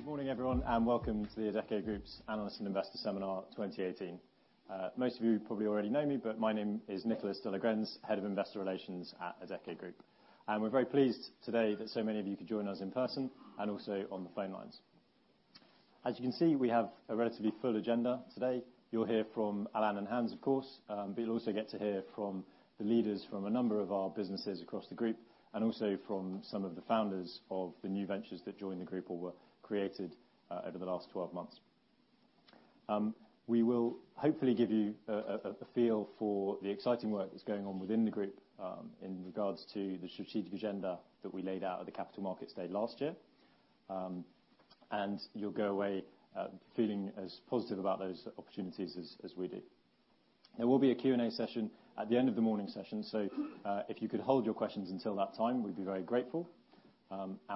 Good morning, everyone, and welcome to the Adecco Group's Analyst and Investor Seminar 2018. Most of you probably already know me. My name is Nicholas de la Grense, Head of Investor Relations at Adecco Group. We're very pleased today that so many of you could join us in person and also on the phone lines. As you can see, we have a relatively full agenda today. You'll hear from Alain and Hans, of course. You'll also get to hear from the leaders from a number of our businesses across the group, also from some of the founders of the new ventures that joined the group or were created over the last 12 months. We will hopefully give you a feel for the exciting work that's going on within the group in regards to the strategic agenda that we laid out at the Capital Markets Day last year. You'll go away feeling as positive about those opportunities as we do. There will be a Q&A session at the end of the morning session. If you could hold your questions until that time, we'd be very grateful.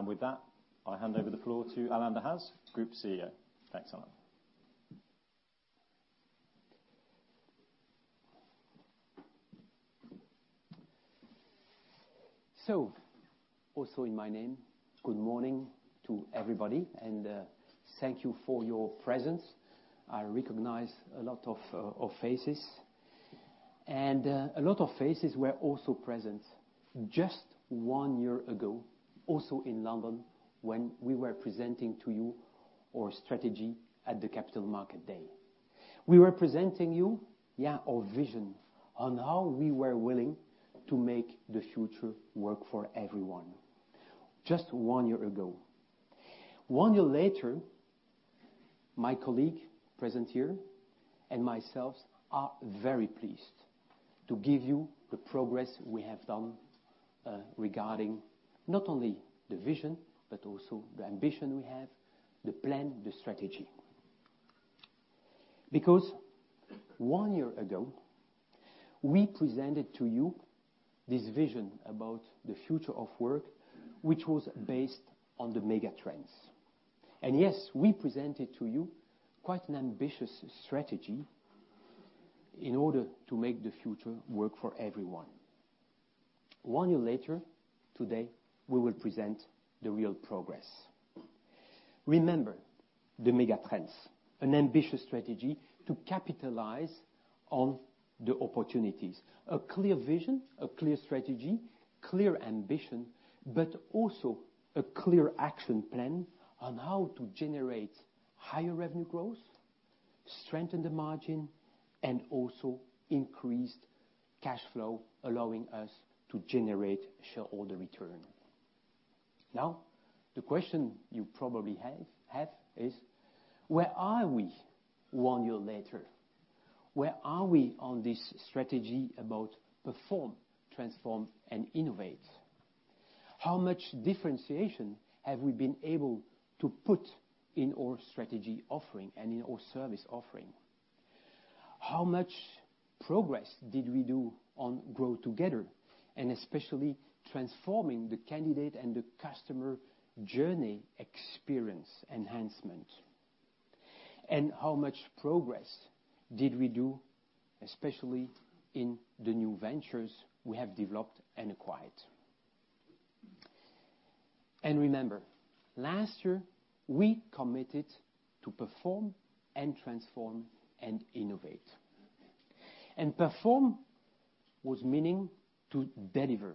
With that, I hand over the floor to Alain Dehaze, Group CEO. Thanks, Alain. Also in my name, good morning to everybody, and thank you for your presence. I recognize a lot of faces. A lot of faces were also present just one year ago, also in London, when we were presenting to you our strategy at the Capital Markets Day. We were presenting you our vision on how we were willing to make the future work for everyone just one year ago. One year later, my colleague present here and myself are very pleased to give you the progress we have done, regarding not only the vision, also the ambition we have, the plan, the strategy. Because one year ago, we presented to you this vision about the future of work, which was based on the mega trends. Yes, we presented to you quite an ambitious strategy in order to make the future work for everyone. One year later, today, we will present the real progress. Remember, the mega trends, an ambitious strategy to capitalize on the opportunities. A clear vision, a clear strategy, clear ambition, also a clear action plan on how to generate higher revenue growth, strengthen the margin, also increase cash flow, allowing us to generate shareholder return. Now, the question you probably have is: Where are we one year later? Where are we on this strategy about perform, transform, and innovate? How much differentiation have we been able to put in our strategy offering and in our service offering? How much progress did we do on Grow Together, especially transforming the candidate and the customer journey experience enhancement? How much progress did we do, especially in the new ventures we have developed and acquired? Remember, last year, we committed to perform and transform and innovate. Perform was meaning to deliver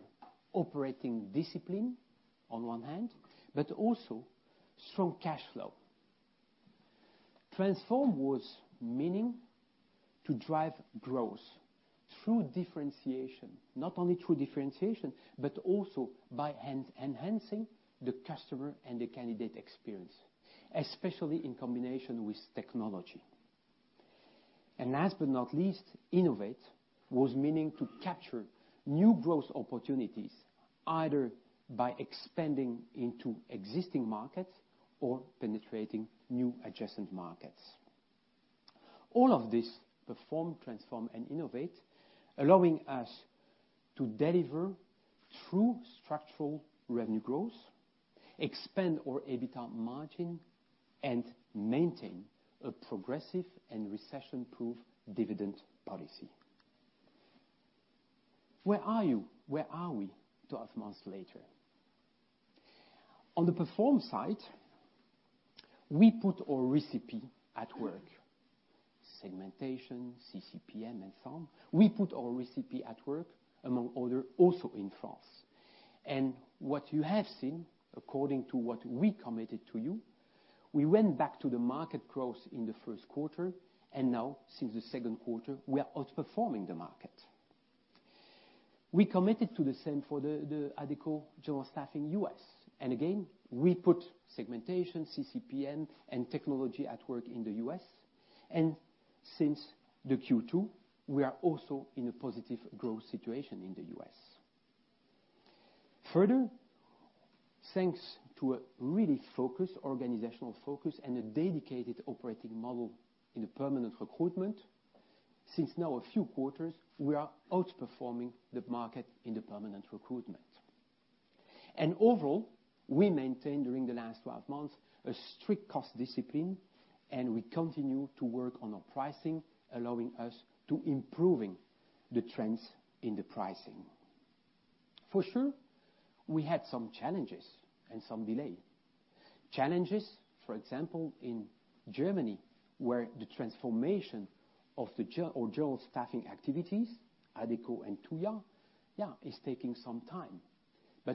operating discipline on one hand, but also strong cash flow. Transform was meaning to drive growth through differentiation. Not only through differentiation, but also by enhancing the customer and the candidate experience, especially in combination with technology. Last but not least, Innovate was meaning to capture new growth opportunities, either by expanding into existing markets or penetrating new adjacent markets. All of this Perform, Transform, and Innovate, allowing us to deliver true structural revenue growth, expand our EBITDA margin, and maintain a progressive and recession-proof dividend policy. Where are you? Where are we 12 months later? On the Perform side, we put our recipe at work. Segmentation, CCPM, and so on. We put our recipe at work among other, also in France. What you have seen, according to what we committed to you, we went back to the market growth in the first quarter, now since the second quarter, we are outperforming the market. We committed to the same for the Adecco General Staffing U.S. Again, we put segmentation, CCPM, and technology at work in the U.S. Since the Q2, we are also in a positive growth situation in the U.S. Further, thanks to a really organizational focus and a dedicated operating model in the permanent recruitment, since now a few quarters, we are outperforming the market in the permanent recruitment. Overall, we maintained during the last 12 months a strict cost discipline, and we continue to work on our pricing, allowing us to improving the trends in the pricing. For sure, we had some challenges and some delay. Challenges, for example, in Germany, where the transformation of general staffing activities, Adecco and Tuja, is taking some time.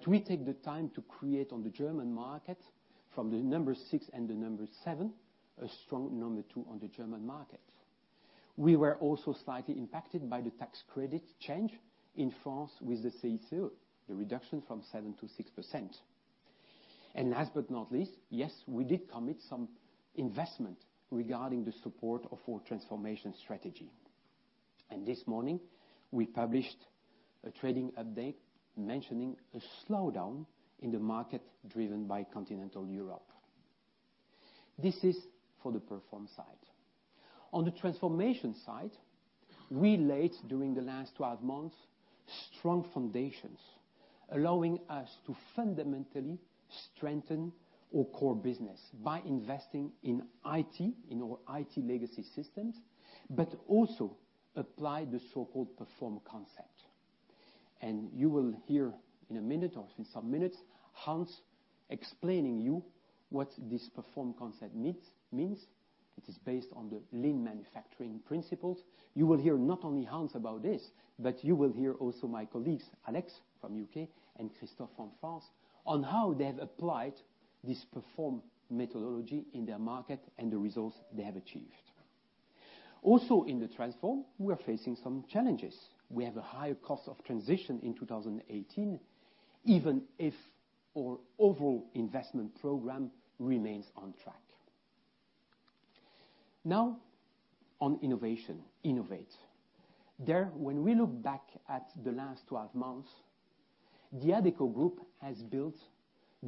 We take the time to create on the German market from the number 6 and the number 7, a strong number 2 on the German market. We were also slightly impacted by the tax credit change in France with the CICE, the reduction from 7% to 6%. Last but not least, yes, we did commit some investment regarding the support of our transformation strategy. This morning, we published a trading update mentioning a slowdown in the market driven by Continental Europe. This is for the Perform side. On the transformation side, we laid, during the last 12 months, strong foundations allowing us to fundamentally strengthen our core business by investing in IT, in our IT legacy systems, but also apply the so-called Perform concept. You will hear in a minute or in some minutes, Hans explaining to you what this Perform concept means. It is based on the lean manufacturing principles. You will hear not only Hans about this, but you will hear also my colleagues, Alex from U.K. and Christophe from France on how they have applied this Perform methodology in their market and the results they have achieved. Also in the Transform, we are facing some challenges. We have a higher cost of transition in 2018, even if our overall investment program remains on track. Now on innovation, Innovate. There, when we look back at the last 12 months, the Adecco Group has built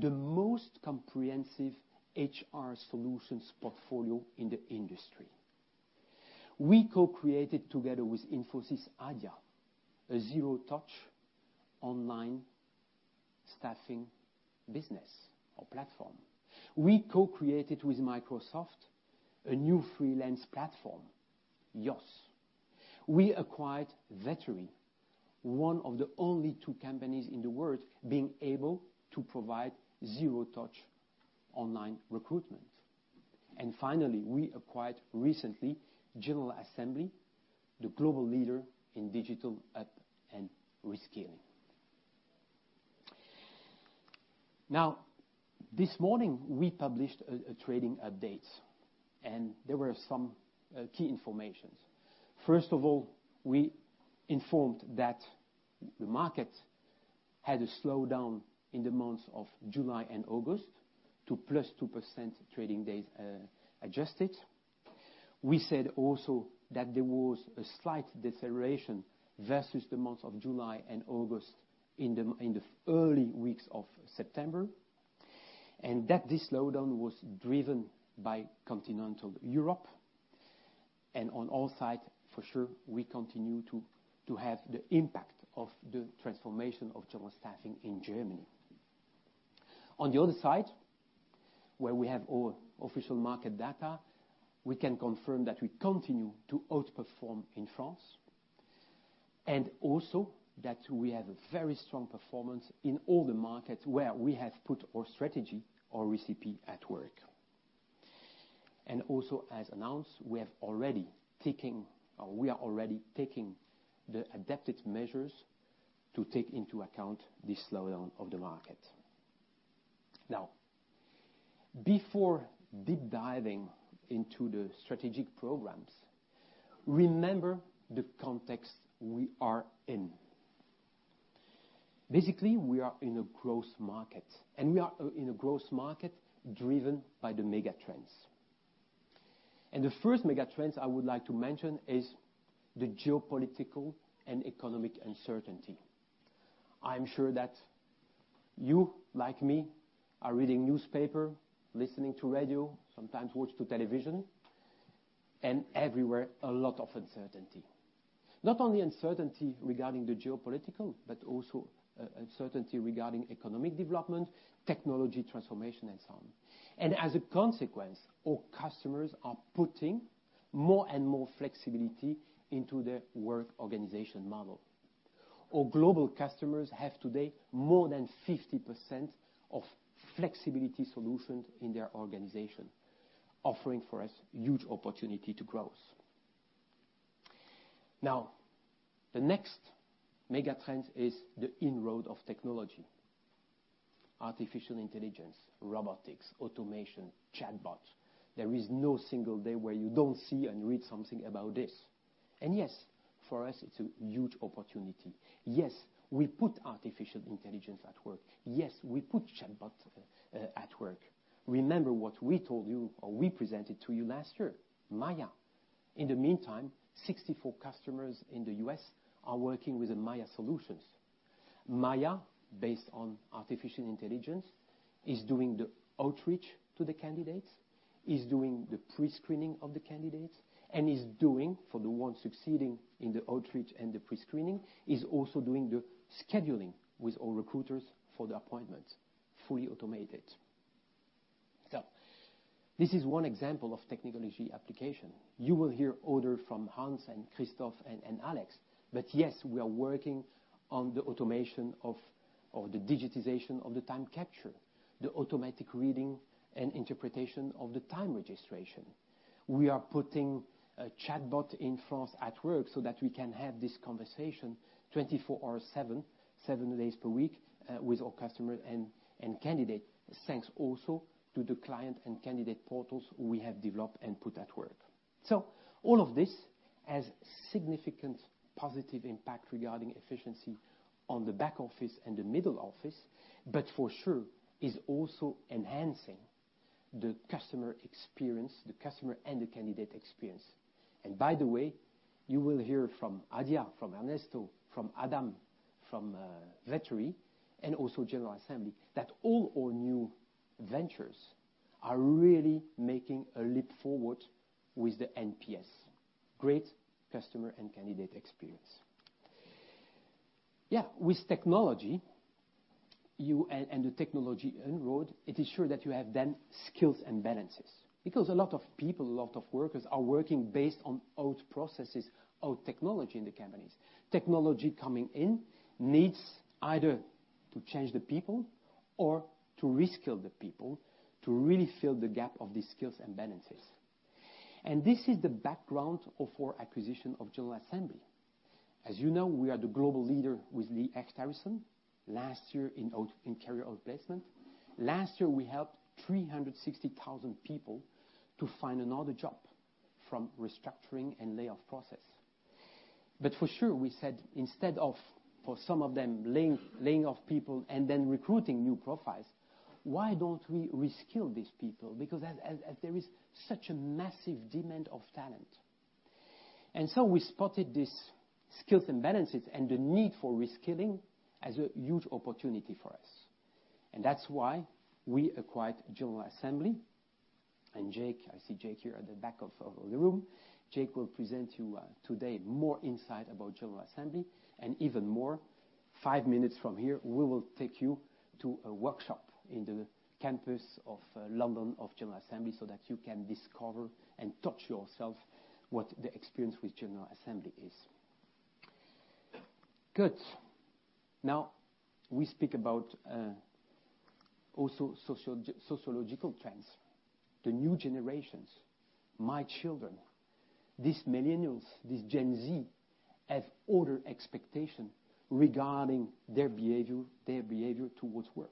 the most comprehensive HR solutions portfolio in the industry. We co-created together with Infosys, Adia, a zero touch online staffing business or platform. We co-created with Microsoft a new freelance platform, YOSS. We acquired Vettery, one of the only two companies in the world being able to provide zero touch online recruitment. Finally, we acquired recently General Assembly, the global leader in digital ed and reskilling. This morning, we published trading updates, and there were some key information. First of all, we informed that the market had a slowdown in the months of July and August to +2% trading days adjusted. We said that there was a slight deceleration versus the months of July and August in the early weeks of September, and that this slowdown was driven by Continental Europe. On our side, for sure, we continue to have the impact of the transformation of general staffing in Germany. On the other side, where we have our official market data, we can confirm that we continue to outperform in France. Also that we have a very strong performance in all the markets where we have put our strategy, our recipe at work. Also, as announced, we are already taking the adapted measures to take into account this slowdown of the market. Before deep diving into the strategic programs, remember the context we are in. We are in a growth market, and we are in a growth market driven by the mega trends. The first mega trends I would like to mention is the geopolitical and economic uncertainty. I am sure that you, like me, are reading newspapers, listening to radio, sometimes watching television, and everywhere, a lot of uncertainty. Not only uncertainty regarding the geopolitical, but also uncertainty regarding economic development, technology transformation, and so on. As a consequence, our customers are putting more and more flexibility into their work organization model. Our global customers have today more than 50% of flexibility solutions in their organization, offering for us huge opportunity to growth. The next mega trend is the inroad of technology. Artificial intelligence, robotics, automation, chatbot. There is no single day where you don't see and read something about this. Yes, for us, it's a huge opportunity. Yes, we put artificial intelligence at work. Yes, we put chatbot at work. Remember what we told you or we presented to you last year, Mya. In the meantime, 64 customers in the U.S. are working with the Mya solutions. Mya, based on artificial intelligence, is doing the outreach to the candidates, is doing the pre-screening of the candidates, and is doing, for the ones succeeding in the outreach and the pre-screening, is also doing the scheduling with our recruiters for the appointments, fully automated. This is one example of technology application. You will hear other from Hans and Christophe and Alex. Yes, we are working on the automation of the digitization of the time capture, the automatic reading and interpretation of the time registration. We are putting a chatbot in France at work so that we can have this conversation 24/7, seven days per week, with our customer and candidate. Thanks also to the client and candidate portals we have developed and put at work. All of this has significant positive impact regarding efficiency on the back office and the middle office, but for sure is also enhancing the customer experience, the customer and the candidate experience. By the way, you will hear from Adia, from Ernesto, from Adam, from Vettery, and also General Assembly, that all our new ventures are really making a leap forward with the NPS. Great customer and candidate experience. With technology and the technology on road, it is sure that you have then skills imbalances, because a lot of people, a lot of workers are working based on old processes, old technology in the companies. Technology coming in needs either to change the people or to reskill the people to really fill the gap of these skills imbalances. This is the background of our acquisition of General Assembly. As you know, we are the global leader with Lee Hecht Harrison last year in career outplacement. Last year, we helped 360,000 people to find another job from restructuring and layoff process. For sure, we said instead of, for some of them, laying off people and then recruiting new profiles, why don't we reskill these people? As there is such a massive demand of talent. We spotted these skills imbalances and the need for reskilling as a huge opportunity for us. That's why we acquired General Assembly. Jake, I see Jake here at the back of the room. Jake will present you today more insight about General Assembly and even more, five minutes from here, we will take you to a workshop in the campus of London of General Assembly so that you can discover and touch yourself what the experience with General Assembly is. We speak about also sociological trends. The new generations, my children, these millennials, these Gen Z, have other expectation regarding their behavior towards work.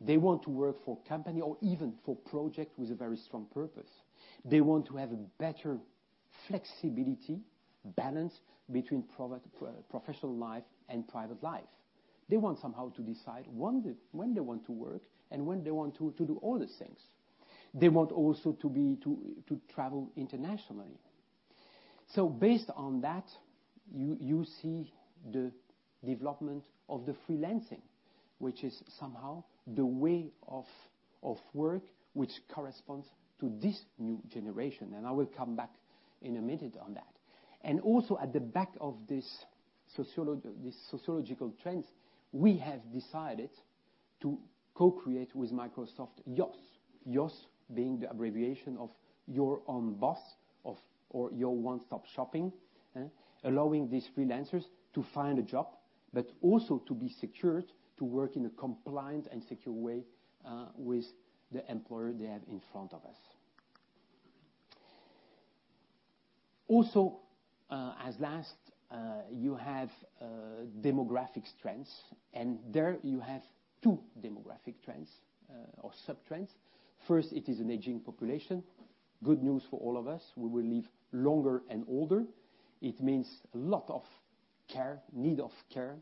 They want to work for company or even for project with a very strong purpose. They want to have better flexibility, balance between professional life and private life. They want somehow to decide when they want to work and when they want to do other things. They want also to travel internationally. Based on that, you see the development of the freelancing, which is somehow the way of work which corresponds to this new generation. I will come back in a minute on that. Also at the back of these sociological trends, we have decided to co-create with Microsoft, YOSS. YOSS being the abbreviation of Your Own Boss or Your One Stop Shop, allowing these freelancers to find a job, but also to be secured to work in a compliant and secure way with the employer they have in front of us. As last, you have demographics trends, and there you have two demographic trends or sub-trends. First, it is an aging population. Good news for all of us. We will live longer and older. It means a lot of care, need of care,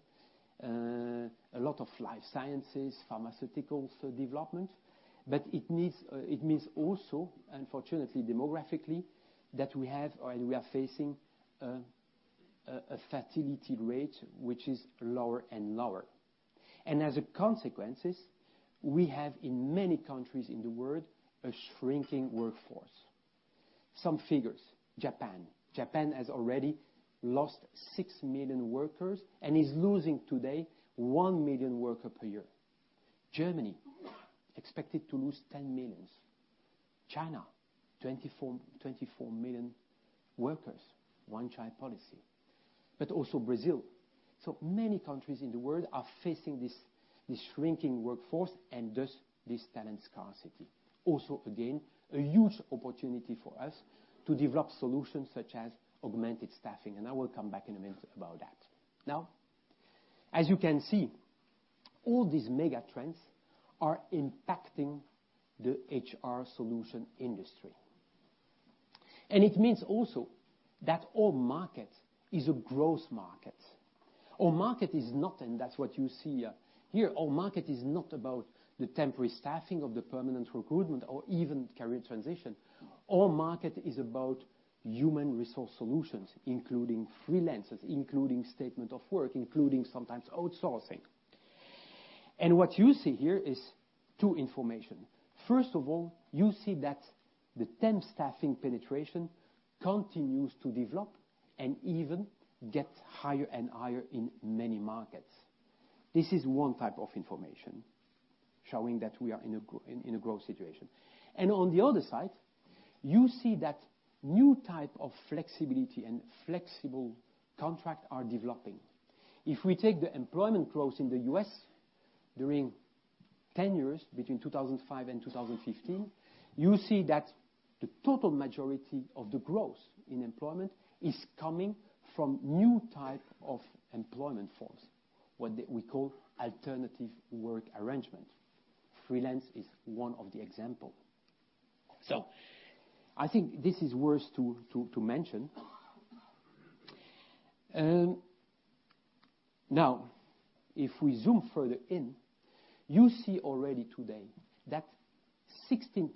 a lot of life sciences, pharmaceuticals development. It means also, unfortunately, demographically, that we have or we are facing a fertility rate which is lower and lower. As a consequences, we have in many countries in the world a shrinking workforce. Some figures, Japan. Japan has already lost six million workers and is losing today one million worker per year. Germany expected to lose 10 millions. China, 24 million workers, one-child policy. Brazil. Many countries in the world are facing this shrinking workforce and thus this talent scarcity. Again, a huge opportunity for us to develop solutions such as augmented staffing, I will come back in a minute about that. As you can see, all these mega trends are impacting the HR solution industry. It means also that our market is a growth market. Our market is not, and that's what you see here, our market is not about the temporary staffing or the permanent recruitment or even career transition. Our market is about human resource solutions, including freelancers, including statement of work, including sometimes outsourcing. What you see here is two information. First of all, you see that the temp staffing penetration continues to develop and even gets higher and higher in many markets. This is one type of information showing that we are in a growth situation. On the other side, you see that new type of flexibility and flexible contract are developing. If we take the employment growth in the U.S. during 10 years between 2005 and 2015, you see that the total majority of the growth in employment is coming from new type of employment forms, what we call alternative work arrangement. Freelance is one of the example. I think this is worth to mention. If we zoom further in, you see already today that 16%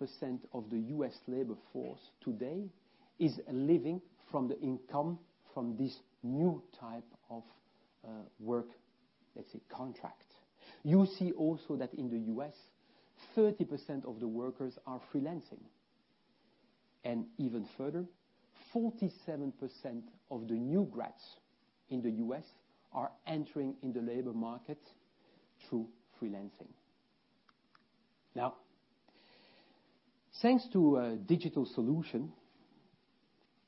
of the U.S. labor force today is living from the income from this new type of work, let's say contract. You see also that in the U.S., 30% of the workers are freelancing. Even further, 47% of the new grads in the U.S. are entering in the labor market through freelancing. Thanks to a digital solution,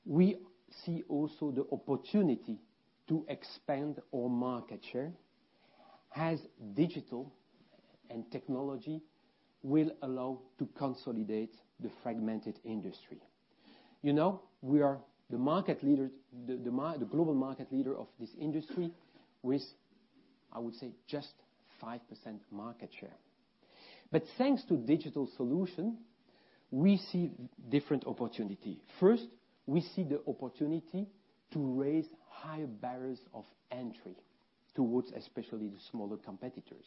we see also the opportunity to expand our market share as digital and technology will allow to consolidate the fragmented industry. You know, we are the global market leader of this industry with, I would say, just 5% market share. Thanks to digital solution, we see different opportunity. First, we see the opportunity to raise higher barriers of entry towards especially the smaller competitors.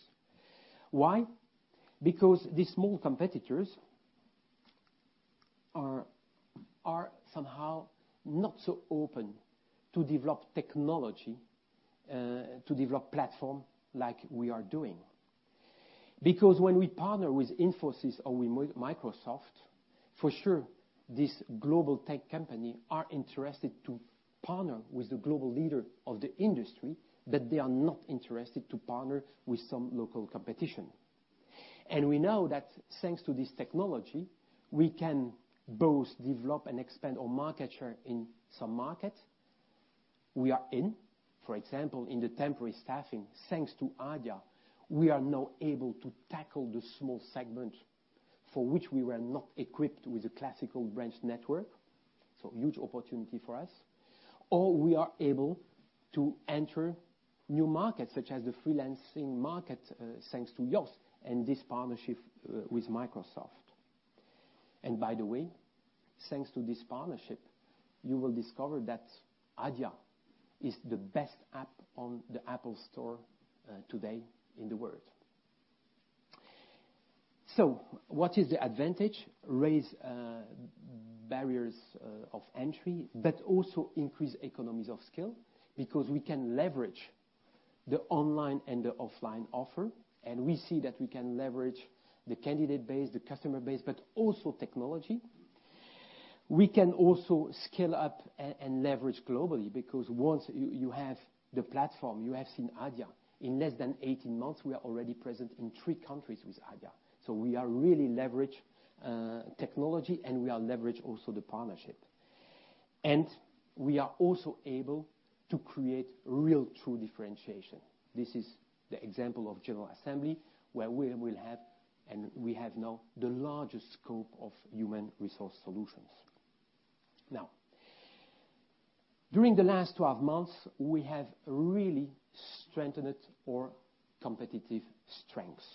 Why? Because the small competitors are somehow not so open to develop technology, to develop platform like we are doing. Because when we partner with Infosys or with Microsoft, for sure, this global tech company are interested to partner with the global leader of the industry, but they are not interested to partner with some local competition. We know that thanks to this technology, we can both develop and expand our market share in some market we are in. For example, in the temporary staffing, thanks to Adia, we are now able to tackle the small segment for which we were not equipped with a classical branch network. Huge opportunity for us. We are able to enter new markets such as the freelancing market, thanks to YOSS and this partnership with Microsoft. By the way, thanks to this partnership, you will discover that Adia is the best app on the Apple Store today in the world. What is the advantage? Raise barriers of entry, but also increase economies of scale because we can leverage the online and the offline offer, we see that we can leverage the candidate base, the customer base, but also technology. We can also scale up and leverage globally because once you have the platform, you have seen Adia. In less than 18 months, we are already present in three countries with Adia. We really leverage technology and we leverage also the partnership. We are also able to create real true differentiation. This is the example of General Assembly, where we have now the largest scope of human resource solutions. Now, during the last 12 months, we have really strengthened our competitive strengths.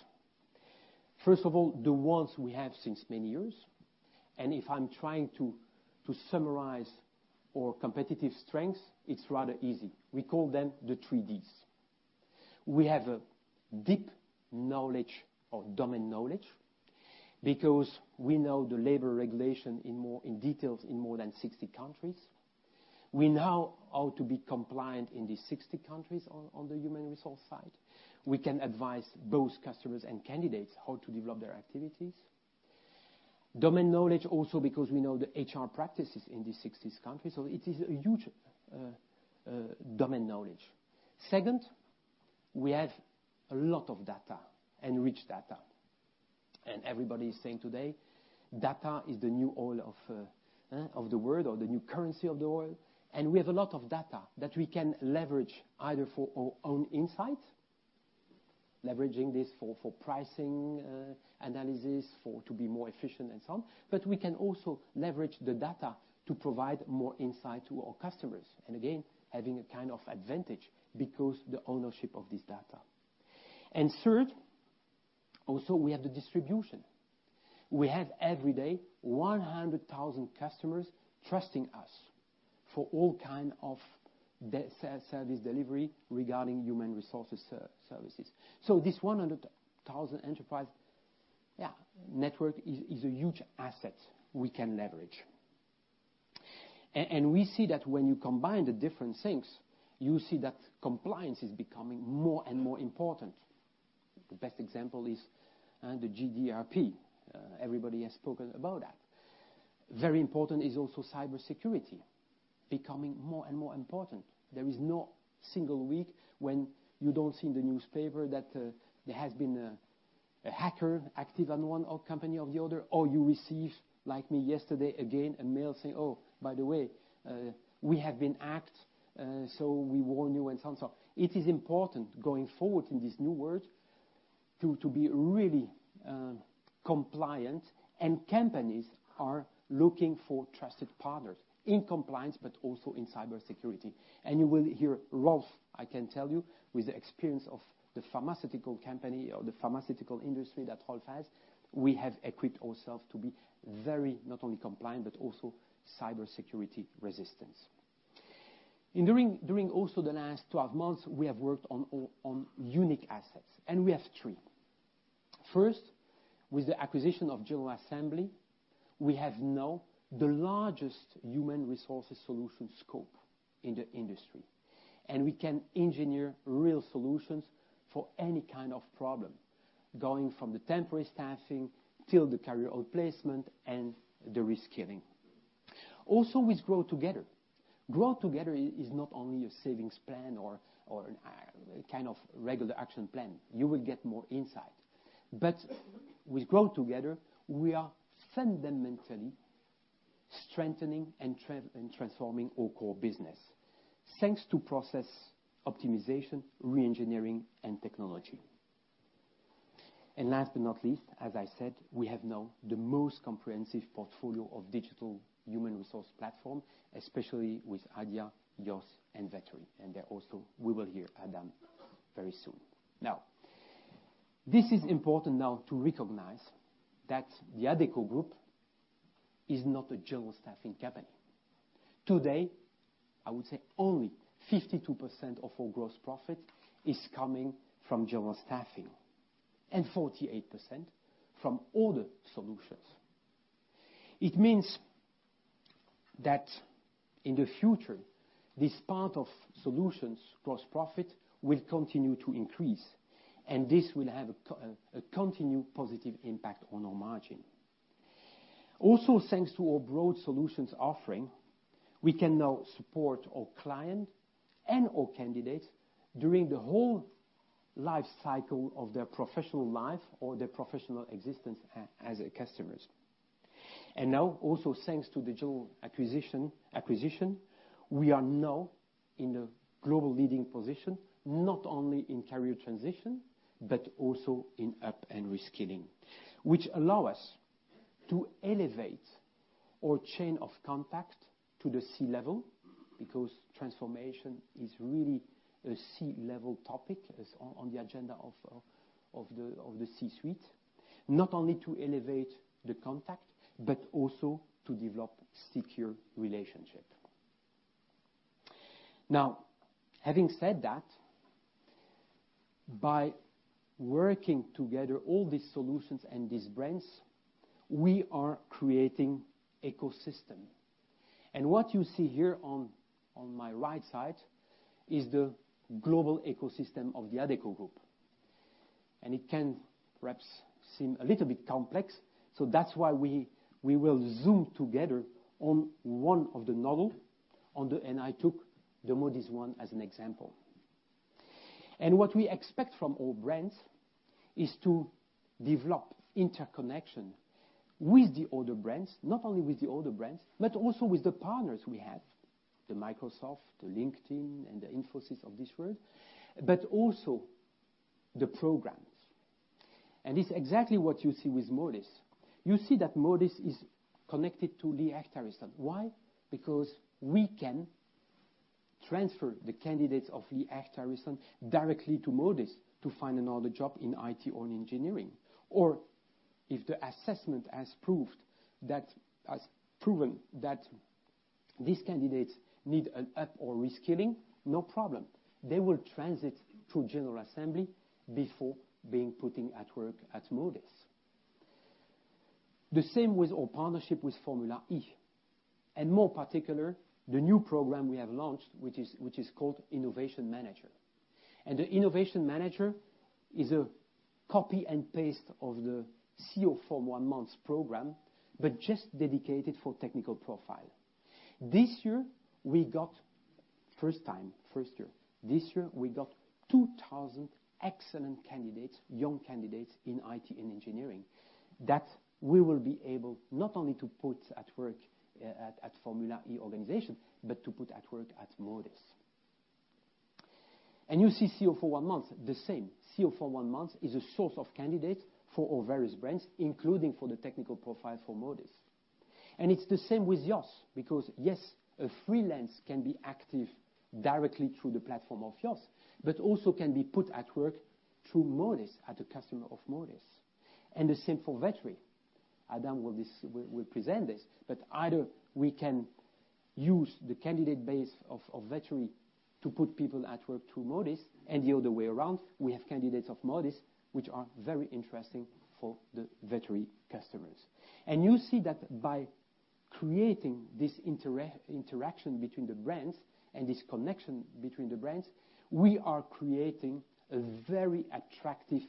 First of all, the ones we have since many years. If I'm trying to summarize our competitive strengths, it's rather easy. We call them the three Ds. We have a deep knowledge or domain knowledge because we know the labor regulation in details in more than 60 countries. We know how to be compliant in these 60 countries on the human resource side. We can advise both customers and candidates how to develop their activities. Domain knowledge also because we know the HR practices in these 60 countries. It is a huge domain knowledge. Second, we have a lot of data and rich data. Everybody is saying today, data is the new oil of the world or the new currency of the world. We have a lot of data that we can leverage either for our own insights, leveraging this for pricing analysis to be more efficient and so on. We can also leverage the data to provide more insight to our customers. Again, having a kind of advantage because the ownership of this data. Third, also we have the distribution. We have every day 100,000 customers trusting us for all kind of service delivery regarding human resources services. This 100,000 enterprise network is a huge asset we can leverage. We see that when you combine the different things, you see that compliance is becoming more and more important. The best example is the GDPR. Everybody has spoken about that. Very important is also cybersecurity, becoming more and more important. There is no single week when you don't see in the newspaper that there has been a hacker active on one company or the other, or you receive, like me yesterday again, a mail saying, "Oh, by the way, we have been hacked, so we warn you," and so on. It is important going forward in this new world to be really compliant, and companies are looking for trusted partners in compliance, but also in cybersecurity. You will hear Rolf, I can tell you, with the experience of the pharmaceutical company or the pharmaceutical industry that Rolf has, we have equipped ourselves to be very not only compliant, but also cybersecurity resistant. During also the last 12 months, we have worked on unique assets, and we have three. First, with the acquisition of General Assembly, we have now the largest human resources solution scope in the industry, and we can engineer real solutions for any kind of problem, going from the temporary staffing till the career outplacement and the reskilling. Also with Grow Together. Grow Together is not only a savings plan or a kind of regular action plan. You will get more insight. With Grow Together, we are fundamentally strengthening and transforming our core business thanks to process optimization, re-engineering, and technology. Last but not least, as I said, we have now the most comprehensive portfolio of digital human resource platform, especially with Adia, YOSS, and Vettery. Also we will hear Adam very soon. This is important now to recognize that the Adecco Group is not a general staffing company. Today, I would say only 52% of our gross profit is coming from general staffing and 48% from other solutions. It means that in the future, this part of solutions gross profit will continue to increase, and this will have a continued positive impact on our margin. Thanks to our broad solutions offering, we can now support our client and our candidates during the whole life cycle of their professional life or their professional existence as customers. Now also thanks to the General Assembly acquisition, we are now in a global leading position, not only in career transition, but also in up and reskilling, which allow us to elevate our chain of contact to the C-level, because transformation is really a C-level topic, on the agenda of the C-suite. Not only to elevate the contact, but also to develop secure relationship. Having said that, by working together all these solutions and these brands, we are creating ecosystem. What you see here on my right side is the global ecosystem of the Adecco Group. It can perhaps seem a little bit complex, so that's why we will zoom together on one of the nodes, and I took the Modis one as an example. What we expect from our brands is to develop interconnection with the other brands. Not only with the other brands, but also with the partners we have, the Microsoft, the LinkedIn, and the Infosys of this world, but also the programs. It's exactly what you see with Modis. You see that Modis is connected to Lee Hecht Harrison. Why? Because we can transfer the candidates of Lee Hecht Harrison directly to Modis to find another job in IT or in engineering. Or if the assessment has proven that these candidates need an up or reskilling, no problem. They will transit through General Assembly before being put at work at Modis. The same with our partnership with Formula E, and more particular, the new program we have launched, which is called Innovation Manager. The Innovation Manager is a copy and paste of the CEO for One Month program, but just dedicated for technical profile. This year, we got, first time, first year, this year, we got 2,000 excellent candidates, young candidates in IT and engineering that we will be able not only to put at work at Formula E organization, but to put at work at Modis. You see CEO for One Month, the same. CEO for One Month is a source of candidates for our various brands, including for the technical profile for Modis. It's the same with YOSS, because, yes, a freelance can be active directly through the platform of YOSS, but also can be put at work through Modis at a customer of Modis. The same for Vettery. Adam will present this, but either we can use the candidate base of Vettery to put people at work through Modis, and the other way around, we have candidates of Modis, which are very interesting for the Vettery customers. You see that by creating this interaction between the brands and this connection between the brands, we are creating a very attractive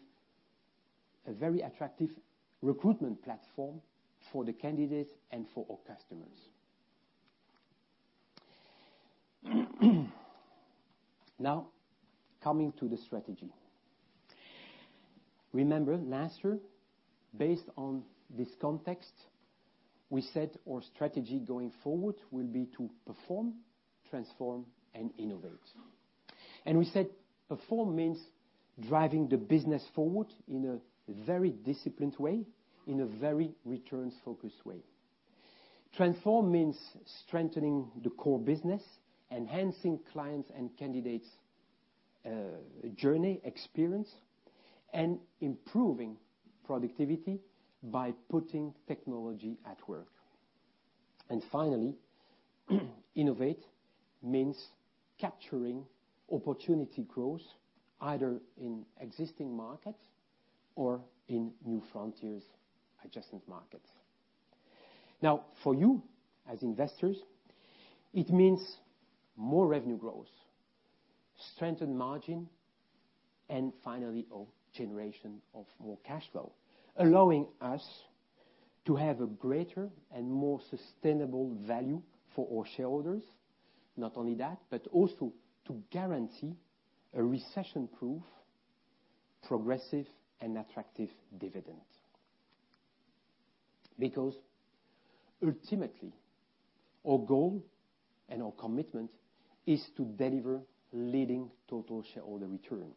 recruitment platform for the candidates and for our customers. Now, coming to the strategy. Remember last year, based on this context, we said our strategy going forward will be to Perform, Transform, and Innovate. We said Perform means driving the business forward in a very disciplined way, in a very returns-focused way. Transform means strengthening the core business, enhancing clients' and candidates' journey, experience, and improving productivity by putting technology at work. Finally, Innovate means capturing opportunity growth, either in existing markets or in new frontiers adjacent markets. Now, for you as investors, it means more revenue growth, strengthened margin, and finally, a generation of more cash flow, allow us to have a greater and more sustainable value for our shareholders. Not only that, but also to guarantee a recession-proof progressive and attractive dividend. Because ultimately, our goal and our commitment is to deliver leading total shareholder return.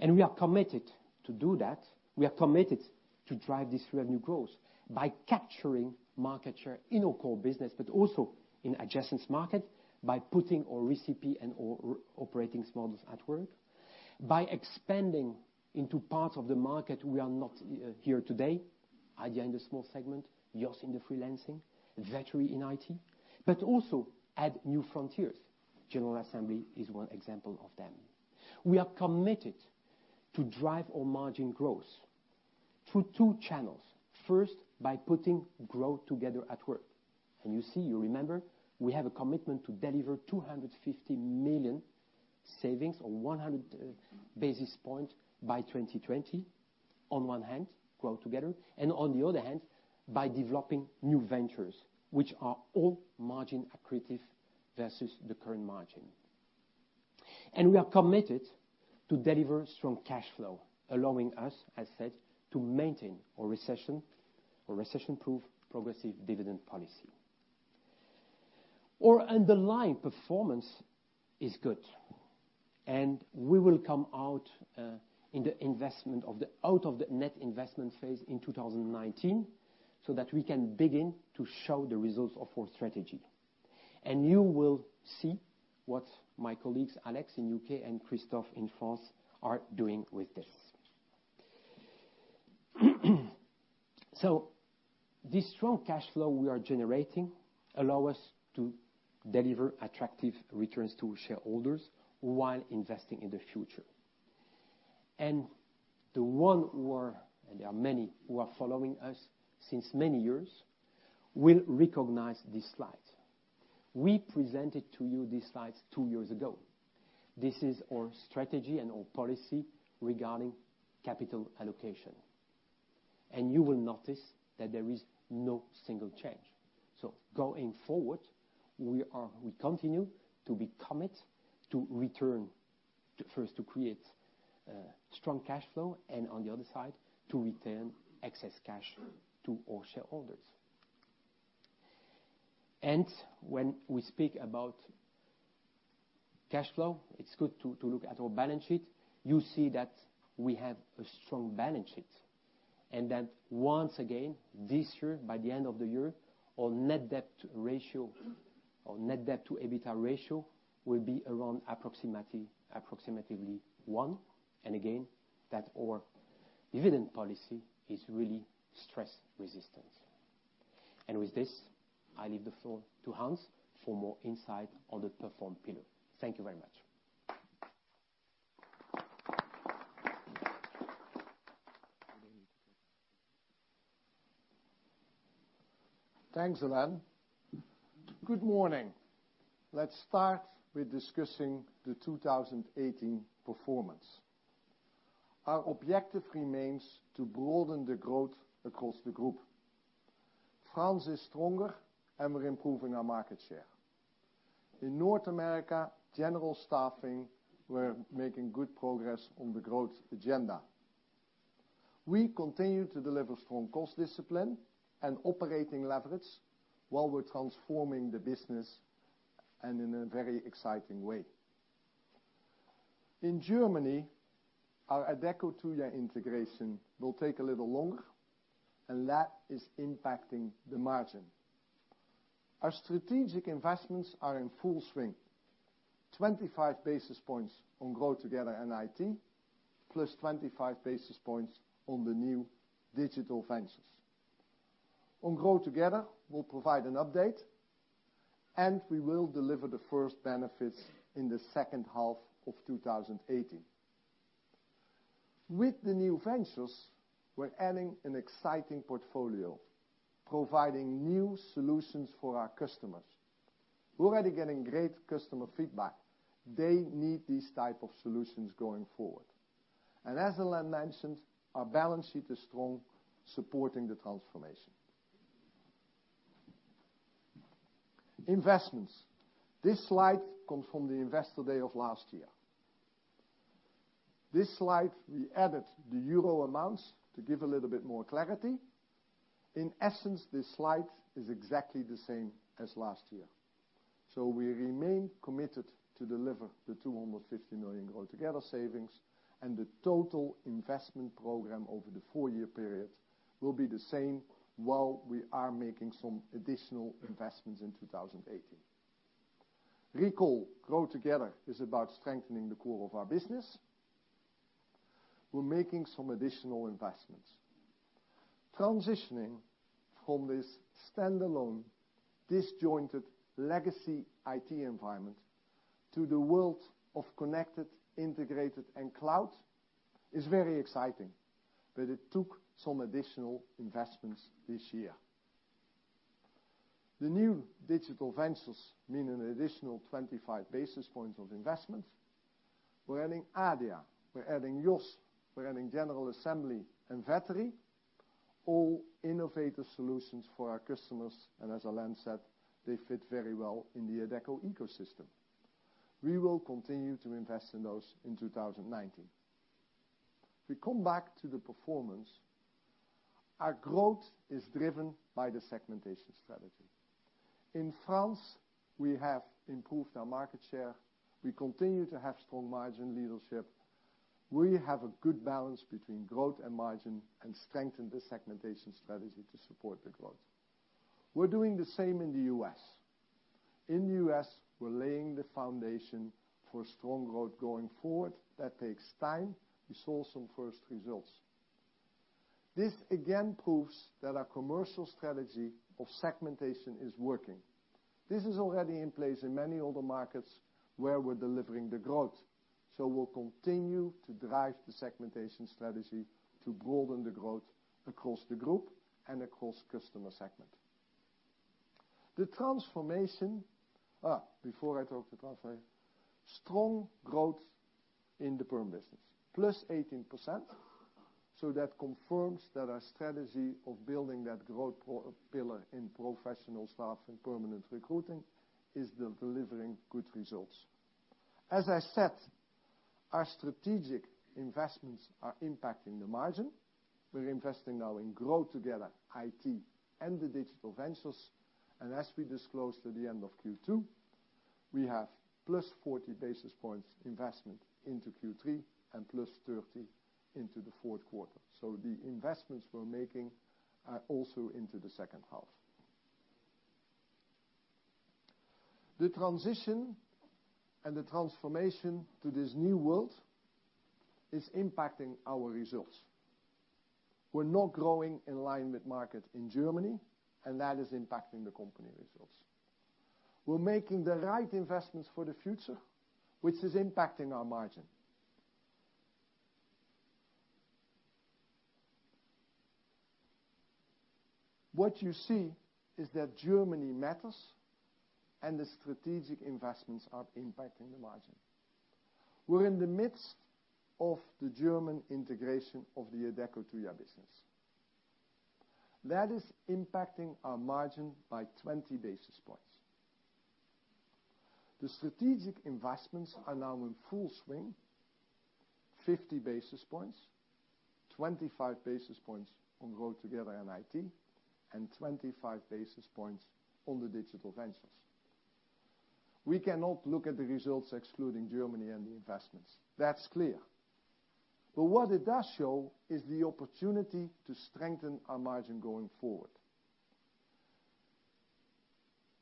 We are committed to do that. We are committed to drive this revenue growth by capturing market share in our core business, but also in adjacent market by putting our recipe and our operating models at work, by expanding into parts of the market we are not here today, Adia in the small segment, YOSS in the freelancing, Vettery in IT, but also add new frontiers. General Assembly is one example of them. We are committed to drive our margin growth through 2 channels. First, by putting Grow Together at work. You see, you remember, we have a commitment to deliver 250 million savings or 100 basis point by 2020, on one hand, Grow Together, and on the other hand, by developing new ventures, which are all margin accretive versus the current margin. We are committed to deliver strong cash flow, allow us, as said, to maintain our recession-proof progressive dividend policy. Our underlying performance is good, and we will come out of the net investment phase in 2019 so that we can begin to show the results of our strategy. You will see what my colleagues, Alex in the U.K. and Christophe in France, are doing with this. This strong cash flow we are generating allow us to deliver attractive returns to shareholders while investing in the future. The one who are, and there are many, who are following us since many years will recognize this slide. We presented to you these slides 2 years ago. This is our strategy and our policy regarding capital allocation. You will notice that there is no single change. Going forward, we continue to be commit to return, first to create strong cash flow, and on the other side, to return excess cash to our shareholders. When we speak about cash flow, it's good to look at our balance sheet. You see that we have a strong balance sheet, and that once again, this year, by the end of the year, our net debt to EBITDA ratio will be around approximately 1. Again, that our dividend policy is really stress-resistant. With this, I leave the floor to Hans for more insight on the Perform pillar. Thank you very much. Thanks, Alain. Good morning. Let's start with discussing the 2018 performance. Our objective remains to broaden the growth across the group. France is stronger, and we're improving our market share. In North America general staffing, we're making good progress on the growth agenda. We continue to deliver strong cost discipline and operating leverage while we're transforming the business in a very exciting way. In Germany, our Adecco-Tuja integration will take a little longer, and that is impacting the margin. Our strategic investments are in full swing. 25 basis points on Grow Together and IT, +25 basis points on the new digital ventures. On Grow Together, we'll provide an update, and we will deliver the first benefits in the second half of 2018. With the new ventures, we're adding an exciting portfolio, providing new solutions for our customers. We're already getting great customer feedback. They need these type of solutions going forward. As Alain mentioned, our balance sheet is strong, supporting the transformation. Investments. This slide comes from the Investor Day of last year. This slide, we added the euro amounts to give a little bit more clarity. In essence, this slide is exactly the same as last year. We remain committed to deliver the 250 million Grow Together savings, and the total investment program over the four-year period will be the same while we are making some additional investments in 2018. Recall, Grow Together is about strengthening the core of our business. We're making some additional investments. Transitioning from this standalone, disjointed legacy IT environment to the world of connected, integrated, and cloud is very exciting, but it took some additional investments this year. The new digital ventures mean an additional 25 basis points of investment. We're adding Adia, we're adding YOSS, we're adding General Assembly and Vettery, all innovative solutions for our customers, and as Alain said, they fit very well in the Adecco ecosystem. We will continue to invest in those in 2019. If we come back to the performance, our growth is driven by the segmentation strategy. In France, we have improved our market share. We continue to have strong margin leadership. We have a good balance between growth and margin and strengthen the segmentation strategy to support the growth. We're doing the same in the U.S. In the U.S., we're laying the foundation for strong growth going forward. That takes time. We saw some first results. This again proves that our commercial strategy of segmentation is working. This is already in place in many other markets where we're delivering the growth. We'll continue to drive the segmentation strategy to broaden the growth across the group and across customer segment. The transformation, before I talk the transformation, strong growth in the perm business, +18%. That confirms that our strategy of building that growth pillar in professional staff and permanent recruiting is delivering good results. As I said, our strategic investments are impacting the margin. We're investing now in Grow Together, IT, and the digital ventures. As we disclosed at the end of Q2, we have +40 basis points investment into Q3 and +30 into the fourth quarter. The investments we're making are also into the second half. The transition and the transformation to this new world is impacting our results. We're not growing in line with market in Germany, and that is impacting the company results. We're making the right investments for the future, which is impacting our margin. What you see is that Germany matters, and the strategic investments are impacting the margin. We're in the midst of the German integration of the Adecco-Tuja business. That is impacting our margin by 20 basis points. The strategic investments are now in full swing, 50 basis points, 25 basis points on Grow Together and IT, and 25 basis points on the digital ventures. We cannot look at the results excluding Germany and the investments. That's clear. What it does show is the opportunity to strengthen our margin going forward.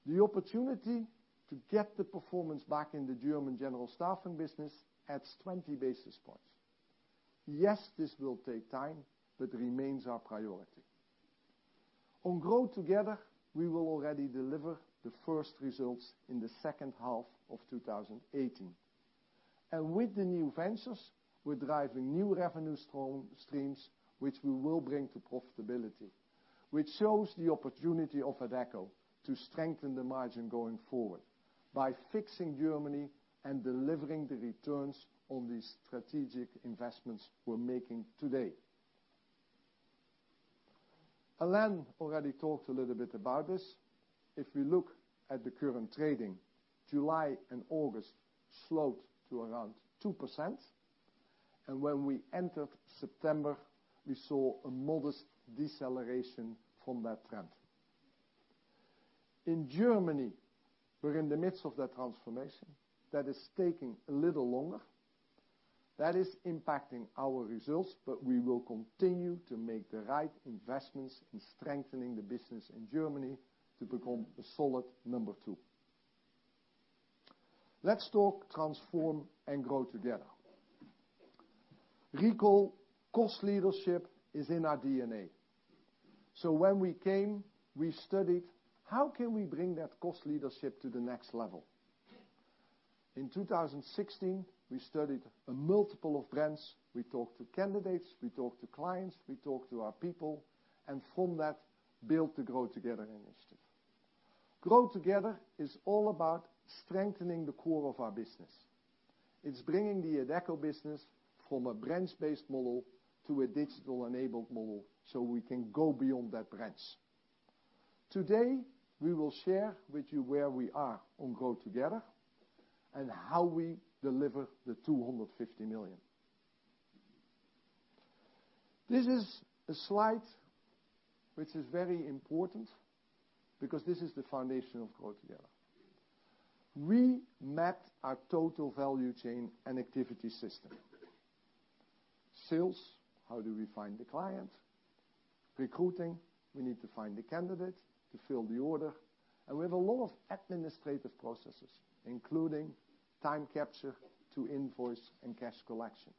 The opportunity to get the performance back in the German general staffing business adds 20 basis points. Yes, this will take time, but remains our priority. On Grow Together, we will already deliver the first results in the second half of 2018. With the new ventures, we're driving new revenue streams, which we will bring to profitability, which shows the opportunity of Adecco to strengthen the margin going forward by fixing Germany and delivering the returns on these strategic investments we're making today. Alain already talked a little bit about this. If we look at the current trading, July and August slowed to around 2%. When we entered September, we saw a modest deceleration from that trend. In Germany, we're in the midst of that transformation. That is taking a little longer. That is impacting our results, but we will continue to make the right investments in strengthening the business in Germany to become a solid number 2. Let's talk transform and Grow Together. Recall, cost leadership is in our DNA. When we came, we studied how can we bring that cost leadership to the next level? In 2016, we studied a multiple of brands. We talked to candidates, we talked to clients, we talked to our people, and from that, built the Grow Together initiative. Grow Together is all about strengthening the core of our business. It's bringing the Adecco business from a brands-based model to a digital-enabled model so we can go beyond that brands. Today, we will share with you where we are on Grow Together and how we deliver the 250 million. This is a slide which is very important, because this is the foundation of Grow Together. We mapped our total value chain and activity system. Sales, how do we find the client? Recruiting, we need to find the candidate to fill the order. We have a lot of administrative processes, including time capture to invoice and cash collection.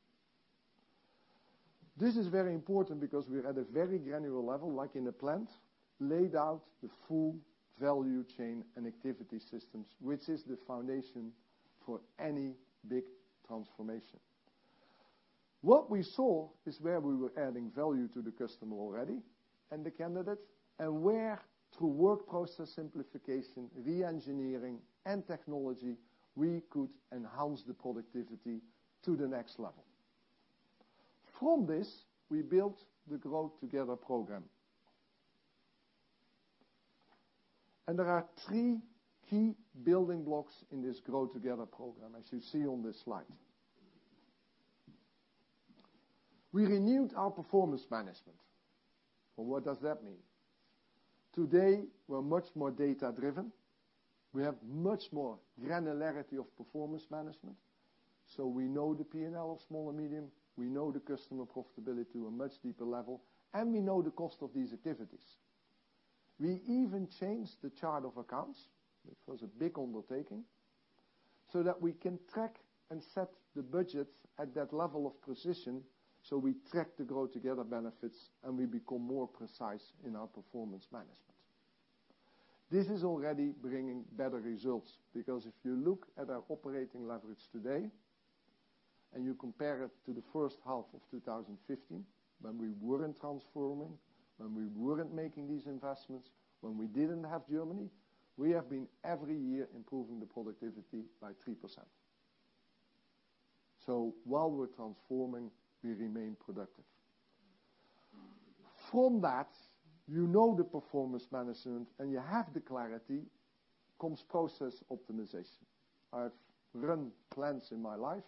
This is very important because we're at a very granular level, like in a plant, laid out the full value chain and activity systems, which is the foundation for any big transformation. What we saw is where we were adding value to the customer already, and the candidate, and where, through work process simplification, re-engineering, and technology, we could enhance the productivity to the next level. From this, we built the Grow Together program. There are three key building blocks in this Grow Together program, as you see on this slide. We renewed our performance management. Well, what does that mean? Today, we're much more data-driven. We have much more granularity of performance management. We know the P&L of small and medium, we know the customer profitability to a much deeper level, and we know the cost of these activities. We even changed the chart of accounts, which was a big undertaking, so that we can track and set the budget at that level of precision, so we track the Grow Together benefits, and we become more precise in our performance management. This is already bringing better results, because if you look at our operating leverage today, and you compare it to the first half of 2015, when we weren't transforming, when we weren't making these investments, when we didn't have Germany, we have been every year improving the productivity by 3%. While we're transforming, we remain productive. From that, you know the performance management, and you have the clarity, comes process optimization. I've run plants in my life,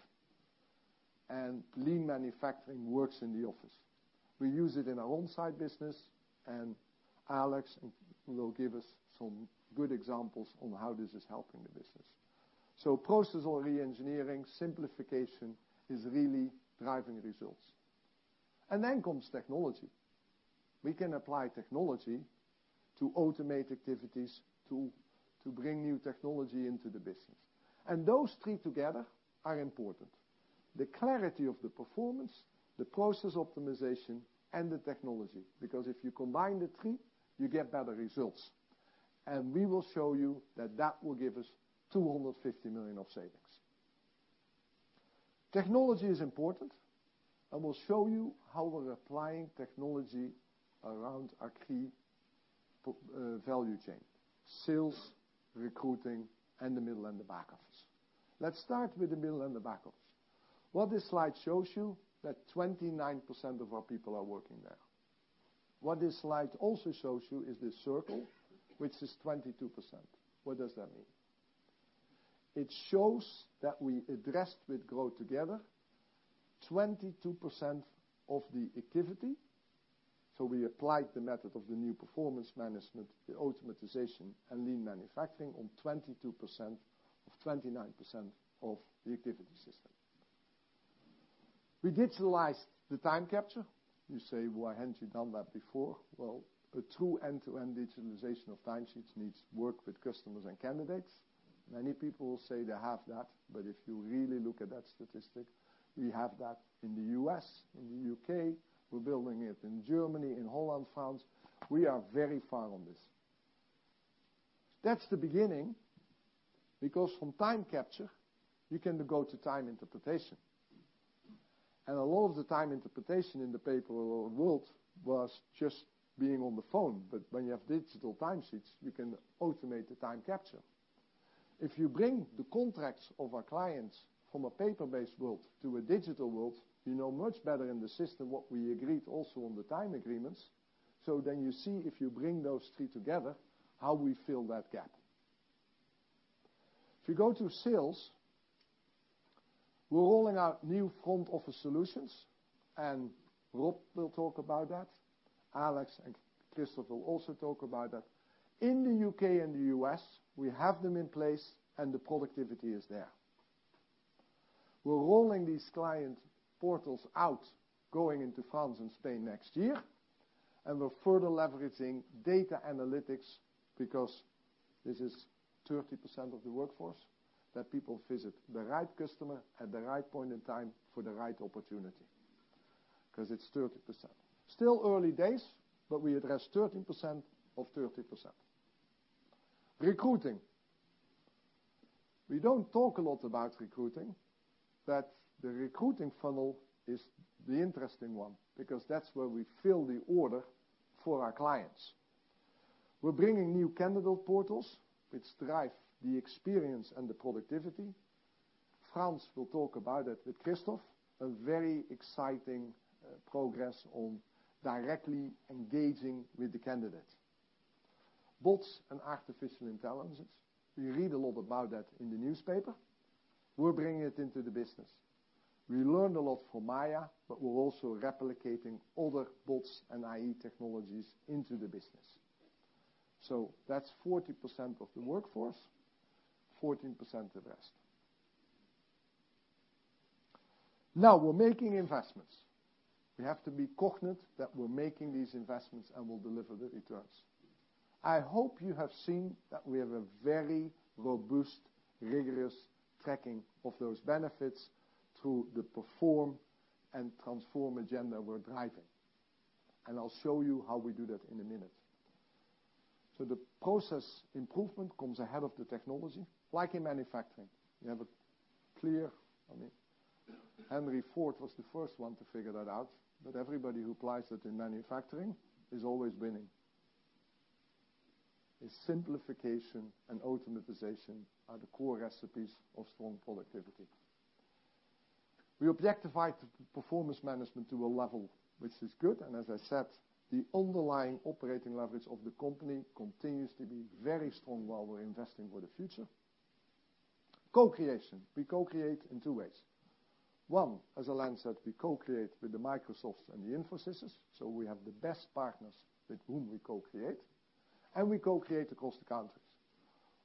and lean manufacturing works in the office. We use it in our onsite business, and Alex will give us some good examples on how this is helping the business. Process re-engineering, simplification is really driving results. Then comes technology. We can apply technology to automate activities, to bring new technology into the business. Those three together are important, the clarity of the performance, the process optimization, and the technology, because if you combine the three, you get better results. We will show you that that will give us 250 million of savings. Technology is important, and we'll show you how we're applying technology around our key value chain, sales, recruiting, and the middle and the back office. Let's start with the middle and the back office. What this slide shows you, that 29% of our people are working there. What this slide also shows you is this circle, which is 22%. What does that mean? It shows that we addressed with Grow Together 22% of the activity. We applied the method of the new performance management, the automatization, and lean manufacturing on 22% of 29% of the activity system. We digitalized the time capture. You say, "Why hadn't you done that before?" Well, a true end-to-end digitalization of time sheets needs work with customers and candidates. Many people will say they have that, but if you really look at that statistic, we have that in the U.S., in the U.K. We're building it in Germany, in Holland, France. We are very far on this. That's the beginning, because from time capture, you can go to time interpretation. A lot of the time interpretation in the paper world was just being on the phone. When you have digital time sheets, you can automate the time capture. If you bring the contracts of our clients from a paper-based world to a digital world, you know much better in the system what we agreed also on the time agreements. You see, if you bring those three together, how we fill that gap. If you go to sales, we're rolling out new front-office solutions. Rob James will talk about that. Alex Fleming and Christophe will also talk about that. In the U.K. and the U.S., we have them in place and the productivity is there. We're rolling these client portals out, going into France and Spain next year. We're further leveraging data analytics because this is 30% of the workforce, that people visit the right customer at the right point in time for the right opportunity. It's 30%. Still early days, but we address 30% of 30%. Recruiting. We don't talk a lot about recruiting, but the recruiting funnel is the interesting one, because that's where we fill the order for our clients. We're bringing new candidate portals which drive the experience and the productivity. Frans will talk about it with Christophe, a very exciting progress on directly engaging with the candidate. Bots and artificial intelligence. We read a lot about that in the newspaper. We're bringing it into the business. We learned a lot from Mya, but we're also replicating other bots and AI technologies into the business. That's 40% of the workforce, 14% addressed. We're making investments. We have to be cognizant that we're making these investments and will deliver the returns. I hope you have seen that we have a very robust, rigorous tracking of those benefits through the PERFORM and transform agenda we're driving. I'll show you how we do that in a minute. The process improvement comes ahead of the technology, like in manufacturing. Henry Ford was the first one to figure that out, but everybody who applies it in manufacturing is always winning. Simplification and automatization are the core recipes of strong productivity. We objectified performance management to a level which is good. As I said, the underlying operating leverage of the company continues to be very strong while we're investing for the future. Co-creation. We co-create in two ways. One, as Alain Dehaze said, we co-create with the Microsofts and the Infosys. We have the best partners with whom we co-create, and we co-create across the countries.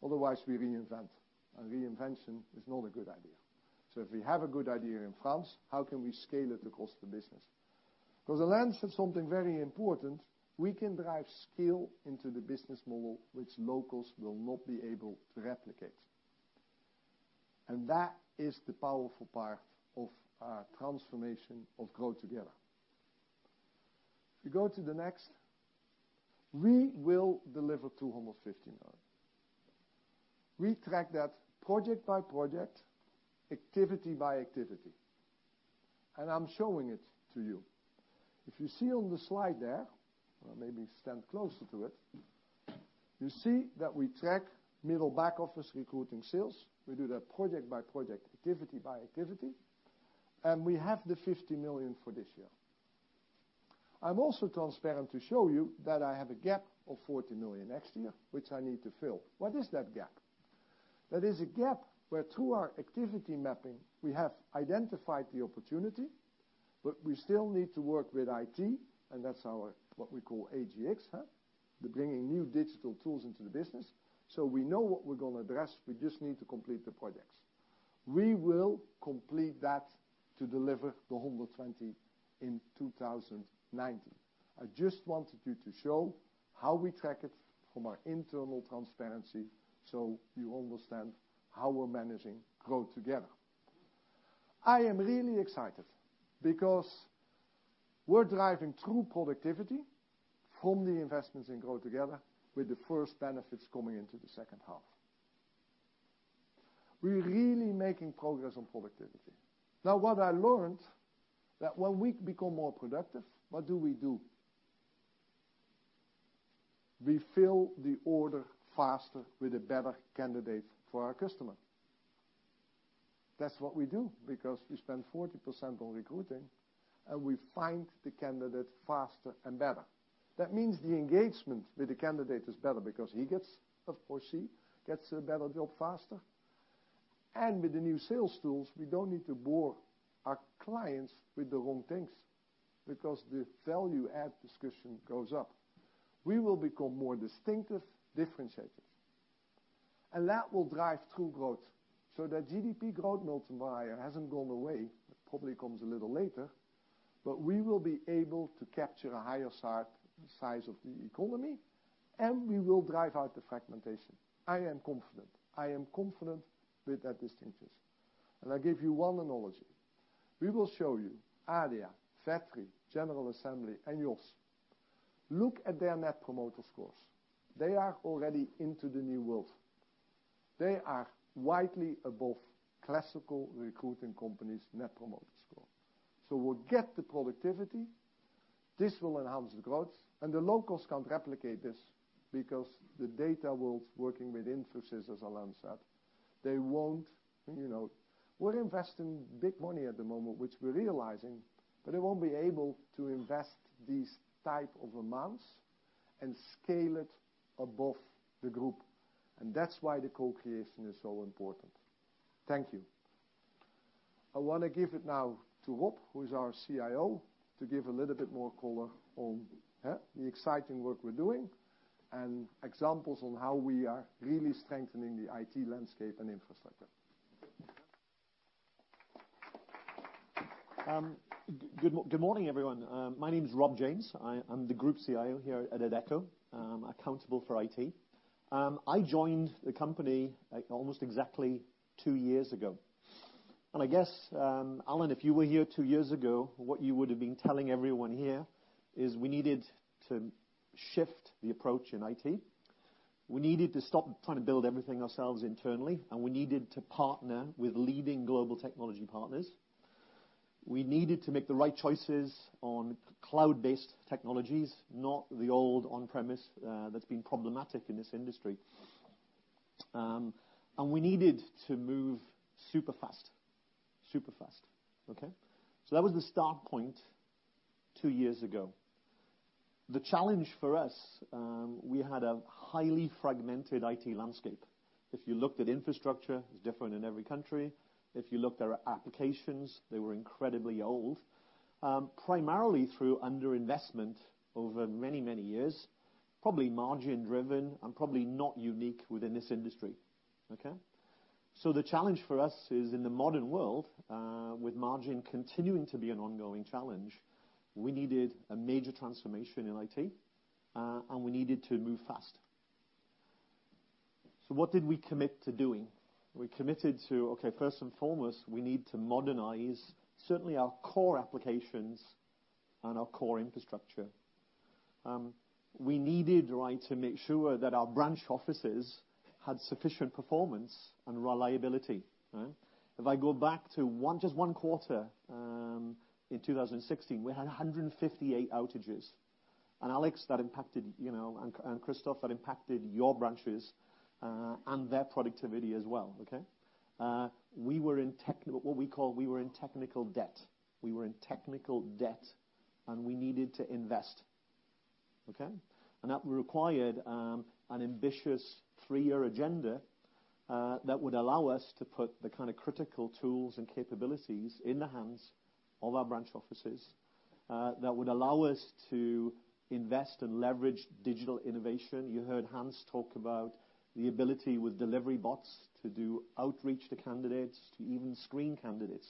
Otherwise, we reinvent, and reinvention is not a good idea. If we have a good idea in France, how can we scale it across the business? Alain Dehaze said something very important, we can drive scale into the business model, which locals will not be able to replicate. That is the powerful part of our transformation of Grow Together. If you go to the next. We will deliver 250 million. We track that project by project, activity by activity. I'm showing it to you. If you see on the slide there, or maybe stand closer to it, you see that we track middle back office recruiting sales. We do that project by project, activity by activity. We have the 50 million for this year. I'm also transparent to show you that I have a gap of 40 million next year, which I need to fill. What is that gap? That is a gap where through our activity mapping, we have identified the opportunity. We still need to work with IT, and that's our what we call AGX. We're bringing new digital tools into the business. We know what we're going to address, we just need to complete the projects. We will complete that to deliver the 120 in 2019. I just wanted you to show how we track it from our internal transparency so you understand how we're managing Grow Together. I am really excited because we're driving true productivity from the investments in Grow Together with the first benefits coming into the second half. We're really making progress on productivity. What I learned, that when we become more productive, what do we do? We fill the order faster with a better candidate for our customer. That's what we do, because we spend 40% on recruiting, we find the candidate faster and better. That means the engagement with the candidate is better because he or she gets a better job faster. With the new sales tools, we don't need to bore our clients with the wrong things because the value add discussion goes up. We will become more distinctive, differentiated. That will drive true growth so that GDP growth multiplier hasn't gone away. It probably comes a little later, we will be able to capture a higher size of the economy, we will drive out the fragmentation. I am confident. I am confident with that distinction. I give you one analogy. We will show you Adia, Vettery, General Assembly, and YOSS. Look at their net promoter scores. They are already into the new world. They are widely above classical recruiting companies' net promoter score. We'll get the productivity. This will enhance the growth. The locals can't replicate this because the data world's working with Infosys, as Alain said. We're investing big money at the moment, which we're realizing, they won't be able to invest these type of amounts and scale it above the group. That's why the co-creation is so important. Thank you. I want to give it now to Rob, who is our CIO, to give a little bit more color on the exciting work we're doing and examples on how we are really strengthening the IT landscape and infrastructure. Good morning, everyone. My name's Rob James. I'm the Group CIO here at Adecco, accountable for IT. I joined the company almost exactly two years ago. I guess, Alain, if you were here two years ago, what you would've been telling everyone here is we needed to shift the approach in IT. We needed to stop trying to build everything ourselves internally, we needed to partner with leading global technology partners. We needed to make the right choices on cloud-based technologies, not the old on-premise that's been problematic in this industry. We needed to move super fast. That was the start point two years ago. The challenge for us, we had a highly fragmented IT landscape. If you looked at infrastructure, it's different in every country. If you looked at our applications, they were incredibly old. Primarily through underinvestment over many, many years, probably margin driven and probably not unique within this industry. The challenge for us is in the modern world, with margin continuing to be an ongoing challenge, we needed a major transformation in IT, and we needed to move fast. What did we commit to doing? We committed to, first and foremost, we need to modernize certainly our core applications and our core infrastructure. We needed to make sure that our branch offices had sufficient performance and reliability. If I go back to just one quarter, in 2016, we had 158 outages. Alex, that impacted you, and Christophe, that impacted your branches, and their productivity as well. We were in technical debt, and we needed to invest. That required an ambitious three-year agenda, that would allow us to put the critical tools and capabilities in the hands of our branch offices, that would allow us to invest and leverage digital innovation. You heard Hans talk about the ability with delivery bots to do outreach to candidates, to even screen candidates.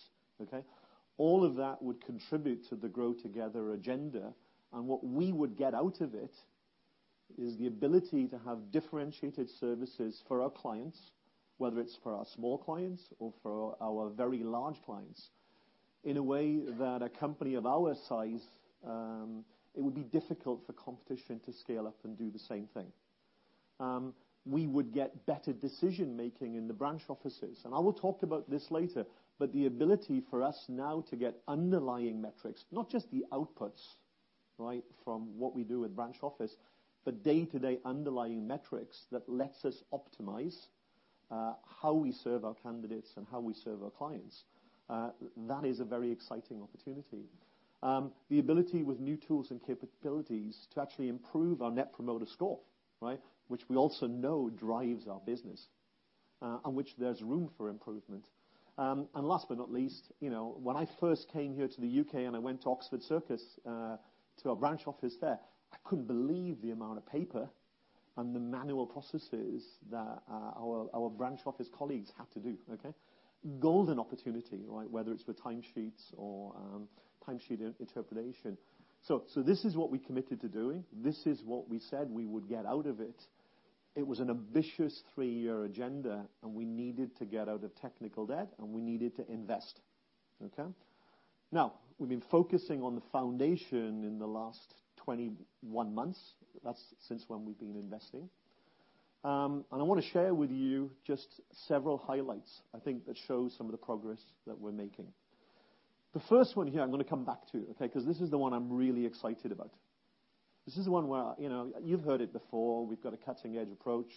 All of that would contribute to the Grow Together agenda. What we would get out of it is the ability to have differentiated services for our clients, whether it's for our small clients or for our very large clients, in a way that a company of our size, it would be difficult for competition to scale up and do the same thing. We would get better decision-making in the branch offices, and I will talk about this later, but the ability for us now to get underlying metrics, not just the outputs from what we do with branch office, but day-to-day underlying metrics that lets us optimize how we serve our candidates and how we serve our clients. That is a very exciting opportunity. The ability with new tools and capabilities to actually improve our net promoter score. Which we also know drives our business, and which there's room for improvement. Last but not least, when I first came here to the U.K. and I went to Oxford Circus, to a branch office there, I couldn't believe the amount of paper and the manual processes that our branch office colleagues had to do. Golden opportunity, whether it's for time sheets or time sheet interpretation. This is what we committed to doing. This is what we said we would get out of it. It was an ambitious three-year agenda, and we needed to get out of technical debt, and we needed to invest. Now, we've been focusing on the foundation in the last 21 months. That's since when we've been investing. I want to share with you just several highlights, I think that shows some of the progress that we're making. The first one here I'm going to come back to, okay? Because this is the one I'm really excited about. This is the one where you've heard it before, we've got a cutting-edge approach,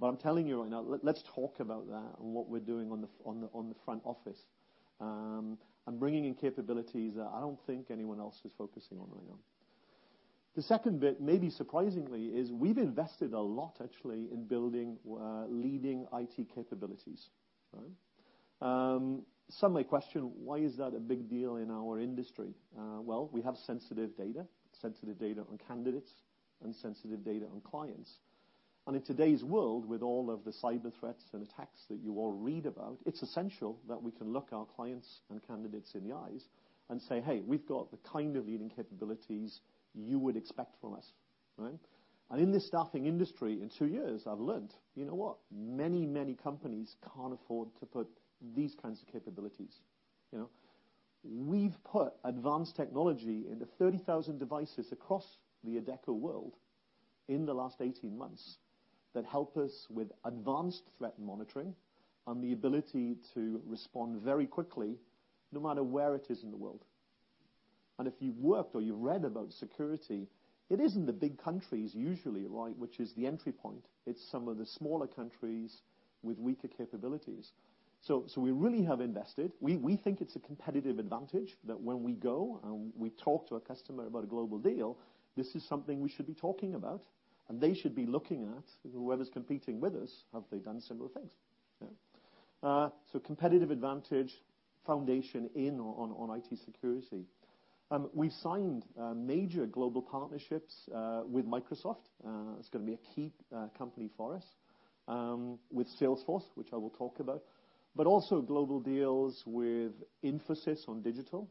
but I'm telling you right now, let's talk about that and what we're doing on the front office. I'm bringing in capabilities that I don't think anyone else is focusing on right now. The second bit, maybe surprisingly, is we've invested a lot actually in building leading IT capabilities. Some may question, why is that a big deal in our industry? Well, we have sensitive data, sensitive data on candidates, and sensitive data on clients. In today's world, with all of the cyber threats and attacks that you all read about, it's essential that we can look our clients and candidates in the eyes and say, "Hey, we've got the kind of leading capabilities you would expect from us." In this staffing industry, in two years, I've learned, you know what? Many companies can't afford to put these kinds of capabilities. We've put advanced technology into 30,000 devices across the Adecco world in the last 18 months that help us with advanced threat monitoring and the ability to respond very quickly no matter where it is in the world. If you've worked or you've read about security, it isn't the big countries usually, which is the entry point. It's some of the smaller countries with weaker capabilities. We really have invested. We think it's a competitive advantage that when we go and we talk to a customer about a global deal, this is something we should be talking about and they should be looking at whoever's competing with us, have they done similar things? Competitive advantage foundation on IT security. We signed major global partnerships with Microsoft. It's going to be a key company for us. With Salesforce, which I will talk about, but also global deals with Infosys on digital,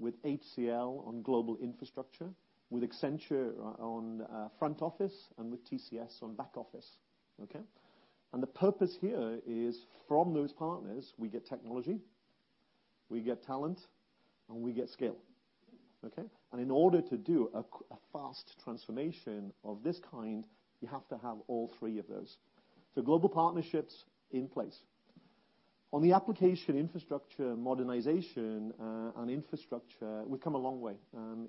with HCL on global infrastructure, with Accenture on front office, and with TCS on back office. Okay? The purpose here is from those partners, we get technology, we get talent, and we get scale. Okay? In order to do a fast transformation of this kind, you have to have all three of those. Global partnerships in place. On the application infrastructure modernization and infrastructure, we've come a long way.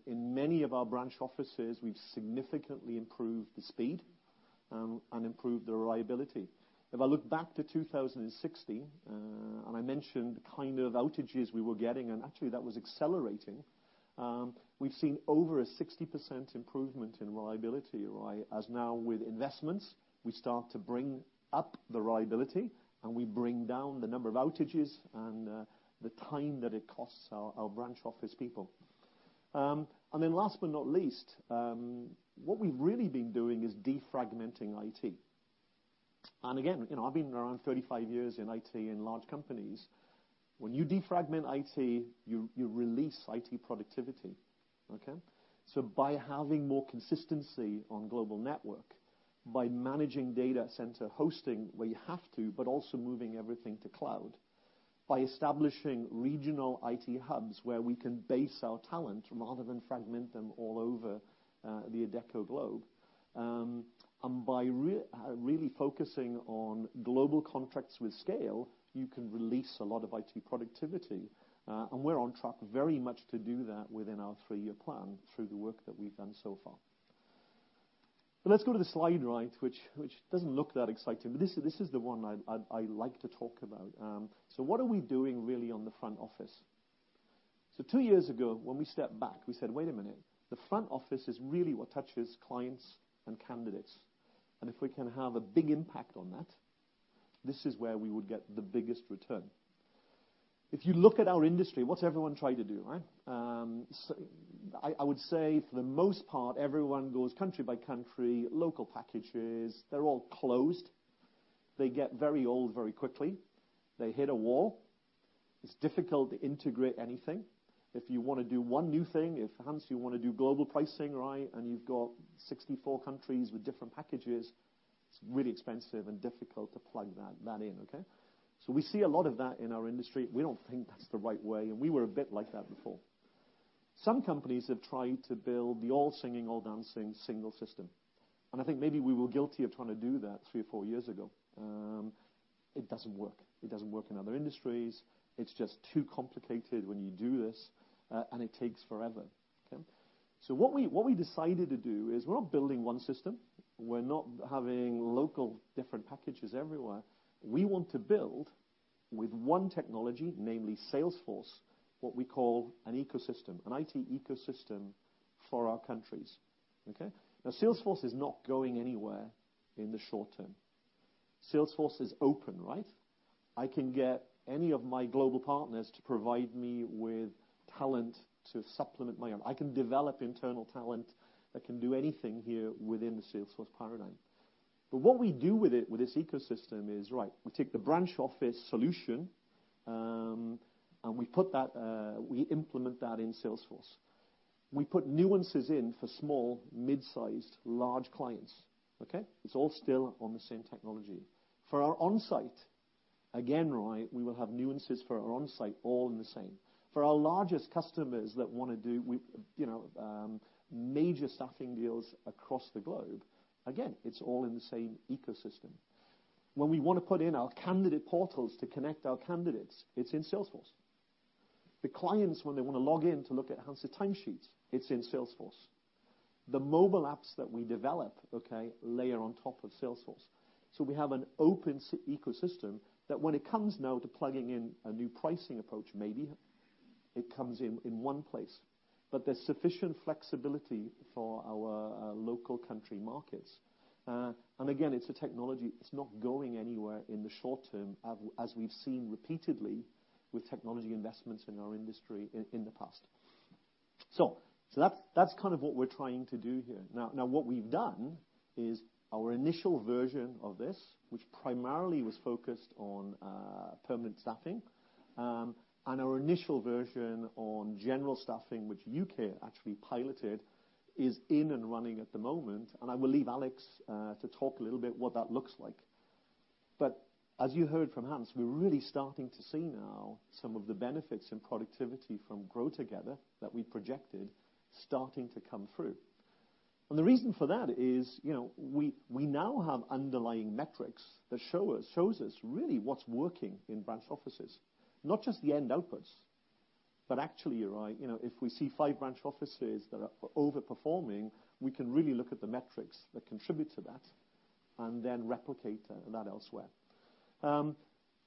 In many of our branch offices, we've significantly improved the speed and improved the reliability. If I look back to 2016, I mentioned the kind of outages we were getting, and actually that was accelerating. We've seen over a 60% improvement in reliability. As now with investments, we start to bring up the reliability, and we bring down the number of outages and the time that it costs our branch office people. Last but not least, what we've really been doing is defragmenting IT. Again, I've been around 35 years in IT in large companies. When you defragment IT, you release IT productivity. Okay? By having more consistency on global network, by managing data center hosting where you have to, but also moving everything to cloud, by establishing regional IT hubs where we can base our talent rather than fragment them all over the Adecco globe, and by really focusing on global contracts with scale, you can release a lot of IT productivity. We're on track very much to do that within our three-year plan through the work that we've done so far. Let's go to the slide right, which doesn't look that exciting. This is the one I'd like to talk about. What are we doing really on the front office? Two years ago, when we stepped back, we said, "Wait a minute. The front office is really what touches clients and candidates." If we can have a big impact on that, this is where we would get the biggest return. If you look at our industry, what's everyone tried to do, right? I would say for the most part, everyone goes country by country, local packages. They're all closed. They get very old very quickly. They hit a wall. It's difficult to integrate anything. If you want to do one new thing, if Hans, you want to do global pricing, right, and you've got 64 countries with different packages, it's really expensive and difficult to plug that in. Okay? We see a lot of that in our industry. We don't think that's the right way, and we were a bit like that before. Some companies have tried to build the all-singing, all-dancing single system. I think maybe we were guilty of trying to do that three or four years ago. It doesn't work. It doesn't work in other industries. It's just too complicated when you do this, and it takes forever. Okay? What we decided to do is we're not building one system. We're not having local different packages everywhere. We want to build with one technology, namely Salesforce, what we call an ecosystem. An IT ecosystem for our countries. Okay? Salesforce is not going anywhere in the short term. Salesforce is open, right? I can get any of my global partners to provide me with talent to supplement my own. I can develop internal talent that can do anything here within the Salesforce paradigm. What we do with it, with this ecosystem is right, we take the branch office solution, and we implement that in Salesforce. We put nuances in for small, mid-sized, large clients. Okay? It's all still on the same technology. For our onsite, again, right, we will have nuances for our onsite all in the same. For our largest customers that want to do major staffing deals across the globe, again, it's all in the same ecosystem. When we want to put in our candidate portals to connect our candidates, it's in Salesforce. The clients, when they want to log in to look at Hans' time sheets, it's in Salesforce. The mobile apps that we develop, okay, layer on top of Salesforce. We have an open ecosystem that when it comes now to plugging in a new pricing approach, maybe it comes in one place. There's sufficient flexibility for our local country markets. Again, it's a technology. It's not going anywhere in the short term, as we've seen repeatedly with technology investments in our industry in the past. That's kind of what we're trying to do here. What we've done is our initial version of this, which primarily was focused on permanent staffing. Our initial version on general staffing, which U.K. actually piloted, is in and running at the moment. I will leave Alex to talk a little bit what that looks like. As you heard from Hans, we're really starting to see now some of the benefits in productivity from Grow Together that we projected starting to come through. The reason for that is we now have underlying metrics that shows us really what's working in branch offices, not just the end outputs, but actually if we see five branch offices that are over-performing, we can really look at the metrics that contribute to that and then replicate that elsewhere.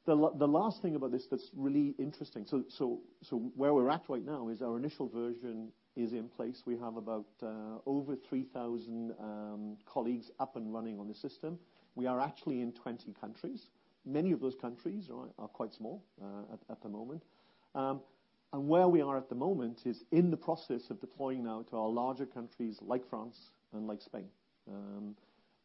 The last thing about this that's really interesting. Where we're at right now is our initial version is in place. We have about over 3,000 colleagues up and running on the system. We are actually in 20 countries. Many of those countries are quite small at the moment. Where we are at the moment is in the process of deploying now to our larger countries like France and like Spain.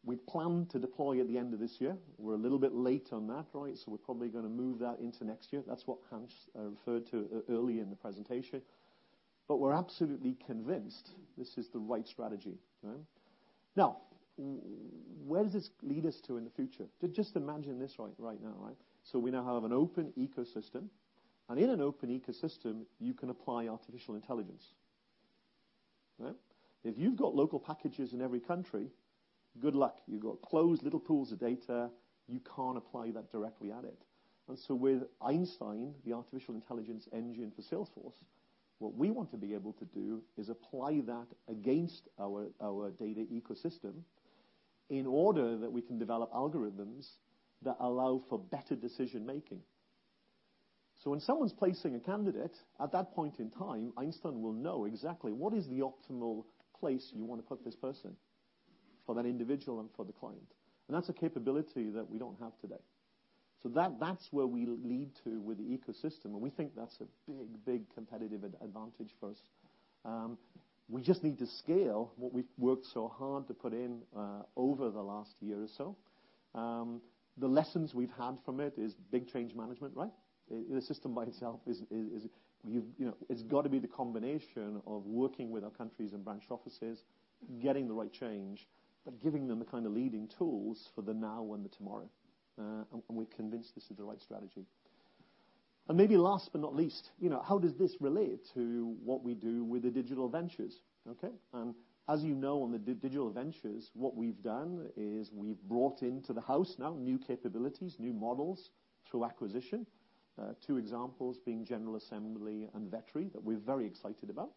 We plan to deploy at the end of this year. We're a little bit late on that. We're probably going to move that into next year. That's what Hans referred to earlier in the presentation. We're absolutely convinced this is the right strategy. Where does this lead us to in the future? Just imagine this right now. We now have an open ecosystem, and in an open ecosystem, you can apply artificial intelligence. If you've got local packages in every country, good luck. You've got closed little pools of data. You can't apply that directly at it. With Einstein, the artificial intelligence engine for Salesforce, what we want to be able to do is apply that against our data ecosystem in order that we can develop algorithms that allow for better decision making. When someone's placing a candidate, at that point in time, Einstein will know exactly what is the optimal place you want to put this person for that individual and for the client. That's a capability that we don't have today. That's where we lead to with the ecosystem, and we think that's a big competitive advantage for us. We just need to scale what we've worked so hard to put in over the last year or so. The lessons we've had from it is big change management. The system by itself, it's got to be the combination of working with our countries and branch offices, getting the right change, but giving them the kind of leading tools for the now and the tomorrow. We're convinced this is the right strategy. Maybe last but not least, how does this relate to what we do with the digital ventures? As you know, on the digital ventures, what we've done is we've brought into the house now new capabilities, new models through acquisition. Two examples being General Assembly and Vettery, that we're very excited about.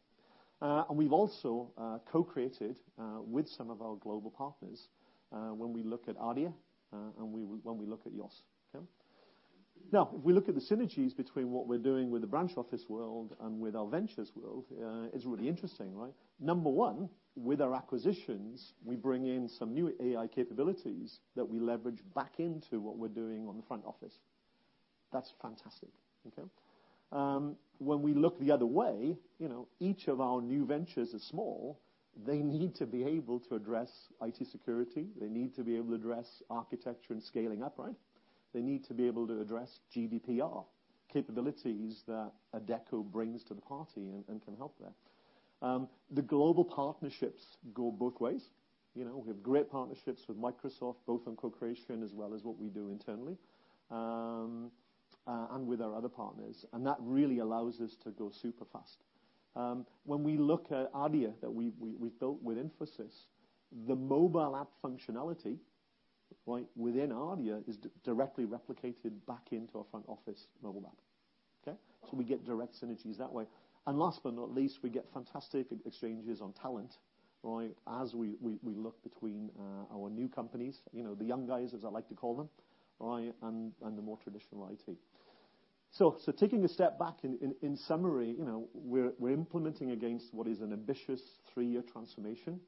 We've also co-created with some of our global partners when we look at Adia and when we look at YOSS. If we look at the synergies between what we're doing with the branch office world and with our ventures world, it's really interesting. Number one, with our acquisitions, we bring in some new AI capabilities that we leverage back into what we're doing on the front office. That's fantastic. When we look the other way, each of our new ventures are small. They need to be able to address IT security. They need to be able to address architecture and scaling up. They need to be able to address GDPR capabilities that Adecco brings to the party and can help there. The global partnerships go both ways. We have great partnerships with Microsoft, both on co-creation as well as what we do internally, and with our other partners, and that really allows us to go super fast. When we look at Adia that we built with Infosys, the mobile app functionality within Adia is directly replicated back into our front office mobile app. We get direct synergies that way. Last but not least, we get fantastic exchanges on talent as we look between our new companies, the young guys, as I like to call them, and the more traditional IT. Taking a step back, in summary, we're implementing against what is an ambitious three-year transformation.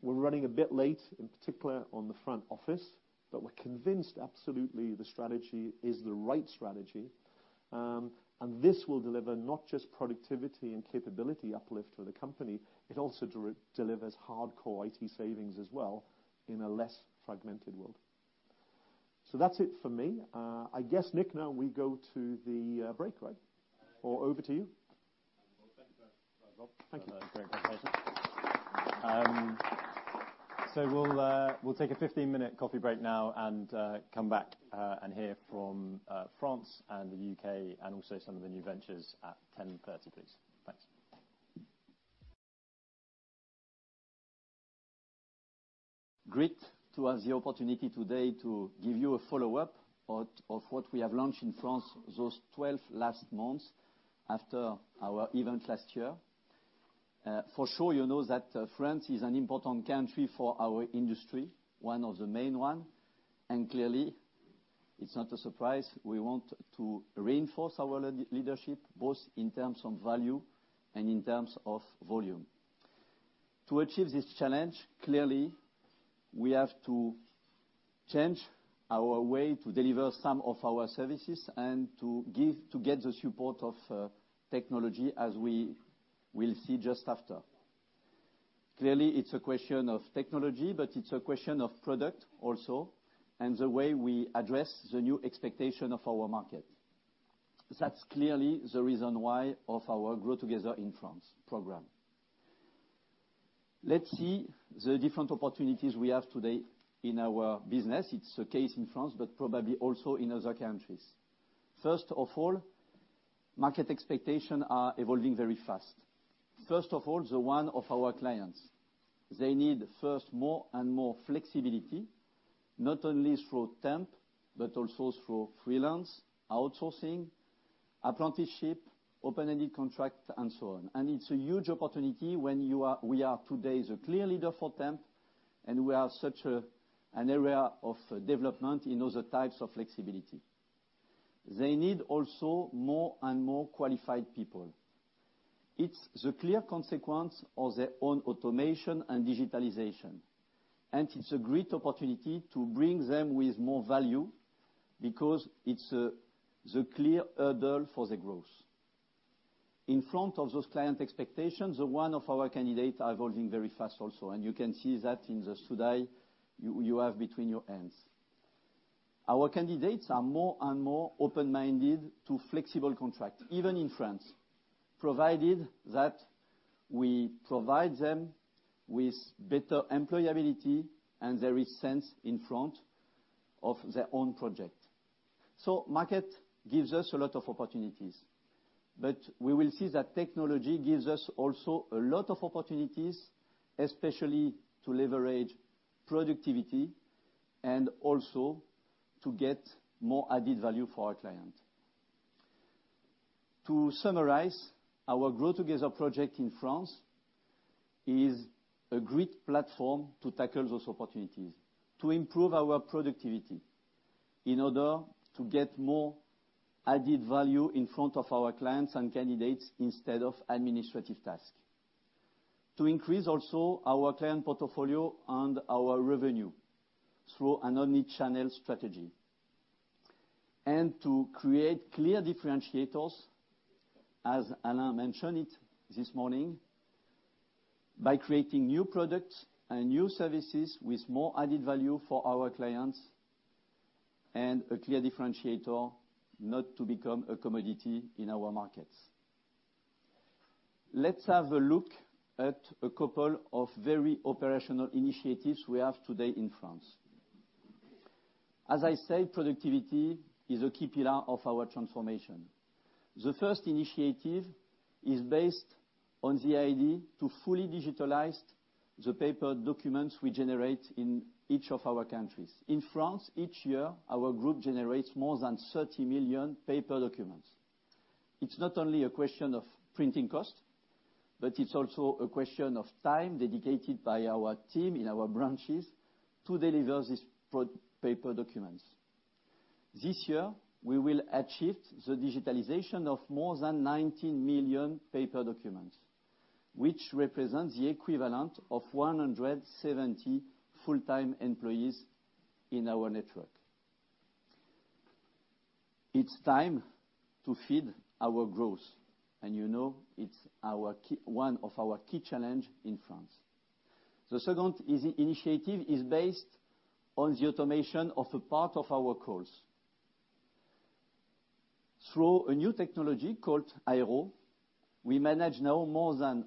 We're running a bit late, in particular on the front office, but we're convinced absolutely the strategy is the right strategy. This will deliver not just productivity and capability uplift for the company, it also delivers hardcore IT savings as well in a less fragmented world. That's it for me. I guess, Nick, now we go to the breakaway. Over to you. Well, thank you for that, Rob. Thank you. That was a great presentation. We'll take a 15-minute coffee break now and come back and hear from France and the U.K. and also some of the new ventures at 10:30, please. Thanks. Great to have the opportunity today to give you a follow-up of what we have launched in France those 12 last months after our event last year. For sure, you know that France is an important country for our industry, one of the main ones. Clearly, it's not a surprise, we want to reinforce our leadership, both in terms of value and in terms of volume. To achieve this challenge, clearly, we have to change our way to deliver some of our services and to get the support of technology as we will see just after. Clearly, it's a question of technology, but it's a question of product also and the way we address the new expectation of our market. That's clearly the reason why of our Grow Together in France program. Let's see the different opportunities we have today in our business. It's the case in France, but probably also in other countries. First of all, market expectation are evolving very fast. First of all, the one of our clients. They need, first, more and more flexibility, not only through temp, but also through freelance, outsourcing, apprenticeship, open-ended contract, and so on. It's a huge opportunity when we are today the clear leader for temp, and we are such an area of development in other types of flexibility. They need also more and more qualified people. It's the clear consequence of their own automation and digitalization. It's a great opportunity to bring them with more value because it's the clear hurdle for the growth. In front of those client expectations, one of our candidates are evolving very fast also, and you can see that in the study you have between your hands. Our candidates are more and more open-minded to flexible contract, even in France, provided that we provide them with better employability and their sense in front of their own project. Market gives us a lot of opportunities, but we will see that technology gives us also a lot of opportunities, especially to leverage productivity and also to get more added value for our client. To summarize, our Grow Together project in France is a great platform to tackle those opportunities, to improve our productivity in order to get more added value in front of our clients and candidates instead of administrative task. To increase also our client portfolio and our revenue through an omni-channel strategy. To create clear differentiators, as Alain mentioned it this morning, by creating new products and new services with more added value for our clients, and a clear differentiator, not to become a commodity in our markets. Let's have a look at a couple of very operational initiatives we have today in France. As I say, productivity is a key pillar of our transformation. The first initiative is based on the idea to fully digitalize the paper documents we generate in each of our countries. In France, each year, our group generates more than 30 million paper documents. It's not only a question of printing cost, but it's also a question of time dedicated by our team in our branches to deliver these paper documents. This year, we will achieve the digitalization of more than 19 million paper documents, which represents the equivalent of 170 full-time employees in our network. It's time to feed our growth, and you know it's one of our key challenge in France. The second initiative is based on the automation of a part of our calls. Through a new technology called Airo, we manage now more than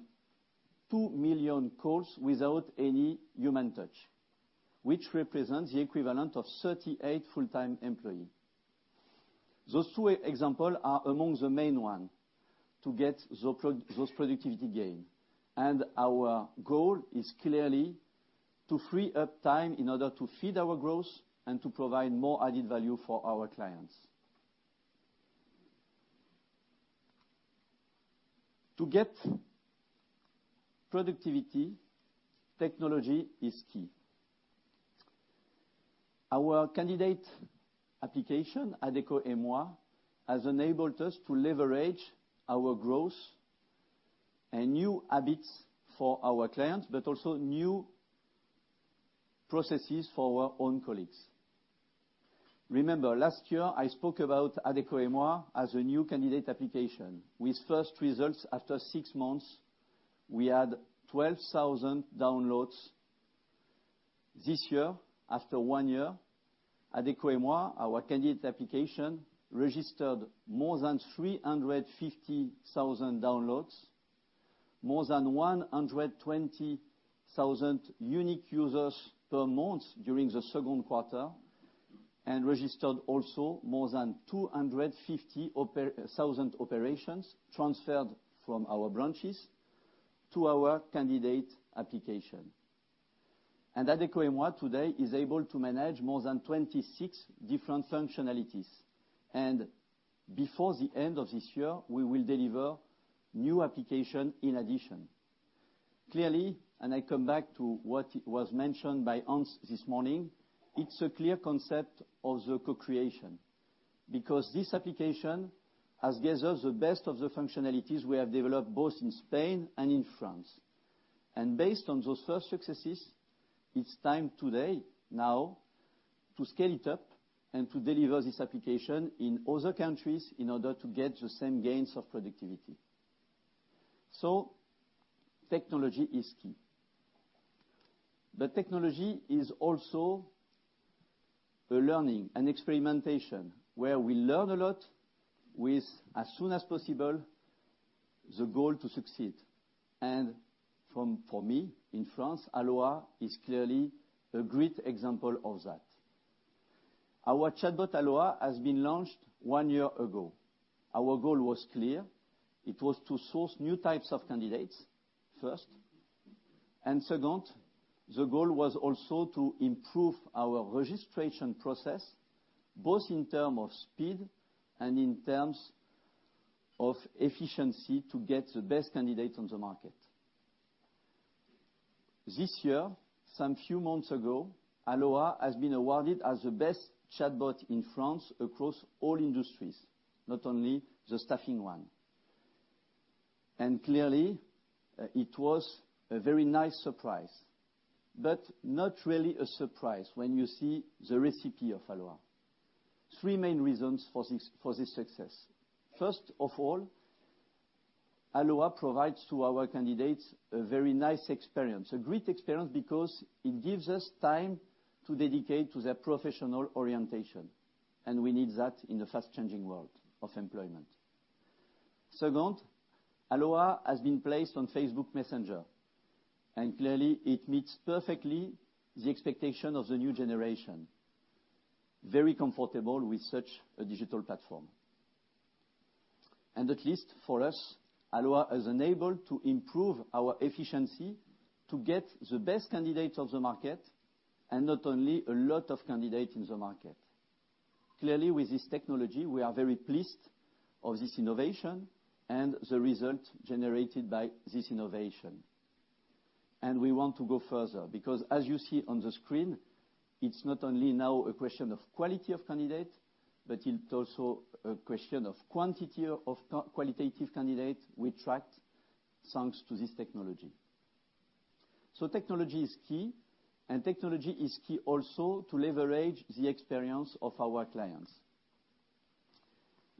2 million calls without any human touch, which represents the equivalent of 38 full-time employee. Those two example are among the main ones to get those productivity gain. Our goal is clearly to free up time in order to feed our growth and to provide more added value for our clients. To get productivity, technology is key. Our candidate application, Adecco et Moi, has enabled us to leverage our growth and new habits for our clients, but also new processes for our own colleagues. Remember, last year, I spoke about Adecco et Moi as a new candidate application. With first results after six months, we had 12,000 downloads. This year, after one year, Adecco et Moi, our candidate application, registered more than 350,000 downloads, more than 120,000 unique users per month during the second quarter, and registered also more than 250,000 operations transferred from our branches to our candidate application. Adecco et Moi today is able to manage more than 26 different functionalities. Before the end of this year, we will deliver new application in addition. Clearly, I come back to what was mentioned by Hans this morning, it's a clear concept of the co-creation because this application has gathered the best of the functionalities we have developed both in Spain and in France. Based on those first successes, it's time today, now, to scale it up and to deliver this application in other countries in order to get the same gains of productivity. Technology is key. Technology is also a learning and experimentation where we learn a lot with as soon as possible the goal to succeed. For me, in France, Aloha is clearly a great example of that. Our chatbot, Aloha, has been launched one year ago. Our goal was clear. It was to source new types of candidates first. Second, the goal was also to improve our registration process, both in term of speed and in terms of efficiency to get the best candidate on the market. This year, some few months ago, Aloha has been awarded as the best chatbot in France across all industries, not only the staffing one. Clearly, it was a very nice surprise. Not really a surprise when you see the recipe of Aloha. Three main reasons for this success. Aloha provides to our candidates a very nice experience. A great experience because it gives us time to dedicate to their professional orientation, and we need that in the fast-changing world of employment. Aloha has been placed on Facebook Messenger, and clearly, it meets perfectly the expectation of the new generation, very comfortable with such a digital platform. Aloha has enabled to improve our efficiency to get the best candidates of the market and not only a lot of candidates in the market. With this technology, we are very pleased of this innovation and the result generated by this innovation. We want to go further because as you see on the screen, it is not only now a question of quality of candidate, but it also a question of quantity of qualitative candidate we attract thanks to this technology. Technology is key, and technology is key also to leverage the experience of our clients.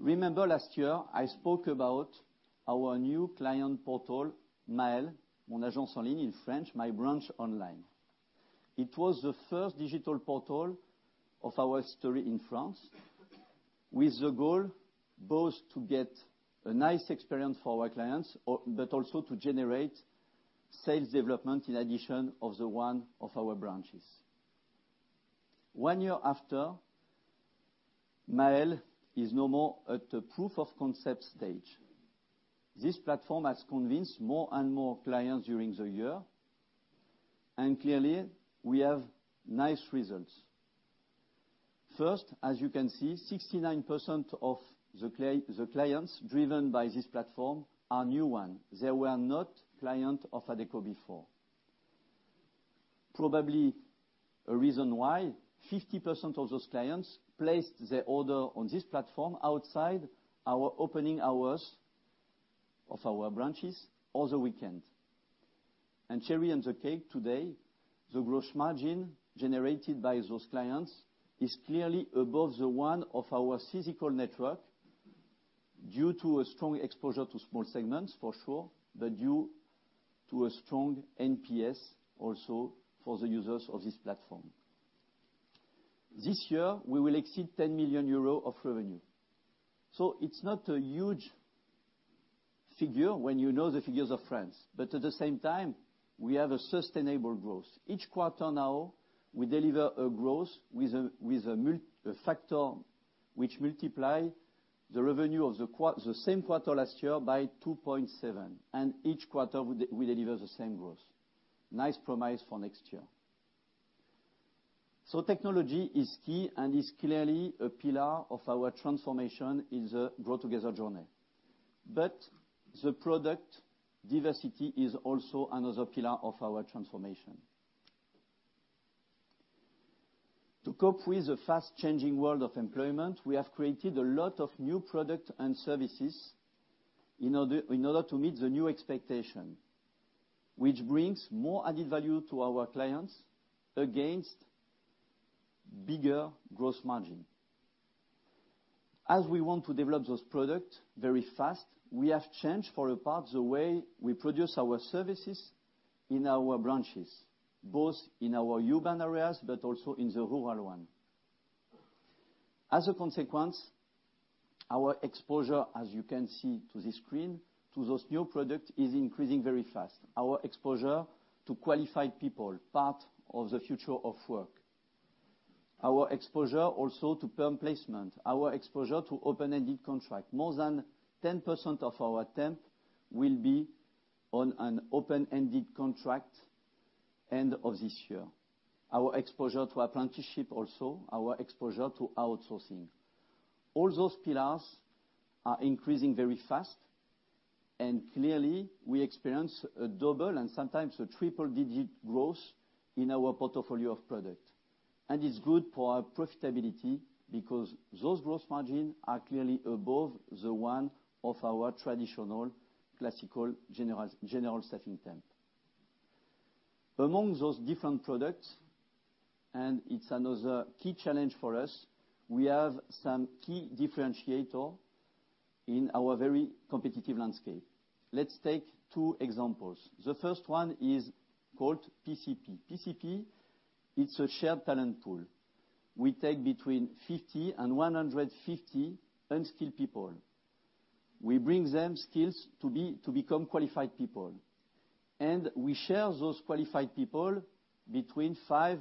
Remember last year, I spoke about our new client portal, MAEL, Mon Agence En Ligne in French, My Branch Online. It was the first digital portal of our story in France with the goal both to get a nice experience for our clients but also to generate sales development in addition of the one of our branches. One year after, MAEL is no more at the proof of concept stage. This platform has convinced more and more clients during the year. We have nice results. As you can see, 69% of the clients driven by this platform are new one. They were not client of Adecco before. Probably a reason why 50% of those clients placed their order on this platform outside our opening hours of our branches or the weekend. Cherry on the cake today, the gross margin generated by those clients is clearly above the one of our physical network due to a strong exposure to small segments for sure, but due to a strong NPS also for the users of this platform. This year, we will exceed 10 million euros of revenue. It is not a huge figure when you know the figures of France. At the same time, we have a sustainable growth. Each quarter now, we deliver a growth with a factor which multiply the revenue of the same quarter last year by 2.7. Each quarter we deliver the same growth. Nice promise for next year. Technology is key and is clearly a pillar of our transformation in the Grow Together journey. The product diversity is also another pillar of our transformation. To cope with the fast-changing world of employment, we have created a lot of new product and services in order to meet the new expectation, which brings more added value to our clients against bigger gross margin. We want to develop those product very fast, we have changed for a part the way we produce our services in our branches, both in our urban areas but also in the rural one. Our exposure, as you can see to this screen, to those new product is increasing very fast. Our exposure to qualified people, part of the future of work. Our exposure also to perm placement, our exposure to open-ended contract. More than 10% of our temp will be on an open-ended contract end of this year. Our exposure to apprenticeship also, our exposure to outsourcing. All those pillars are increasing very fast. Clearly, we experience a double and sometimes a triple-digit growth in our portfolio of product. It is good for our profitability because those gross margin are clearly above the one of our traditional, classical General Staffing temp. Among those different products, and it is another key challenge for us, we have some key differentiator in our very competitive landscape. Let us take two examples. The first one is called PCP. PCP, it's a shared talent pool. We take between 50 and 150 unskilled people. We bring them skills to become qualified people. We share those qualified people between 5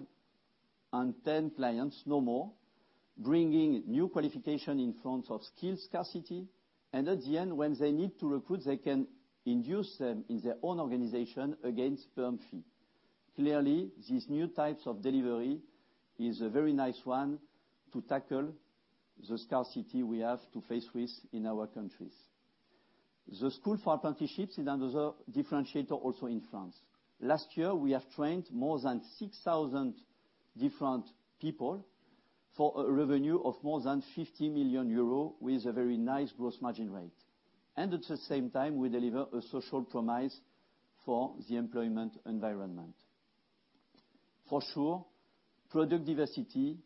and 10 clients, no more, bringing new qualification in front of skill scarcity. At the end, when they need to recruit, they can induce them in their own organization against perm fee. Clearly, these new types of delivery is a very nice one to tackle the scarcity we have to face with in our countries. The school for apprenticeships is another differentiator also in France. Last year, we have trained more than 6,000 different people for a revenue of more than 50 million euros with a very nice gross margin rate. At the same time, we deliver a social promise for the employment environment. For sure, product diversity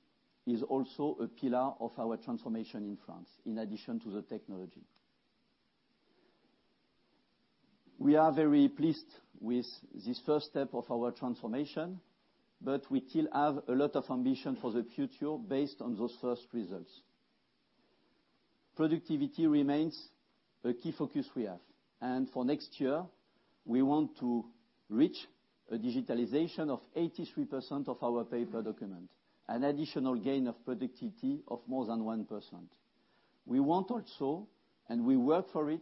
is also a pillar of our transformation in France, in addition to the technology. We are very pleased with this first step of our transformation, but we still have a lot of ambition for the future based on those first results. Productivity remains a key focus we have, and for next year, we want to reach a digitalization of 83% of our paper documents, an additional gain of productivity of more than 1%. We want also, and we work for it,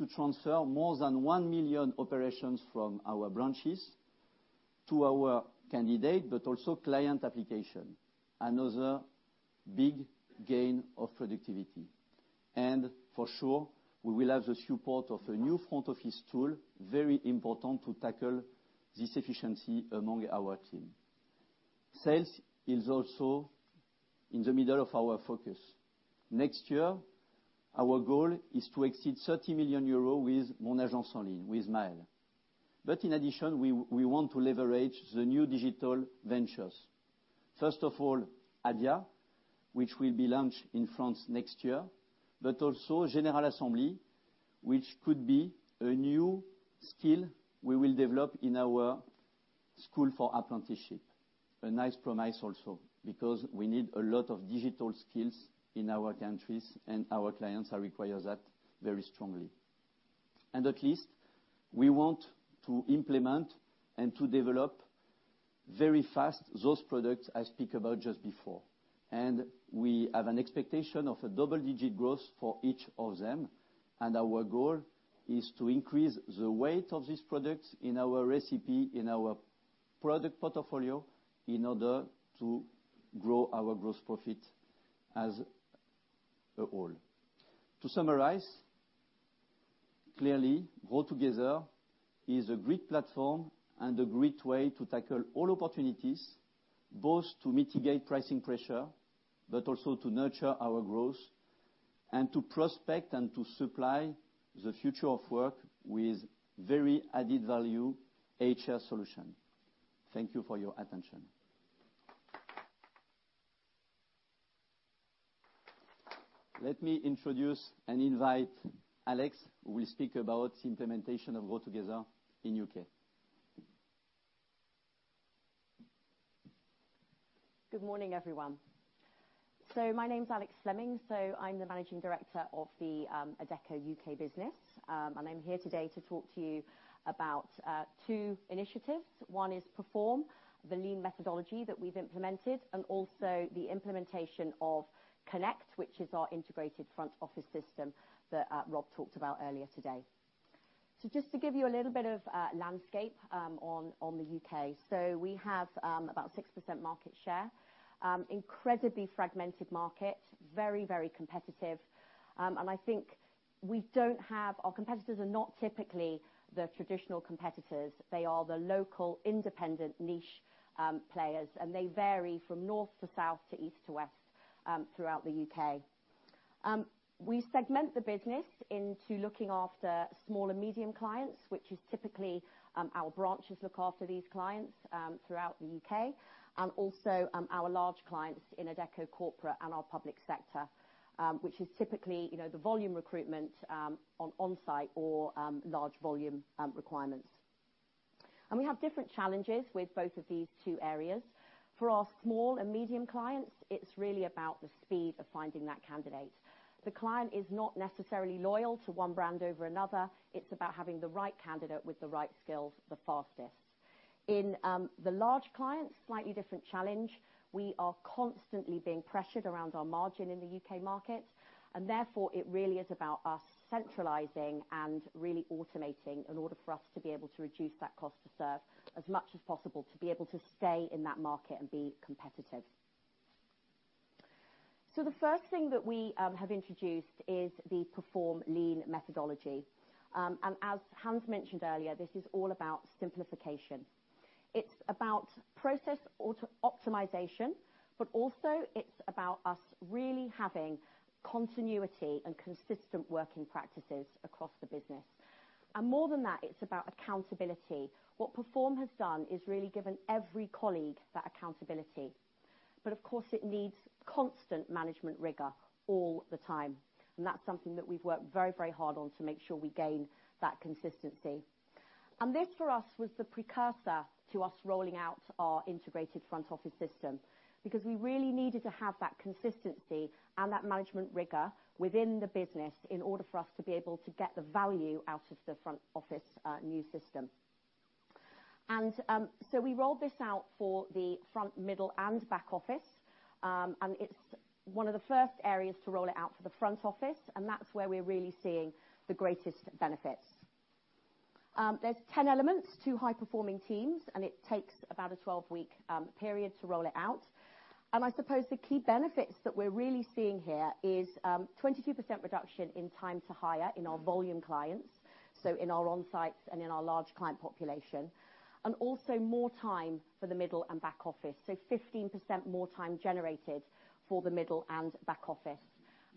to transfer more than 1 million operations from our branches to our candidate, but also client application. Another big gain of productivity. For sure, we will have the support of a new front office tool, very important to tackle this efficiency among our team. Sales is also in the middle of our focus. Next year, our goal is to exceed 30 million euros with MAEL. In addition, we want to leverage the new digital ventures. First of all, Adia, which will be launched in France next year, but also General Assembly, which could be a new skill we will develop in our school for apprenticeship. A nice promise also because we need a lot of digital skills in our countries, and our clients require that very strongly. At least, we want to implement and to develop very fast those products I speak about just before. We have an expectation of a double-digit growth for each of them, and our goal is to increase the weight of these products in our recipe, in our product portfolio, in order to grow our gross profit as a whole. To summarize, clearly, Grow Together is a great platform and a great way to tackle all opportunities, both to mitigate pricing pressure but also to nurture our growth and to prospect and to supply the future of work with very added value HR solution. Thank you for your attention. Let me introduce and invite Alex, who will speak about implementation of Grow Together in U.K. Good morning, everyone. My name is Alex Fleming. I'm the managing director of the Adecco UK business, and I'm here today to talk to you about two initiatives. One is PERFORM, the lean methodology that we've implemented, and also the implementation of Connect, which is our integrated front office system that Rob talked about earlier today. Just to give you a little bit of a landscape on the U.K. We have about 6% market share. Incredibly fragmented market. Very, very competitive. I think our competitors are not typically the traditional competitors. They are the local independent niche players, and they vary from north to south, to east to west throughout the U.K. We segment the business into looking after small and medium clients, which is typically our branches look after these clients throughout the U.K., and also our large clients in Adecco corporate and our public sector, which is typically the volume recruitment on onsite or large volume requirements. We have different challenges with both of these two areas. For our small and medium clients, it's really about the speed of finding that candidate. The client is not necessarily loyal to one brand over another. It's about having the right candidate with the right skills the fastest. In the large clients, slightly different challenge. We are constantly being pressured around our margin in the U.K. market, therefore, it really is about us centralizing and really automating in order for us to be able to reduce that cost to serve as much as possible, to be able to stay in that market and be competitive. The first thing that we have introduced is the PERFORM lean methodology. As Hans mentioned earlier, this is all about simplification. It's about process optimization, also it's about us really having continuity and consistent working practices across the business. More than that, it's about accountability. What PERFORM has done is really given every colleague that accountability. Of course, it needs constant management rigor all the time, and that's something that we've worked very, very hard on to make sure we gain that consistency. This, for us, was the precursor to us rolling out our integrated front office system because we really needed to have that consistency and that management rigor within the business in order for us to be able to get the value out of the front office new system. We rolled this out for the front, middle, and back office. It's one of the first areas to roll it out for the front office, and that's where we're really seeing the greatest benefits. There's 10 elements to high-performing teams, and it takes about a 12-week period to roll it out. I suppose the key benefits that we're really seeing here is 22% reduction in time to hire in our volume clients, so in our onsites and in our large client population. Also more time for the middle and back office. 15% more time generated for the middle and back office.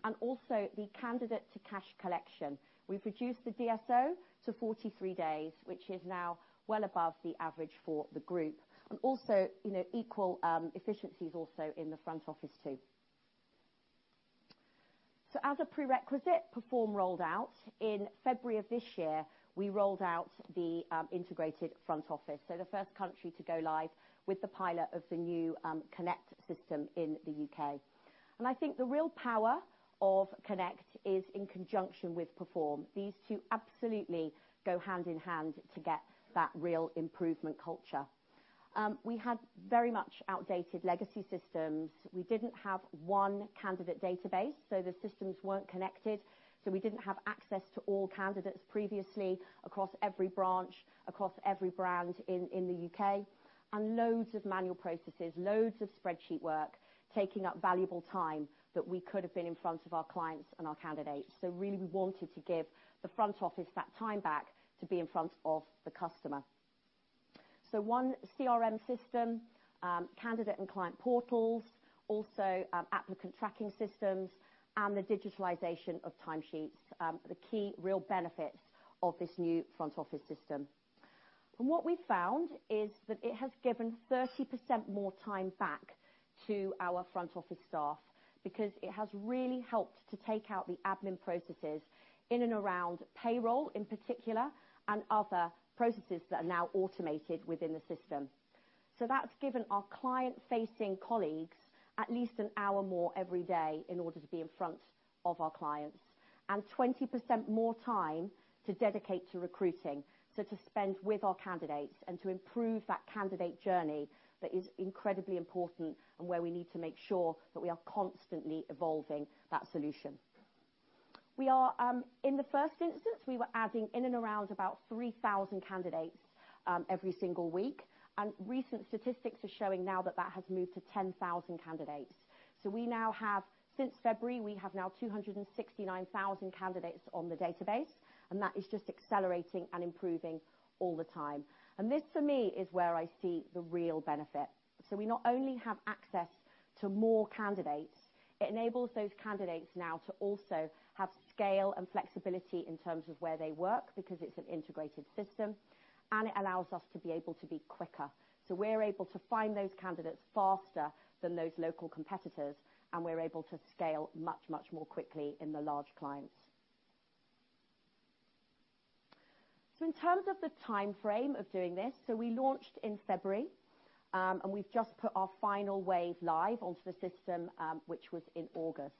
The candidate to cash collection. We've reduced the DSO to 43 days, which is now well above the average for the group. Equal efficiencies also in the front office too. As a prerequisite, PERFORM rolled out. In February of this year, we rolled out the integrated front office. The first country to go live with the pilot of the new Connect system in the U.K. I think the real power of Connect is in conjunction with PERFORM. These two absolutely go hand-in-hand to get that real improvement culture. We had very much outdated legacy systems. We didn't have one candidate database, the systems weren't connected, we didn't have access to all candidates previously across every branch, across every brand in the U.K. Loads of manual processes, loads of spreadsheet work, taking up valuable time that we could've been in front of our clients and our candidates. Really, we wanted to give the front office that time back to be in front of the customer. One CRM system, candidate and client portals, also applicant tracking systems, and the digitalization of time sheets are the key, real benefits of this new front office system. What we've found is that it has given 30% more time back to our front office staff, because it has really helped to take out the admin processes in and around payroll in particular, and other processes that are now automated within the system. That's given our client-facing colleagues at least an hour more every day in order to be in front of our clients. 20% more time to dedicate to recruiting, to spend with our candidates and to improve that candidate journey that is incredibly important and where we need to make sure that we are constantly evolving that solution. In the first instance, we were adding in and around about 3,000 candidates every single week, recent statistics are showing now that that has moved to 10,000 candidates. We now have, since February, we have now 269,000 candidates on the database, that is just accelerating and improving all the time. This, for me, is where I see the real benefit. We not only have access to more candidates, it enables those candidates now to also have scale and flexibility in terms of where they work because it's an integrated system, it allows us to be able to be quicker. We're able to find those candidates faster than those local competitors, we're able to scale much, much more quickly in the large clients. In terms of the timeframe of doing this, we launched in February, we've just put our final wave live onto the system, which was in August.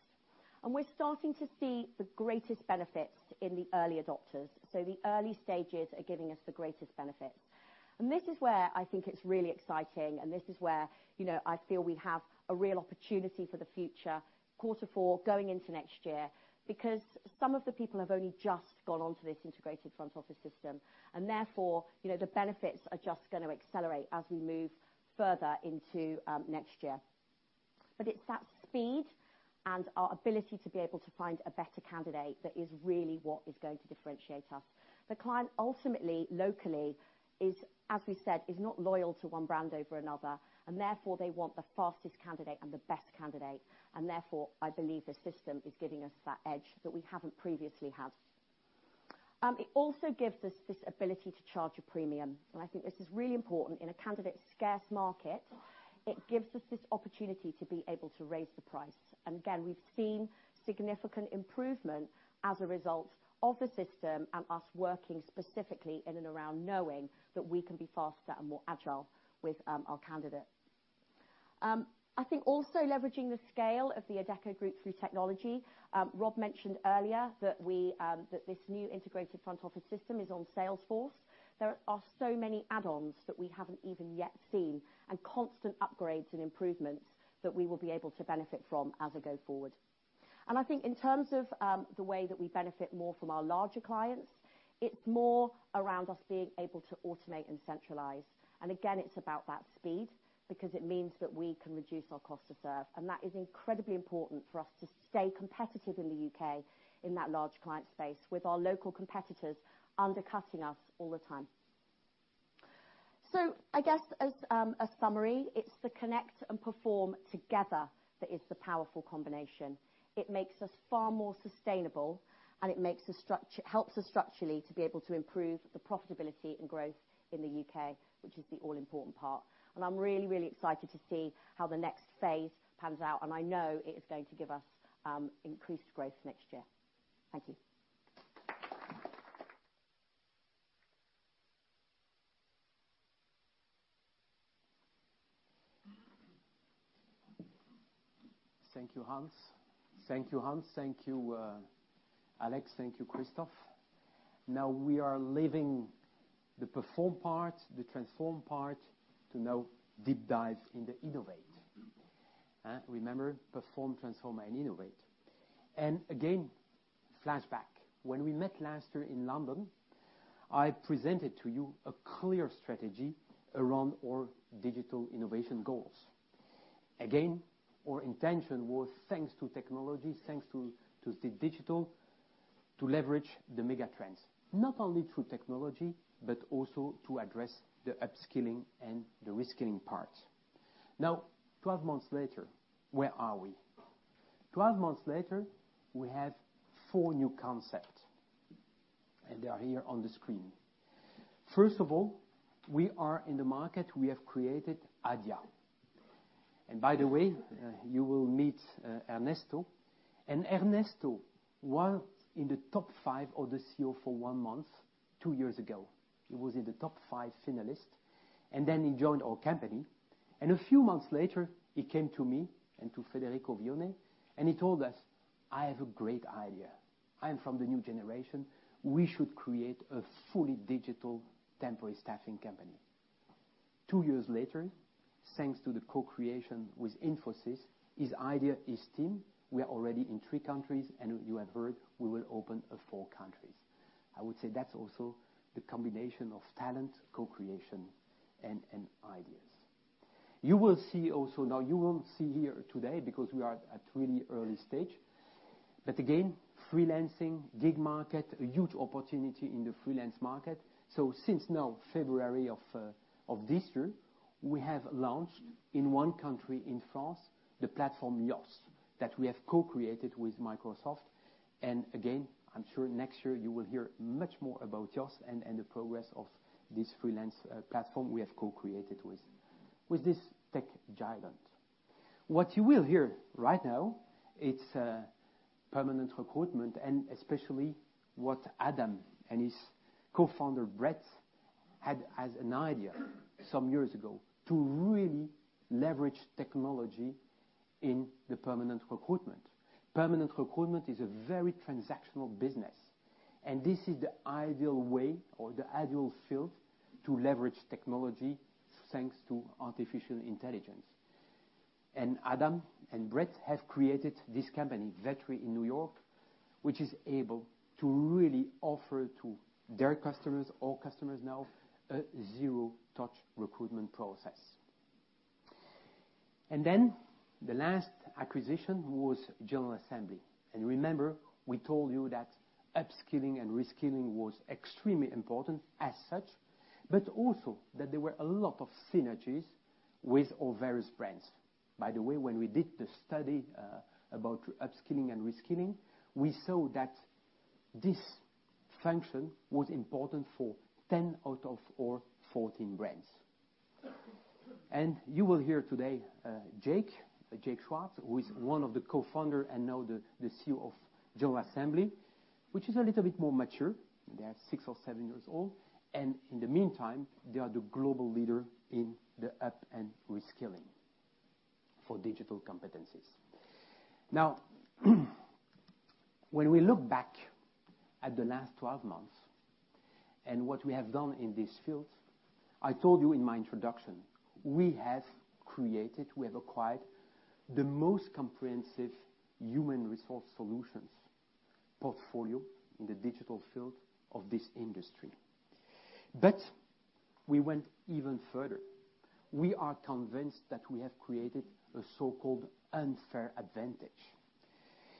We're starting to see the greatest benefits in the early adopters. The early stages are giving us the greatest benefits. This is where I think it's really exciting, this is where I feel we have a real opportunity for the future, quarter four, going into next year. Some of the people have only just gone onto this integrated front office system, therefore, the benefits are just going to accelerate as we move further into next year. It's that speed and our ability to be able to find a better candidate that is really what is going to differentiate us. The client ultimately, locally is, as we said, is not loyal to one brand over another, therefore they want the fastest candidate and the best candidate. Therefore, I believe this system is giving us that edge that we haven't previously had. It also gives us this ability to charge a premium, and I think this is really important. In a candidate-scarce market, it gives us this opportunity to be able to raise the price. Again, we've seen significant improvement as a result of the system and us working specifically in and around knowing that we can be faster and more agile with our candidates. I think also leveraging the scale of the Adecco Group through technology. Rob mentioned earlier that this new integrated front office system is on Salesforce. There are so many add-ons that we haven't even yet seen, and constant upgrades and improvements that we will be able to benefit from as we go forward. I think in terms of the way that we benefit more from our larger clients, it's more around us being able to automate and centralize. Again, it's about that speed, because it means that we can reduce our cost to serve. That is incredibly important for us to stay competitive in the U.K. in that large client space with our local competitors undercutting us all the time. So I guess as a summary, it's the Connect and PERFORM together that is the powerful combination. It makes us far more sustainable, and it helps us structurally to be able to improve the profitability and growth in the U.K., which is the all-important part. I'm really, really excited to see how the next phase pans out, and I know it is going to give us increased growth next year. Thank you. Thank you, Hans. Thank you, Alex. Thank you, Christophe. Now we are leaving the PERFORM part, the Transform part, to now deep dive in the Innovate. Remember, PERFORM, Transform, and Innovate. Again, flashback. When we met last year in London, I presented to you a clear strategy around our digital innovation goals. Again, our intention was thanks to technology, thanks to the digital to leverage the megatrends, not only through technology, but also to address the upskilling and the reskilling parts. Now, 12 months later, where are we? 12 months later, we have four new concepts, and they are here on the screen. First of all, we are in the market. We have created Adia. By the way, you will meet Ernesto. Ernesto was in the top five of the CEO for One Month, two years ago. He was in the top five finalists. He joined our company. A few months later, he came to me and to Federico Vione. He told us, "I have a great idea. I am from the new generation. We should create a fully digital temporary staffing company." Two years later, thanks to the co-creation with Infosys, his idea, his team, we are already in three countries. You have heard we will open four countries. I would say that is also the combination of talent, co-creation, and ideas. You will see also. You won't see here today because we are at really early stage. Freelancing, gig market, a huge opportunity in the freelance market. Since now, February of this year, we have launched in one country, in France, the platform YOSS that we have co-created with Microsoft. I am sure next year you will hear much more about YOSS and the progress of this freelance platform we have co-created with this tech giant. What you will hear right now, it is permanent recruitment and especially what Adam and his co-founder, Brett, had as an idea some years ago to really leverage technology in the permanent recruitment. Permanent recruitment is a very transactional business. This is the ideal way or the ideal field to leverage technology thanks to artificial intelligence. Adam and Brett have created this company, Vettery, in New York, which is able to really offer to their customers, our customers now, a zero-touch recruitment process. The last acquisition was General Assembly. Remember, we told you that upskilling and reskilling was extremely important as such, but also that there were a lot of synergies with our various brands. By the way, when we did the study about upskilling and reskilling, we saw that this function was important for 10 out of our 14 brands. You will hear today Jake Schwartz, who is one of the co-founders and now the CEO of General Assembly, which is a little bit more mature. They are six or seven years old. In the meantime, they are the global leader in the up- and reskilling for digital competencies. When we look back at the last 12 months and what we have done in this field, I told you in my introduction, we have created, we have acquired the most comprehensive human resource solutions portfolio in the digital field of this industry. We went even further. We are convinced that we have created a so-called unfair advantage.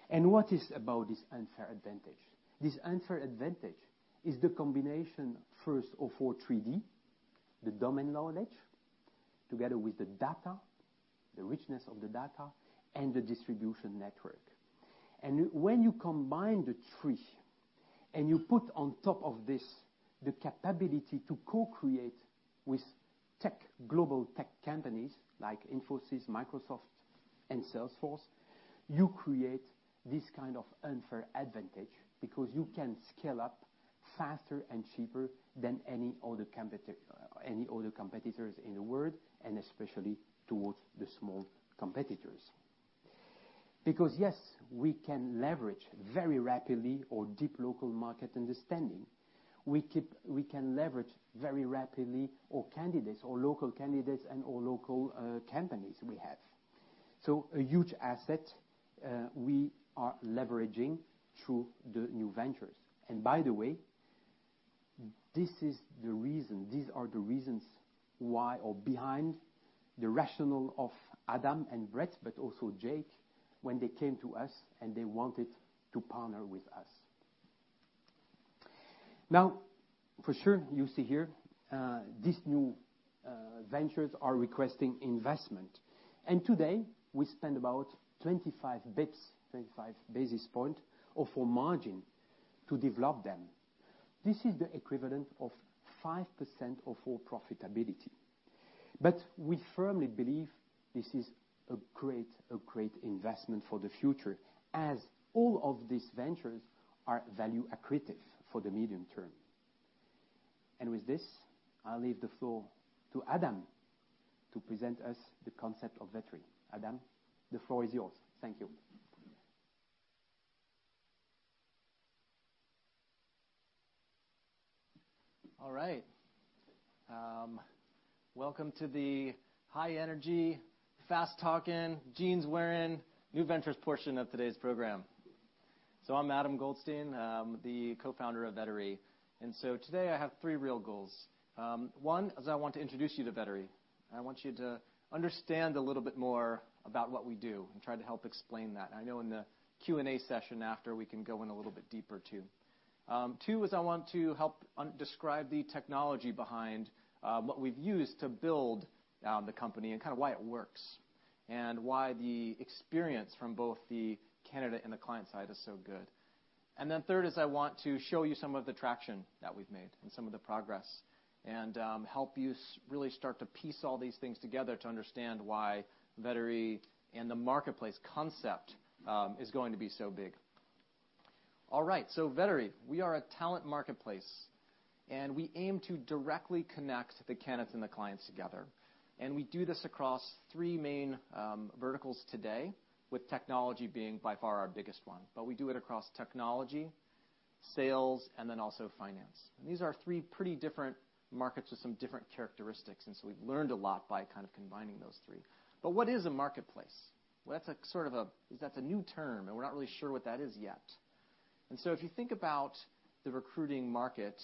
What is about this unfair advantage? This unfair advantage is the combination, first of our 3D, the domain knowledge, together with the data, the richness of the data, and the distribution network. When you combine the three and you put on top of this the capability to co-create with global tech companies like Infosys, Microsoft, and Salesforce, you create this kind of unfair advantage because you can scale up faster and cheaper than any other competitors in the world, and especially towards the small competitors. Yes, we can leverage very rapidly our deep local market understanding. We can leverage very rapidly our candidates, our local candidates, and our local companies we have. A huge asset we are leveraging through the new ventures. By the way, these are the reasons why or behind the rationale of Adam and Brett, but also Jake when they came to us, and they wanted to partner with us. For sure, you see here, these new ventures are requesting investment. Today, we spend about 25 basis points of our margin to develop them. This is the equivalent of 5% of our profitability. We firmly believe this is a great investment for the future, as all of these ventures are value accretive for the medium term. With this, I'll leave the floor to Adam to present us the concept of Vettery. Adam, the floor is yours. Thank you. All right. Welcome to the high energy, fast talking, jeans wearing new ventures portion of today's program. I'm Adam Goldstein. I'm the co-founder of Vettery. Today I have three real goals. One is I want to introduce you to Vettery, and I want you to understand a little bit more about what we do and try to help explain that. I know in the Q&A session after, we can go in a little bit deeper too. Two is I want to help describe the technology behind what we've used to build the company and why it works, and why the experience from both the candidate and the client side is so good. Third is I want to show you some of the traction that we've made and some of the progress, and help you really start to piece all these things together to understand why Vettery and the marketplace concept is going to be so big. All right. Vettery, we are a talent marketplace, and we aim to directly connect the candidates and the clients together. We do this across three main verticals today, with technology being by far our biggest one. We do it across technology, sales, and then also finance. These are three pretty different markets with some different characteristics, and so we've learned a lot by combining those three. What is a marketplace? Well, that's a new term, and we're not really sure what that is yet. If you think about the recruiting market,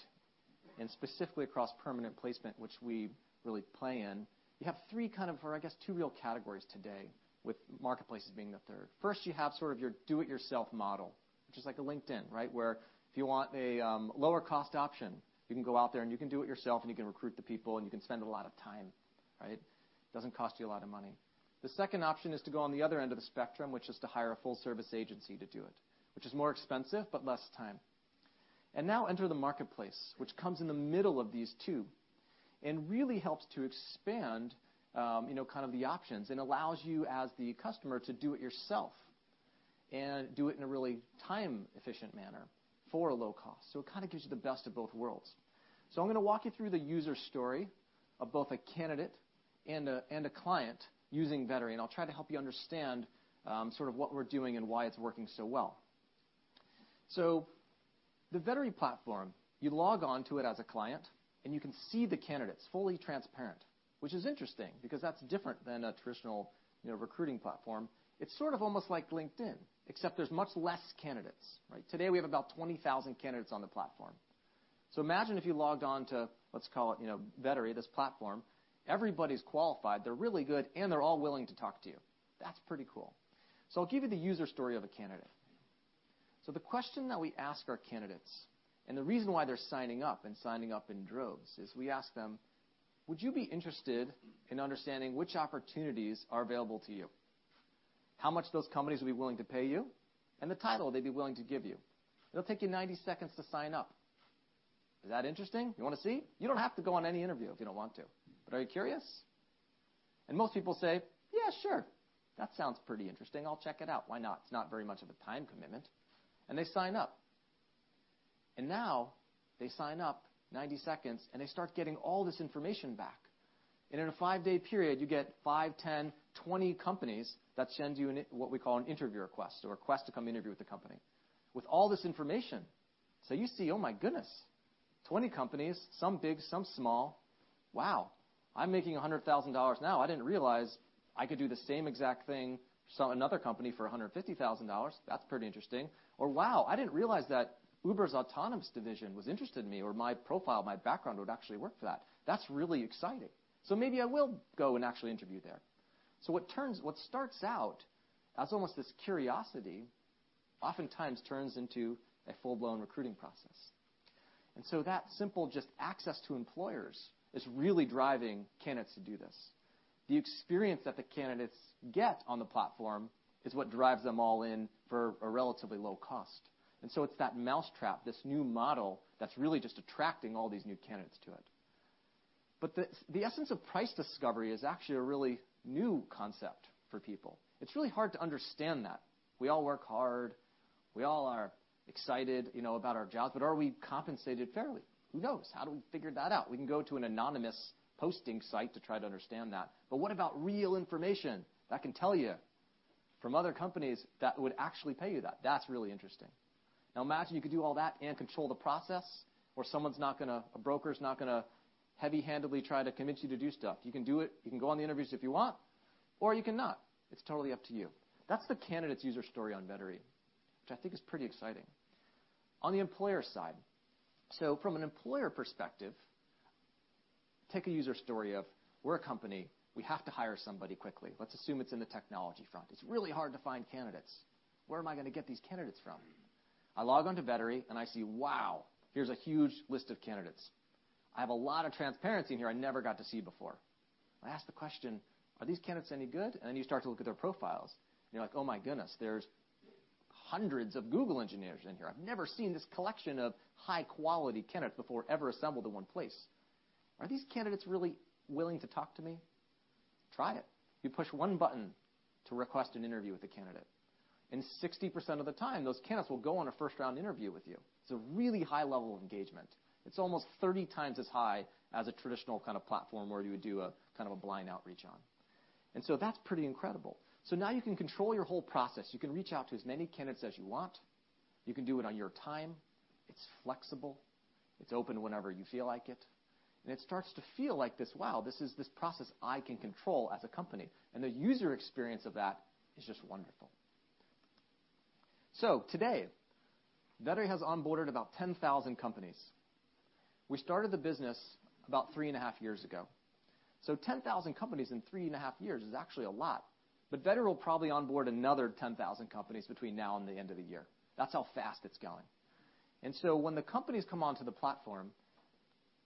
and specifically across permanent placement, which we really play in, you have three real categories today, with marketplaces being the third. First, you have sort of your do-it-yourself model. Which is like a LinkedIn, where if you want a lower-cost option, you can go out there and you can do it yourself, and you can recruit the people, and you can spend a lot of time. It doesn't cost you a lot of money. The second option is to go on the other end of the spectrum, which is to hire a full-service agency to do it. Which is more expensive, but less time. Now enter the marketplace, which comes in the middle of these two, really helps to expand the options and allows you as the customer to do it yourself, and do it in a really time-efficient manner for a low cost. It gives you the best of both worlds. I'm going to walk you through the user story of both a candidate and a client using Vettery, and I'll try to help you understand what we're doing and why it's working so well. The Vettery platform, you log on to it as a client, and you can see the candidates, fully transparent. Which is interesting, because that's different than a traditional recruiting platform. It's sort of almost like LinkedIn, except there's much less candidates. Today, we have about 20,000 candidates on the platform. Imagine if you logged on to, let's call it Vettery, this platform. Everybody's qualified, they're really good, and they're all willing to talk to you. That's pretty cool. I'll give you the user story of a candidate. The question that we ask our candidates, and the reason why they're signing up and signing up in droves, is we ask them, "Would you be interested in understanding which opportunities are available to you? How much those companies will be willing to pay you, and the title they'd be willing to give you? It'll take you 90 seconds to sign up. Is that interesting? You want to see? You don't have to go on any interview if you don't want to, but are you curious?" Most people say, "Yeah, sure. That sounds pretty interesting. I'll check it out. Why not? It's not very much of a time commitment." They sign up. Now they sign up, 90 seconds, they start getting all this information back. In a five-day period, you get five, 10, 20 companies that send you what we call an interview request, a request to come interview with the company, with all this information. You see, oh, my goodness, 20 companies, some big, some small. Wow, I'm making CHF 100,000 now. I didn't realize I could do the same exact thing. Saw another company for CHF 150,000. That's pretty interesting. Or, wow, I didn't realize that Uber's autonomous division was interested in me, or my profile, my background would actually work for that. That's really exciting. Maybe I will go and actually interview there. What starts out as almost this curiosity oftentimes turns into a full-blown recruiting process. That simple just access to employers is really driving candidates to do this. The experience that the candidates get on the platform is what drives them all in for a relatively low cost. It's that mousetrap, this new model, that's really just attracting all these new candidates to it. The essence of price discovery is actually a really new concept for people. It's really hard to understand that. We all work hard. We all are excited about our jobs, but are we compensated fairly? Who knows? How do we figure that out? We can go to an anonymous posting site to try to understand that. What about real information that can tell you from other companies that would actually pay you that? That's really interesting. Imagine you could do all that and control the process, where a broker's not going to heavy-handedly try to convince you to do stuff. You can do it. You can go on the interviews if you want, or you can not. It's totally up to you. That's the candidate's user story on Vettery, which I think is pretty exciting. On the employer side. From an employer perspective, take a user story of we're a company, we have to hire somebody quickly. Let's assume it's in the technology front. It's really hard to find candidates. Where am I going to get these candidates from? I log on to Vettery and I see, wow, here's a huge list of candidates. I have a lot of transparency in here I never got to see before. I ask the question, are these candidates any good? Then you start to look at their profiles, and you're like, oh, my goodness, there's hundreds of Google engineers in here. I've never seen this collection of high-quality candidates before ever assembled in one place. Are these candidates really willing to talk to me? Try it. You push one button to request an interview with the candidate, and 60% of the time, those candidates will go on a first-round interview with you. It's a really high level of engagement. It's almost 30 times as high as a traditional kind of platform where you would do a kind of a blind outreach on. That's pretty incredible. Now you can control your whole process. You can reach out to as many candidates as you want. You can do it on your time. It's flexible. It's open whenever you feel like it. It starts to feel like this, wow, this process I can control as a company. The user experience of that is just wonderful. Today, Vettery has onboarded about 10,000 companies We started the business about three and a half years ago. 10,000 companies in three and a half years is actually a lot, but Vettery will probably onboard another 10,000 companies between now and the end of the year. That's how fast it's going. When the companies come onto the platform,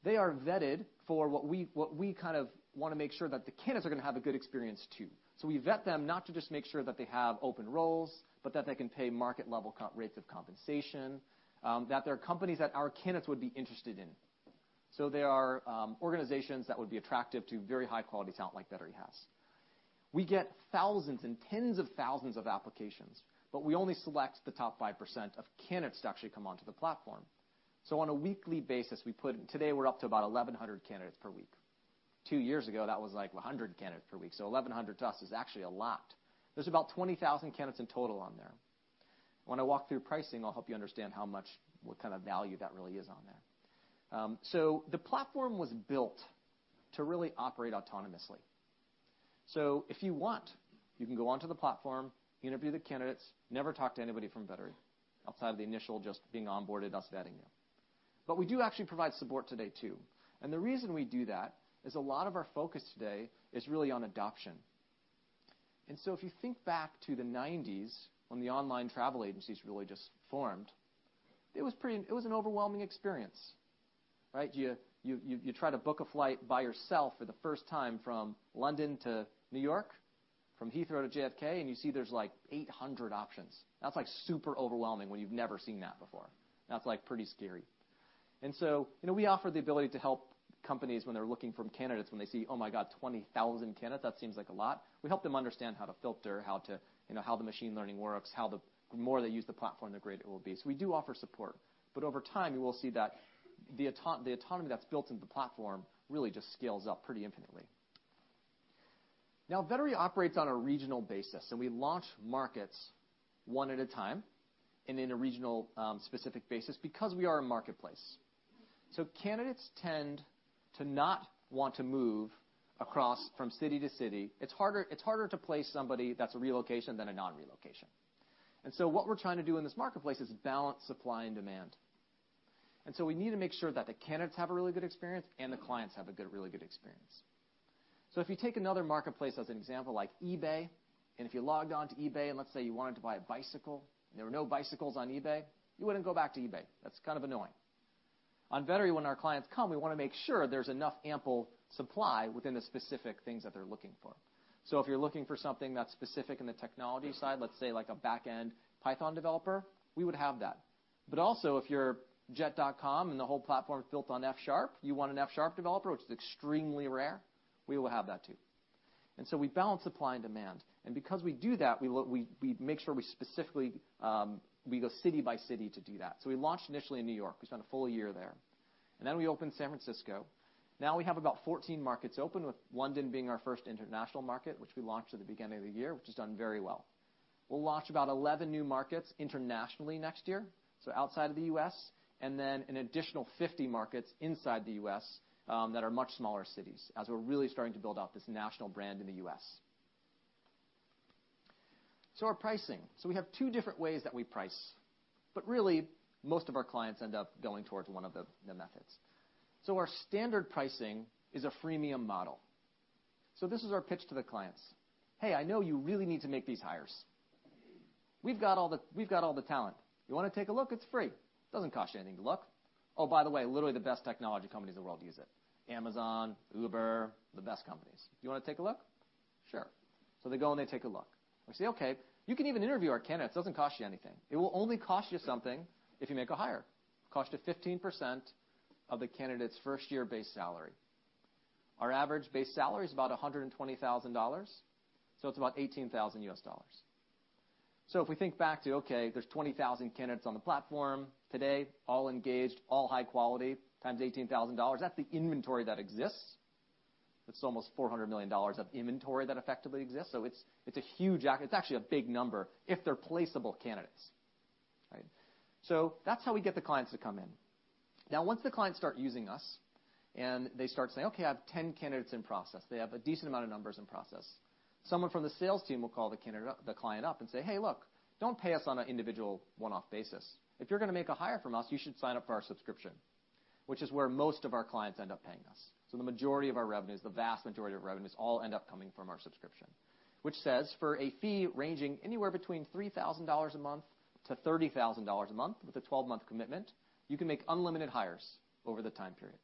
they are vetted for what we kind of want to make sure that the candidates are going to have a good experience, too. We vet them not to just make sure that they have open roles, but that they can pay market-level rates of compensation, that they are companies that our candidates would be interested in. They are organizations that would be attractive to very high-quality talent like Vettery has. We get thousands and tens of thousands of applications, but we only select the top 5% of candidates to actually come onto the platform. On a weekly basis, today we're up to about 1,100 candidates per week. Two years ago, that was like 100 candidates per week. 1,100 to us is actually a lot. There's about 20,000 candidates in total on there. When I walk through pricing, I'll help you understand how much, what kind of value that really is on there. The platform was built to really operate autonomously. If you want, you can go onto the platform, interview the candidates, never talk to anybody from Vettery outside of the initial just being onboarded, us vetting you. We do actually provide support today, too. The reason we do that is a lot of our focus today is really on adoption. If you think back to the '90s when the online travel agencies really just formed, it was an overwhelming experience, right? You try to book a flight by yourself for the first time from London to New York, from Heathrow to JFK, and you see there's like 800 options. That's super overwhelming when you've never seen that before. That's pretty scary. We offer the ability to help companies when they're looking for candidates, when they see, "Oh my god, 20,000 candidates, that seems like a lot." We help them understand how to filter, how the machine learning works, how the more they use the platform, the greater it will be. We do offer support, but over time, you will see that the autonomy that's built into the platform really just scales up pretty infinitely. Vettery operates on a regional basis, we launch markets one at a time and in a regional-specific basis because we are a marketplace. Candidates tend to not want to move across from city to city. It's harder to place somebody that's a relocation than a non-relocation. What we're trying to do in this marketplace is balance supply and demand. We need to make sure that the candidates have a really good experience and the clients have a really good experience. If you take another marketplace as an example, like eBay, and if you logged on to eBay, and let's say you wanted to buy a bicycle, and there were no bicycles on eBay, you wouldn't go back to eBay. That's kind of annoying. On Vettery, when our clients come, we want to make sure there's enough ample supply within the specific things that they're looking for. If you're looking for something that's specific in the technology side, let's say like a back-end Python developer, we would have that. If you're Jet.com and the whole platform is built on F#, you want an F# developer, which is extremely rare, we will have that, too. We balance supply and demand, and because we do that, we make sure we go city by city to do that. We launched initially in New York. We spent a full year there. We opened San Francisco. We have about 14 markets open, with London being our first international market, which we launched at the beginning of the year, which has done very well. We'll launch about 11 new markets internationally next year, outside of the U.S., and then an additional 50 markets inside the U.S. that are much smaller cities, as we're really starting to build out this national brand in the U.S. Our pricing. We have two different ways that we price, but really, most of our clients end up going towards one of the methods. Our standard pricing is a freemium model. This is our pitch to the clients. "Hey, I know you really need to make these hires. We've got all the talent. You want to take a look? It's free. It doesn't cost you anything to look. Oh, by the way, literally the best technology companies in the world use it. Amazon, Uber, the best companies. Do you want to take a look?" Sure. They go and they take a look. We say, "Okay. You can even interview our candidates. It doesn't cost you anything. It will only cost you something if you make a hire. It'll cost you 15% of the candidate's first-year base salary." Our average base salary is about $120,000, so it's about $18,000. If we think back to, okay, there's 20,000 candidates on the platform today, all engaged, all high quality, times $18,000, that's the inventory that exists. It's almost $400 million of inventory that effectively exists. It's actually a big number if they're placeable candidates. Right? That's how we get the clients to come in. Once the clients start using us and they start saying, "Okay, I have 10 candidates in process." They have a decent amount of numbers in process. Someone from the sales team will call the client up and say, "Hey, look, don't pay us on an individual one-off basis. If you're going to make a hire from us, you should sign up for our subscription," which is where most of our clients end up paying us. The majority of our revenues, the vast majority of revenues, all end up coming from our subscription, which says, for a fee ranging anywhere between $3,000 a month to $30,000 a month with a 12-month commitment, you can make unlimited hires over the time period.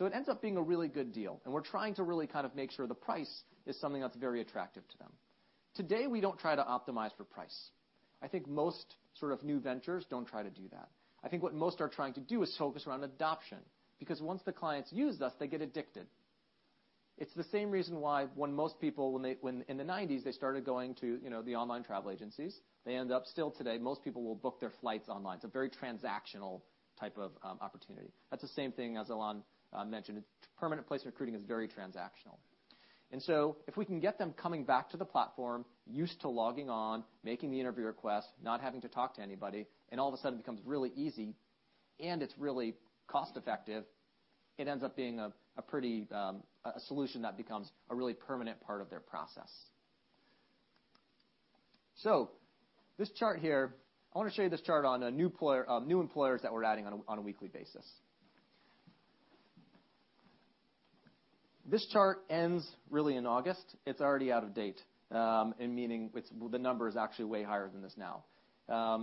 It ends up being a really good deal, and we're trying to really kind of make sure the price is something that's very attractive to them. Today, we don't try to optimize for price. I think most sort of new ventures don't try to do that. I think what most are trying to do is focus around adoption, because once the clients use us, they get addicted. It's the same reason why when most people, in the '90s, they started going to the online travel agencies. They end up still today, most people will book their flights online. It's a very transactional type of opportunity. That's the same thing, as Alain mentioned. Permanent placement recruiting is very transactional. If we can get them coming back to the platform, used to logging on, making the interview request, not having to talk to anybody, and all of a sudden it becomes really easy and it's really cost-effective, it ends up being a solution that becomes a really permanent part of their process. This chart here, I want to show you this chart on new employers that we're adding on a weekly basis. This chart ends really in August. It's already out of date, meaning the number is actually way higher than this now.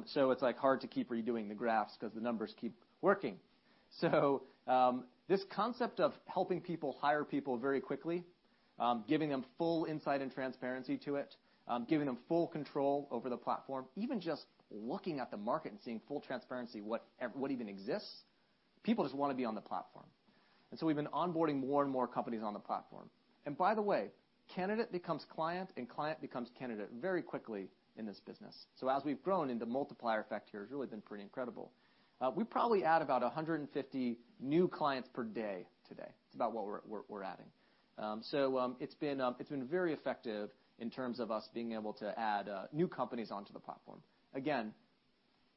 It's hard to keep redoing the graphs because the numbers keep working. This concept of helping people hire people very quickly, giving them full insight and transparency to it, giving them full control over the platform, even just looking at the market and seeing full transparency, what even exists, people just want to be on the platform. We've been onboarding more and more companies on the platform. By the way, candidate becomes client, and client becomes candidate very quickly in this business. As we've grown, the multiplier effect here has really been pretty incredible. We probably add about 150 new clients per day today. It's about what we're adding. It's been very effective in terms of us being able to add new companies onto the platform. Again,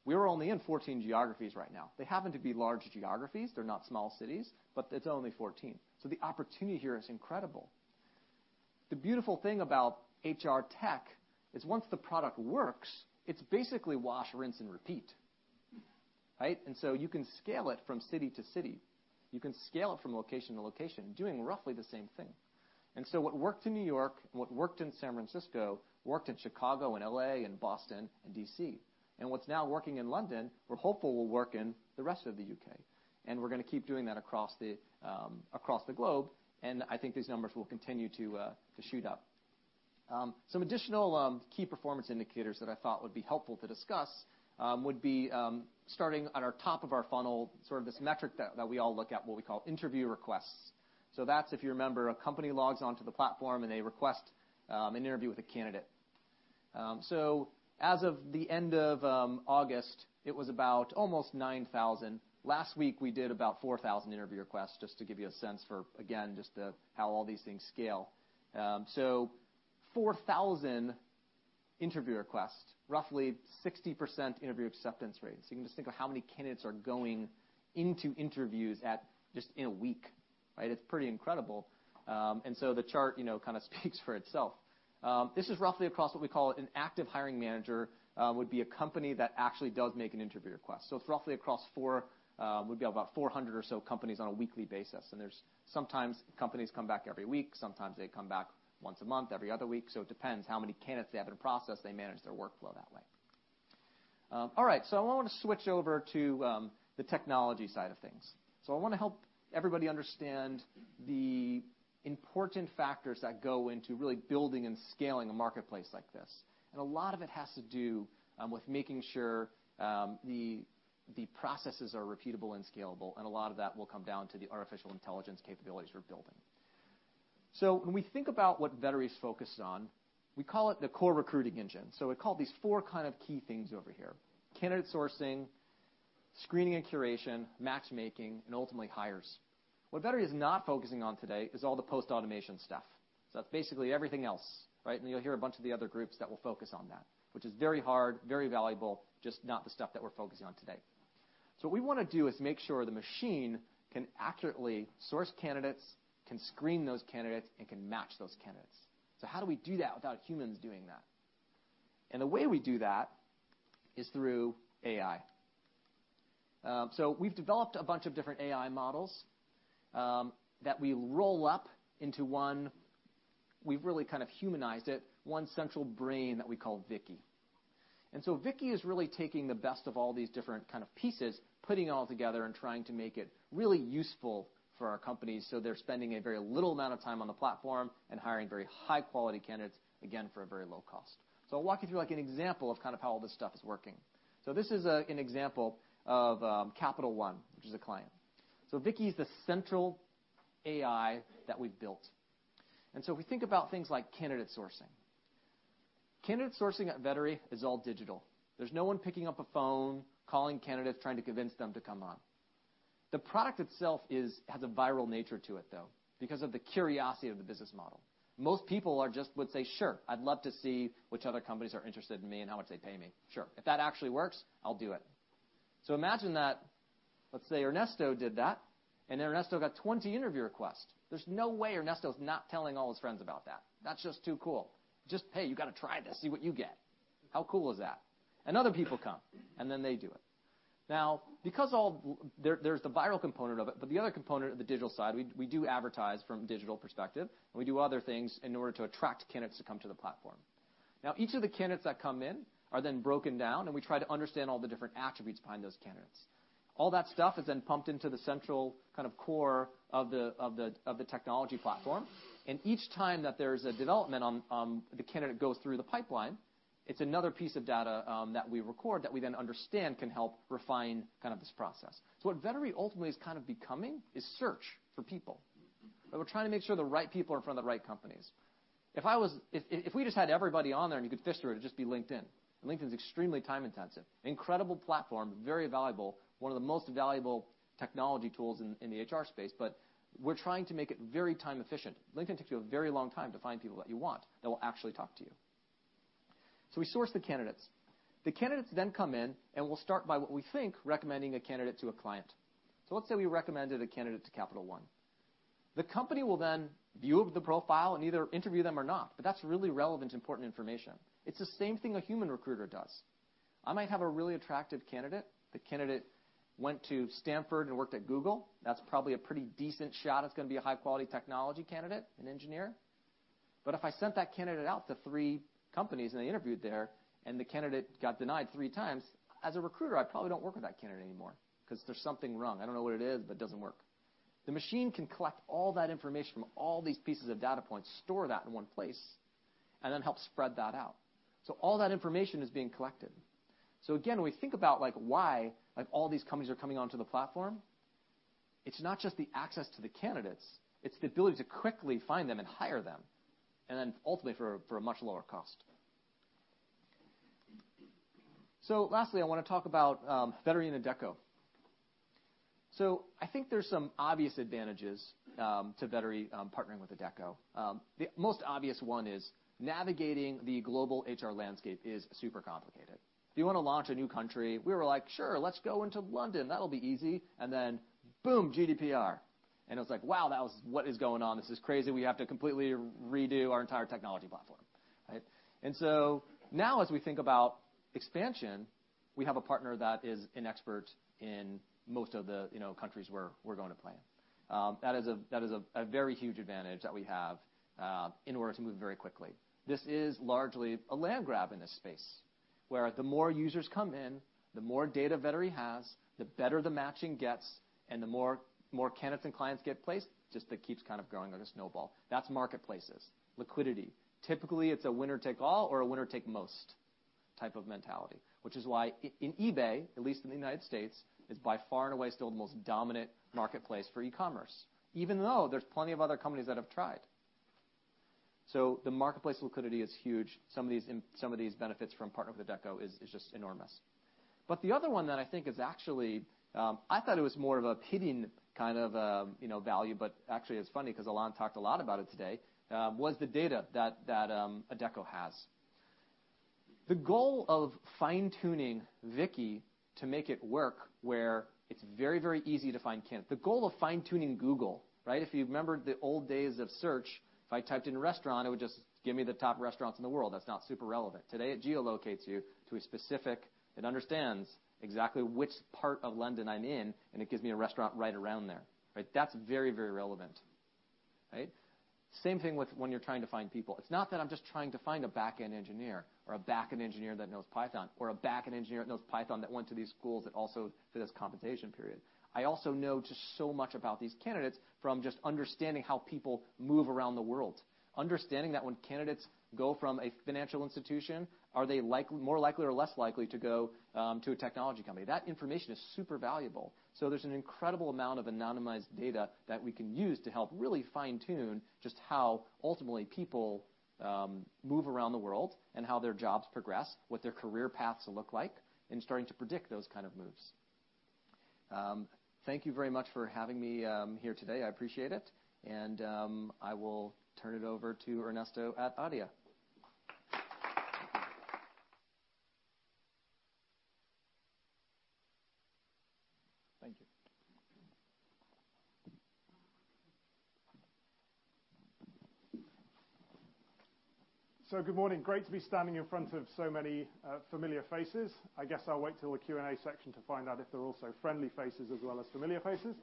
we are only in 14 geographies right now. They happen to be large geographies. They're not small cities, but it's only 14. The opportunity here is incredible. The beautiful thing about HR tech is once the product works, it's basically wash, rinse, and repeat. Right? You can scale it from city to city. You can scale it from location to location, doing roughly the same thing. What worked in New York and what worked in San Francisco, worked in Chicago and L.A. and Boston and D.C. What's now working in London, we're hopeful will work in the rest of the U.K. We're going to keep doing that across the globe, and I think these numbers will continue to shoot up. Some additional key performance indicators that I thought would be helpful to discuss, would be starting on our top of our funnel, sort of this metric that we all look at, what we call interview requests. That's, if you remember, a company logs onto the platform, and they request an interview with a candidate. As of the end of August, it was about almost 9,000. Last week, we did about 4,000 interview requests, just to give you a sense for, again, just how all these things scale. 4,000 interview requests, roughly 60% interview acceptance rate. You can just think of how many candidates are going into interviews just in a week, right? It's pretty incredible. The chart kind of speaks for itself. This is roughly across what we call an active hiring manager, would be a company that actually does make an interview request. It's roughly across four, would be about 400 or so companies on a weekly basis. There's sometimes companies come back every week, sometimes they come back once a month, every other week. It depends how many candidates they have in a process. They manage their workflow that way. All right. I want to switch over to the technology side of things. I want to help everybody understand the important factors that go into really building and scaling a marketplace like this. A lot of it has to do with making sure the processes are repeatable and scalable, and a lot of that will come down to the artificial intelligence capabilities we're building. When we think about what Vettery's focused on, we call it the core recruiting engine. We call these four key things over here, candidate sourcing, screening and curation, matchmaking, and ultimately hires. What Vettery is not focusing on today is all the post-automation stuff. That's basically everything else, right? You'll hear a bunch of the other groups that will focus on that, which is very hard, very valuable, just not the stuff that we're focusing on today. What we want to do is make sure the machine can accurately source candidates, can screen those candidates, and can match those candidates. How do we do that without humans doing that? The way we do that is through AI. We've developed a bunch of different AI models, that we roll up into one, we've really kind of humanized it, one central brain that we call Vicky. Vicky is really taking the best of all these different kind of pieces, putting it all together, and trying to make it really useful for our company, so they're spending a very little amount of time on the platform and hiring very high-quality candidates, again, for a very low cost. I'll walk you through an example of how all this stuff is working. This is an example of Capital One, which is a client. Vicky is the central AI that we've built. If we think about things like candidate sourcing. Candidate sourcing at Vettery is all digital. There's no one picking up a phone, calling candidates, trying to convince them to come on. The product itself has a viral nature to it, though, because of the curiosity of the business model. Most people are just, would say, "Sure, I'd love to see which other companies are interested in me and how much they pay me. Sure. If that actually works, I'll do it." Imagine that, let's say Ernesto did that, and Ernesto got 20 interview requests. There's no way Ernesto's not telling all his friends about that. That's just too cool. Just, "Hey, you got to try this, see what you get. How cool is that?" Other people come, then they do it. Because there's the viral component of it, but the other component of the digital side, we do advertise from digital perspective, and we do other things in order to attract candidates to come to the platform. Each of the candidates that come in are then broken down, and we try to understand all the different attributes behind those candidates. All that stuff is then pumped into the central core of the technology platform. Each time that there's a development, the candidate goes through the pipeline, it's another piece of data that we record that we then understand can help refine this process. What Vettery ultimately is becoming is search for people, where we're trying to make sure the right people are in front of the right companies. If we just had everybody on there and you could fish through it'd just be LinkedIn. LinkedIn's extremely time-intensive, incredible platform, very valuable, one of the most valuable technology tools in the HR space, but we're trying to make it very time-efficient. LinkedIn takes you a very long time to find people that you want, that will actually talk to you. We source the candidates. The candidates come in, we'll start by what we think recommending a candidate to a client. Let's say we recommended a candidate to Capital One. The company will then view the profile and either interview them or not, but that's really relevant, important information. It's the same thing a human recruiter does. I might have a really attractive candidate. The candidate went to Stanford and worked at Google. That's probably a pretty decent shot it's going to be a high-quality technology candidate, an engineer. If I sent that candidate out to three companies and they interviewed there, and the candidate got denied three times, as a recruiter, I probably don't work with that candidate anymore because there's something wrong. I don't know what it is, but it doesn't work. The machine can collect all that information from all these pieces of data points, store that in one place, and then help spread that out. All that information is being collected. Again, when we think about why all these companies are coming onto the platform, it's not just the access to the candidates, it's the ability to quickly find them and hire them, and then ultimately for a much lower cost. Lastly, I want to talk about Vettery and Adecco. I think there's some obvious advantages to Vettery partnering with Adecco. The most obvious one is navigating the global HR landscape is super complicated. If you want to launch a new country, we were like, "Sure, let's go into London. That'll be easy." Then boom, GDPR. It was like, wow, what is going on? This is crazy. We have to completely redo our entire technology platform. Right? Now as we think about expansion, we have a partner that is an expert in most of the countries where we're going to play. That is a very huge advantage that we have in order to move very quickly. This is largely a land grab in this space, where the more users come in, the more data Vettery has, the better the matching gets, and the more candidates and clients get placed, just it keeps kind of growing like a snowball. That's marketplaces. Liquidity. Typically, it's a winner take all or a winner take most type of mentality, which is why in eBay, at least in the U.S., is by far and away still the most dominant marketplace for e-commerce, even though there's plenty of other companies that have tried. The marketplace liquidity is huge. Some of these benefits from partnering with Adecco is just enormous. The other one that I think is actually, I thought it was more of a pitting kind of value, but actually, it's funny Alain talked a lot about it today, was the data that Adecco has. The goal of fine-tuning Vicky to make it work where it's very, very easy to find candidates. The goal of fine-tuning Google, right? If you remember the old days of search, if I typed in restaurant, it would just give me the top restaurants in the world. That's not super relevant. Today, it geolocates you to a specific. It understands exactly which part of London I'm in, and it gives me a restaurant right around there. Right? That's very, very relevant. Right? Same thing with when you're trying to find people. It's not that I'm just trying to find a back-end engineer or a back-end engineer that knows Python, or a back-end engineer that knows Python that went to these schools that also fit this compensation period. I also know just so much about these candidates from just understanding how people move around the world. Understanding that when candidates go from a financial institution, are they more likely or less likely to go to a technology company? That information is super valuable. There's an incredible amount of anonymized data that we can use to help really fine-tune just how ultimately people move around the world and how their jobs progress, what their career paths look like, and starting to predict those kind of moves. Thank you very much for having me here today. I appreciate it. I will turn it over to Ernesto at Adia. Thank you. Good morning. Great to be standing in front of so many familiar faces. I guess I'll wait till the Q&A section to find out if they're also friendly faces as well as familiar faces.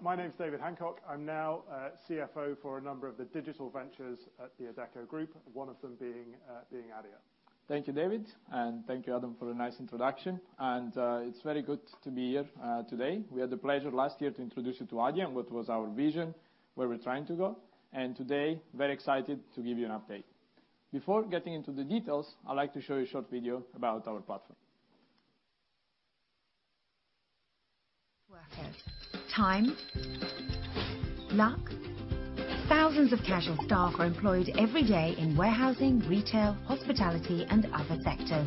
My name's David Hancock. I'm now CFO for a number of the digital ventures at Adecco Group, one of them being Adia. Thank you, David, and thank you, Adam, for the nice introduction. It's very good to be here today. We had the pleasure last year to introduce you to Adia and what was our vision, where we're trying to go, and today, very excited to give you an update. Before getting into the details, I'd like to show you a short video about our platform. Work here. Time. Luck. Thousands of casual staff are employed every day in warehousing, retail, hospitality, and other sectors.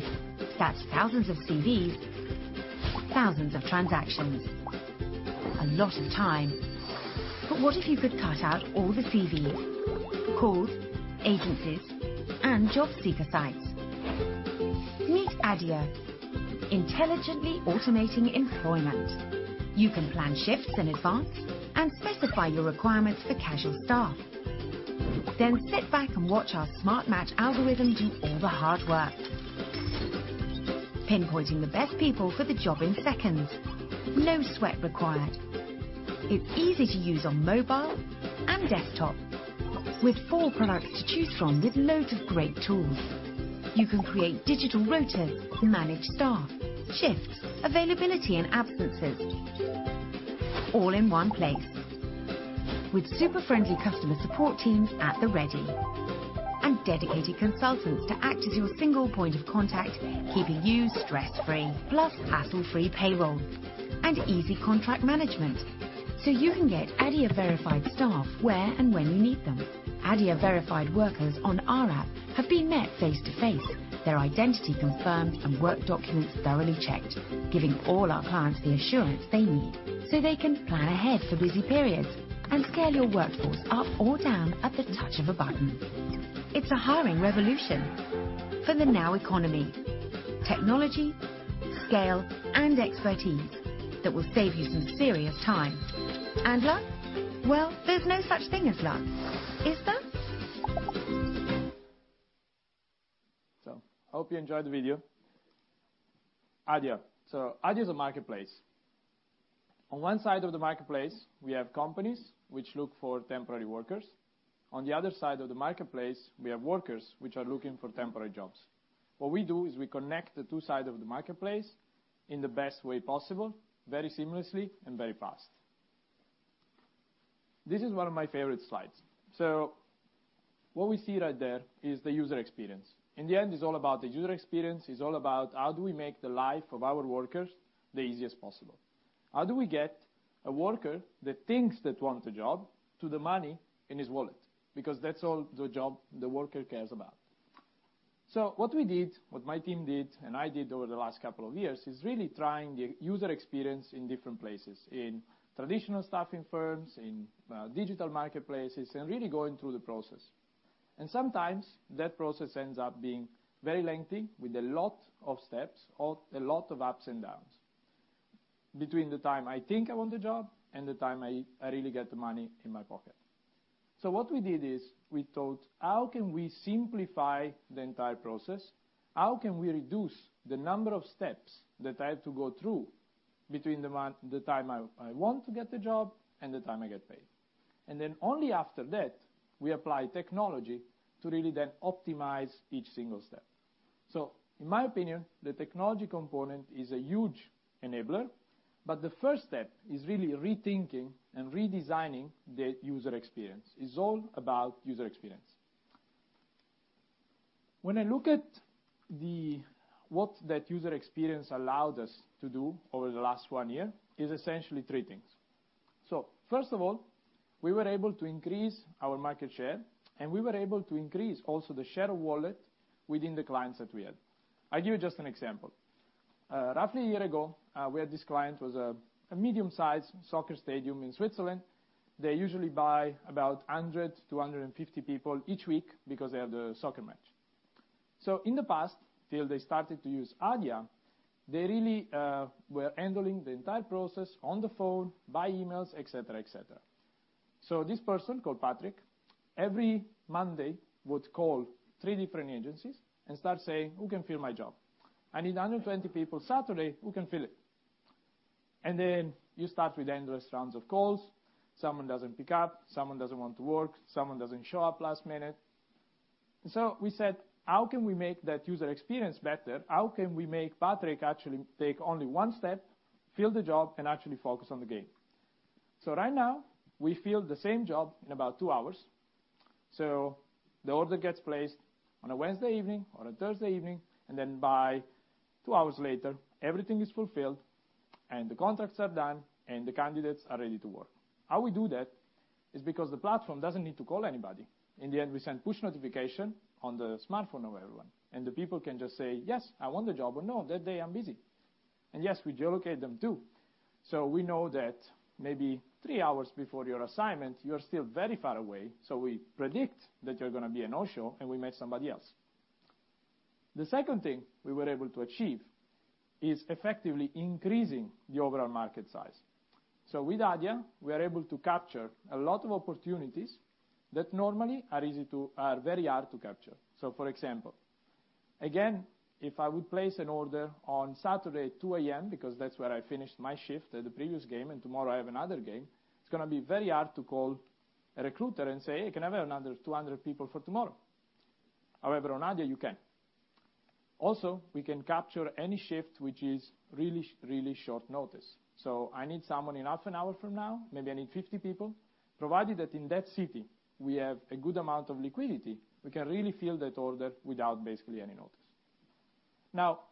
That's thousands of CVs, thousands of transactions. A lot of time. What if you could cut out all the CVs, calls, agencies, and job seeker sites? Meet Adia, intelligently automating employment. You can plan shifts in advance and specify your requirements for casual staff. Sit back and watch our smart match algorithm do all the hard work, pinpointing the best people for the job in seconds. No sweat required. It's easy to use on mobile and desktop, with four products to choose from with loads of great tools. You can create digital rotas, manage staff, shifts, availability, and absences all in one place. With super friendly customer support teams at the ready and dedicated consultants to act as your single point of contact, keeping you stress-free. Plus, hassle-free payroll and easy contract management so you can get Adia-verified staff where and when you need them. Adia-verified workers on our app have been met face to face, their identity confirmed, and work documents thoroughly checked, giving all our clients the assurance they need so they can plan ahead for busy periods and scale your workforce up or down at the touch of a button. It's a hiring revolution for the now economy. Technology Scale, and expertise that will save you some serious time. Luck? Well, there's no such thing as luck, is there? Hope you enjoyed the video. Adia. Adia is a marketplace. On one side of the marketplace, we have companies, which look for temporary workers. On the other side of the marketplace, we have workers which are looking for temporary jobs. What we do is we connect the two sides of the marketplace in the best way possible, very seamlessly and very fast. This is one of my favorite slides. What we see right there is the user experience. In the end, it's all about the user experience. It's all about how do we make the life of our workers the easiest possible? How do we get a worker that thinks that wants a job to the money in his wallet? Because that's all the job the worker cares about. What we did, what my team did and I did over the last couple of years, is really trying the user experience in different places, in traditional staffing firms, in digital marketplaces, and really going through the process. Sometimes that process ends up being very lengthy with a lot of steps or a lot of ups and downs between the time I think I want the job and the time I really get the money in my pocket. What we did is we thought, how can we simplify the entire process? How can we reduce the number of steps that I have to go through between the time I want to get the job and the time I get paid? Only after that, we apply technology to really then optimize each single step. In my opinion, the technology component is a huge enabler, but the first step is really rethinking and redesigning the user experience. It's all about user experience. When I look at what that user experience allowed us to do over the last one year, is essentially three things. First of all, we were able to increase our market share, and we were able to increase also the share of wallet within the clients that we had. I give just an example. Roughly a year ago, we had this client, was a medium-sized soccer stadium in Switzerland. They usually buy about 100-150 people each week because they have the soccer match. In the past, till they started to use Adia, they really were handling the entire process on the phone, by emails, et cetera. This person called Patrick every Monday would call three different agencies and start saying, "Who can fill my job? I need 120 people Saturday, who can fill it?" You start with endless rounds of calls. Someone doesn't pick up, someone doesn't want to work, someone doesn't show up last minute. We said, how can we make that user experience better? How can we make Patrick actually take only one step, fill the job, and actually focus on the game? Right now, we fill the same job in about two hours. The order gets placed on a Wednesday evening or a Thursday evening, and then by two hours later, everything is fulfilled and the contracts are done, and the candidates are ready to work. How we do that is because the platform doesn't need to call anybody. In the end, we send push notification on the smartphone of everyone, and the people can just say, "Yes, I want the job," or, "No, that day I'm busy." Yes, we geolocate them too. We know that maybe 3 hours before your assignment, you're still very far away, so we predict that you're going to be a no-show, and we match somebody else. The second thing we were able to achieve is effectively increasing the overall market size. With Adia, we are able to capture a lot of opportunities that normally are very hard to capture. For example, again, if I would place an order on Saturday at 2:00 A.M. because that's where I finished my shift at the previous game, and tomorrow I have another game, it's going to be very hard to call a recruiter and say, "Hey, can I have another 200 people for tomorrow?" However, on Adia, you can. We can capture any shift, which is really short notice. I need someone in half an hour from now, maybe I need 50 people, provided that in that city we have a good amount of liquidity, we can really fill that order without basically any notice.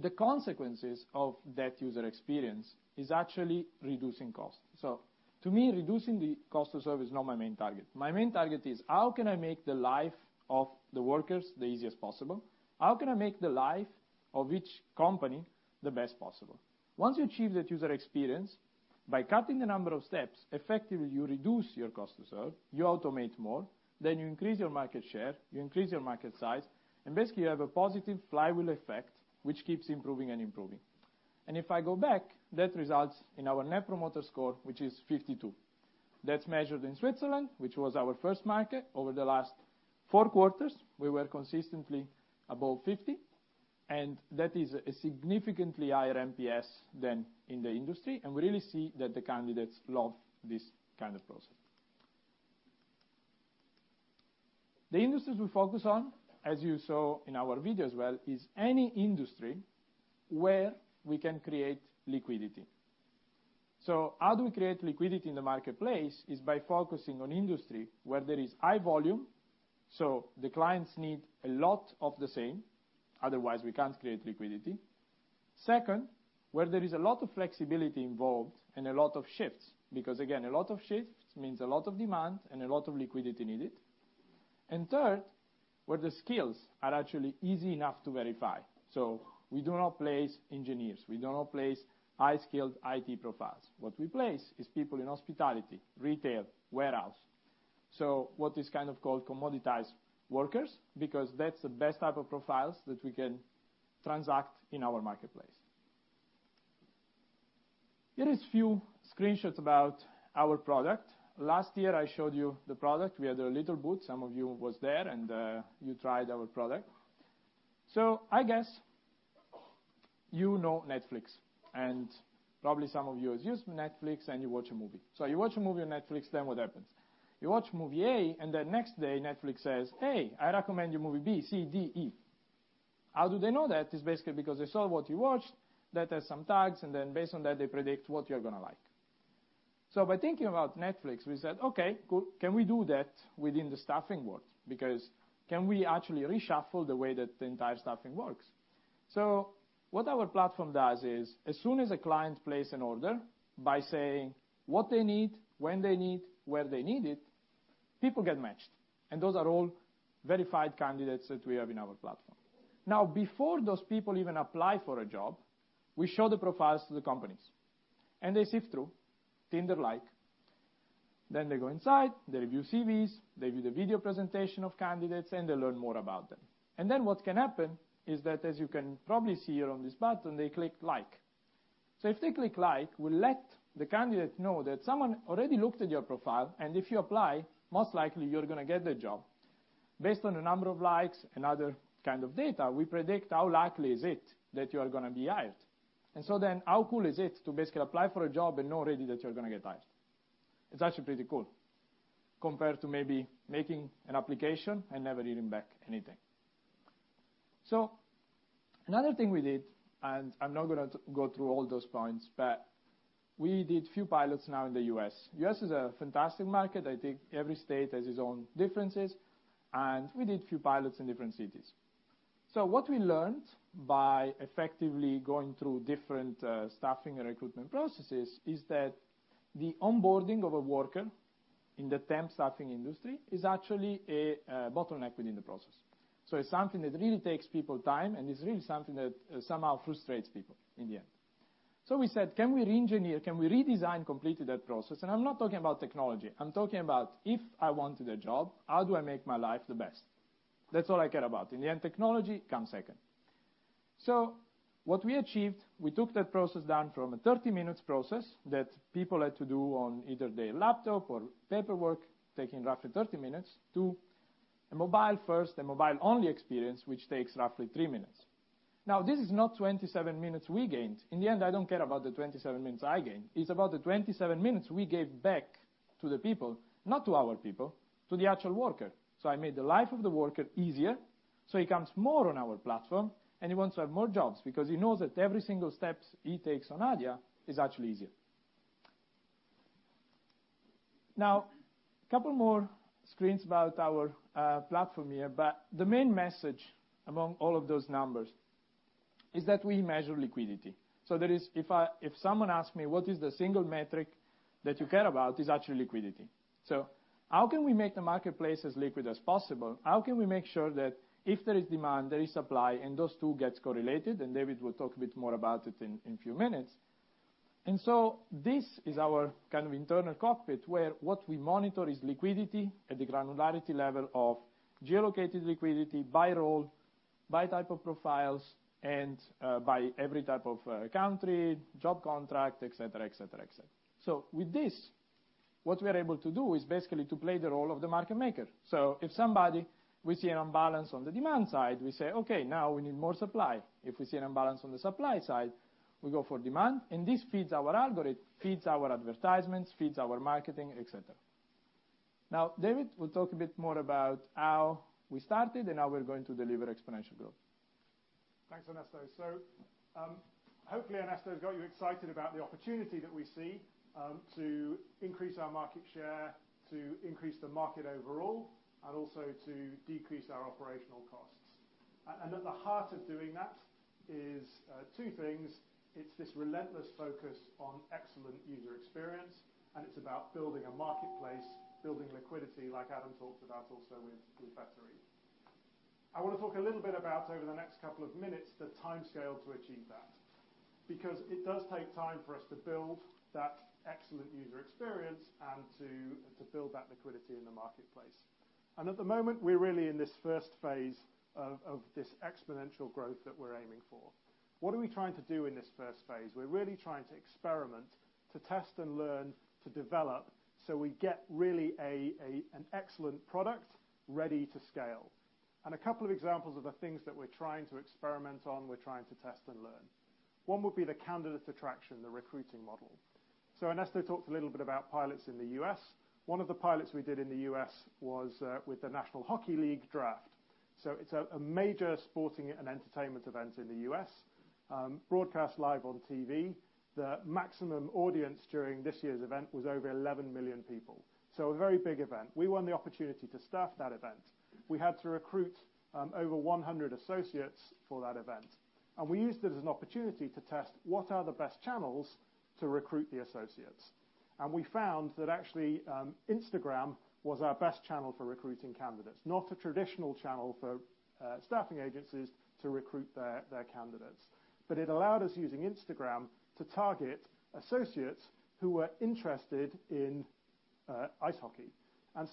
The consequences of that user experience is actually reducing cost. To me, reducing the cost of service is not my main target. My main target is how can I make the life of the workers the easiest possible? How can I make the life of each company the best possible? Once you achieve that user experience, by cutting the number of steps, effectively you reduce your cost to serve, you automate more, then you increase your market share, you increase your market size, and basically you have a positive flywheel effect, which keeps improving and improving. If I go back, that results in our net promoter score, which is 52. That's measured in Switzerland, which was our first market. Over the last four quarters, we were consistently above 50, and that is a significantly higher NPS than in the industry, and we really see that the candidates love this kind of process. The industries we focus on, as you saw in our video as well, is any industry where we can create liquidity. How do we create liquidity in the marketplace is by focusing on industry where there is high volume, so the clients need a lot of the same, otherwise we can't create liquidity. Second, where there is a lot of flexibility involved and a lot of shifts, because again, a lot of shifts means a lot of demand and a lot of liquidity needed. Third, where the skills are actually easy enough to verify. We do not place engineers. We do not place high-skilled IT profiles. What we place is people in hospitality, retail, warehouse. What is called commoditized workers, because that's the best type of profiles that we can transact in our marketplace. Here is few screenshots about our product. Last year, I showed you the product. We had a little booth. Some of you was there, and you tried our product. I guess you know Netflix, and probably some of you have used Netflix, and you watch a movie. You watch a movie on Netflix, then what happens? You watch movie A, then next day Netflix says, "Hey, I recommend you movie B, C, D, E." How do they know that? It's basically because they saw what you watched. That has some tags, and then based on that, they predict what you're going to like. By thinking about Netflix, we said, "Okay, cool. Can we do that within the staffing world?" Can we actually reshuffle the way that the entire staffing works? What our platform does is, as soon as a client places an order by saying what they need, when they need, where they need it, people get matched. Those are all verified candidates that we have in our platform. Before those people even apply for a job, we show the profiles to the companies. They sift through, Tinder-like. They go inside, they review CVs, they view the video presentation of candidates, and they learn more about them. What can happen is that, as you can probably see here on this button, they click like. If they click like, we'll let the candidate know that someone already looked at your profile, and if you apply, most likely you're going to get the job. Based on the number of likes and other kind of data, we predict how likely is it that you are going to be hired. How cool is it to basically apply for a job and know already that you're going to get hired? It's actually pretty cool compared to maybe making an application and never hearing back anything. Another thing we did, I'm not going to go through all those points, but we did a few pilots now in the U.S. U.S. is a fantastic market. I think every state has its own differences, we did a few pilots in different cities. What we learned by effectively going through different staffing and recruitment processes is that the onboarding of a worker in the temp staffing industry is actually a bottleneck within the process. It's something that really takes people time and is really something that somehow frustrates people in the end. We said, "Can we reengineer? Can we redesign completely that process?" I'm not talking about technology. I'm talking about if I wanted a job, how do I make my life the best? That's all I care about. In the end, technology comes second. What we achieved, we took that process down from a 30-minute process that people had to do on either their laptop or paperwork, taking roughly 30 minutes to a mobile first and mobile-only experience, which takes roughly three minutes. This is not 27 minutes we gained. In the end, I don't care about the 27 minutes I gained. It's about the 27 minutes we gave back to the people. Not to our people, to the actual worker. I made the life of the worker easier, he comes more on our platform, he wants to have more jobs because he knows that every single step he takes on Adia is actually easier. Couple more screens about our platform here. The main message among all of those numbers is that we measure liquidity. If someone asks me, "What is the single metric that you care about?" It's actually liquidity. How can we make the marketplace as liquid as possible? How can we make sure that if there is demand, there is supply, and those two gets correlated? David will talk a bit more about it in few minutes. This is our kind of internal cockpit, where what we monitor is liquidity at the granularity level of geolocated liquidity by role, by type of profiles, and by every type of country, job contract, et cetera, et cetera, et cetera. With this, what we are able to do is basically to play the role of the market maker. If somebody, we see an imbalance on the demand side, we say, "Okay, now we need more supply." If we see an imbalance on the supply side, we go for demand. This feeds our algorithm, feeds our advertisements, feeds our marketing, et cetera. Now, David will talk a bit more about how we started and how we're going to deliver exponential growth. Thanks, Ernesto. Hopefully, Ernesto's got you excited about the opportunity that we see to increase our market share, to increase the market overall, and also to decrease our operational costs. At the heart of doing that is two things. It's this relentless focus on excellent user experience, and it's about building a marketplace, building liquidity, like Adam talked about also with Vettery. I want to talk a little bit about, over the next couple of minutes, the timescale to achieve that. Because it does take time for us to build that excellent user experience and to build that liquidity in the marketplace. At the moment, we're really in this first phase of this exponential growth that we're aiming for. What are we trying to do in this first phase? We're really trying to experiment, to test and learn, to develop so we get really an excellent product ready to scale. A couple of examples of the things that we're trying to experiment on, we're trying to test and learn. One would be the candidate attraction, the recruiting model. Ernesto talked a little bit about pilots in the U.S. One of the pilots we did in the U.S. was with the National Hockey League draft. It's a major sporting and entertainment event in the U.S., broadcast live on TV. The maximum audience during this year's event was over 11 million people. A very big event. We won the opportunity to staff that event. We had to recruit over 100 associates for that event. We used it as an opportunity to test what are the best channels to recruit the associates. We found that actually, Instagram was our best channel for recruiting candidates. Not a traditional channel for staffing agencies to recruit their candidates. It allowed us using Instagram to target associates who were interested in Ice hockey.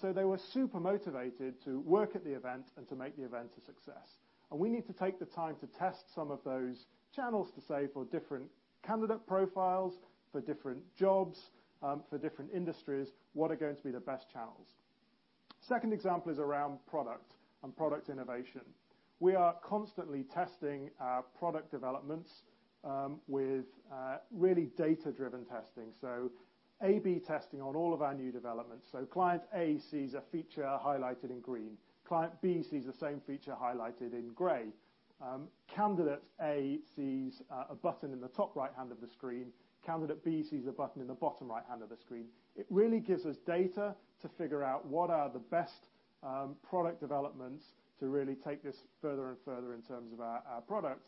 They were super motivated to work at the event and to make the event a success. We need to take the time to test some of those channels to see for different candidate profiles, for different jobs, for different industries, what are going to be the best channels. Second example is around product and product innovation. We are constantly testing our product developments with really data-driven testing. A/B testing on all of our new developments. Client A sees a feature highlighted in green. Client B sees the same feature highlighted in gray. Candidate A sees a button in the top right-hand of the screen. Candidate B sees a button in the bottom right-hand of the screen. It really gives us data to figure out what are the best product developments to really take this further and further in terms of our product.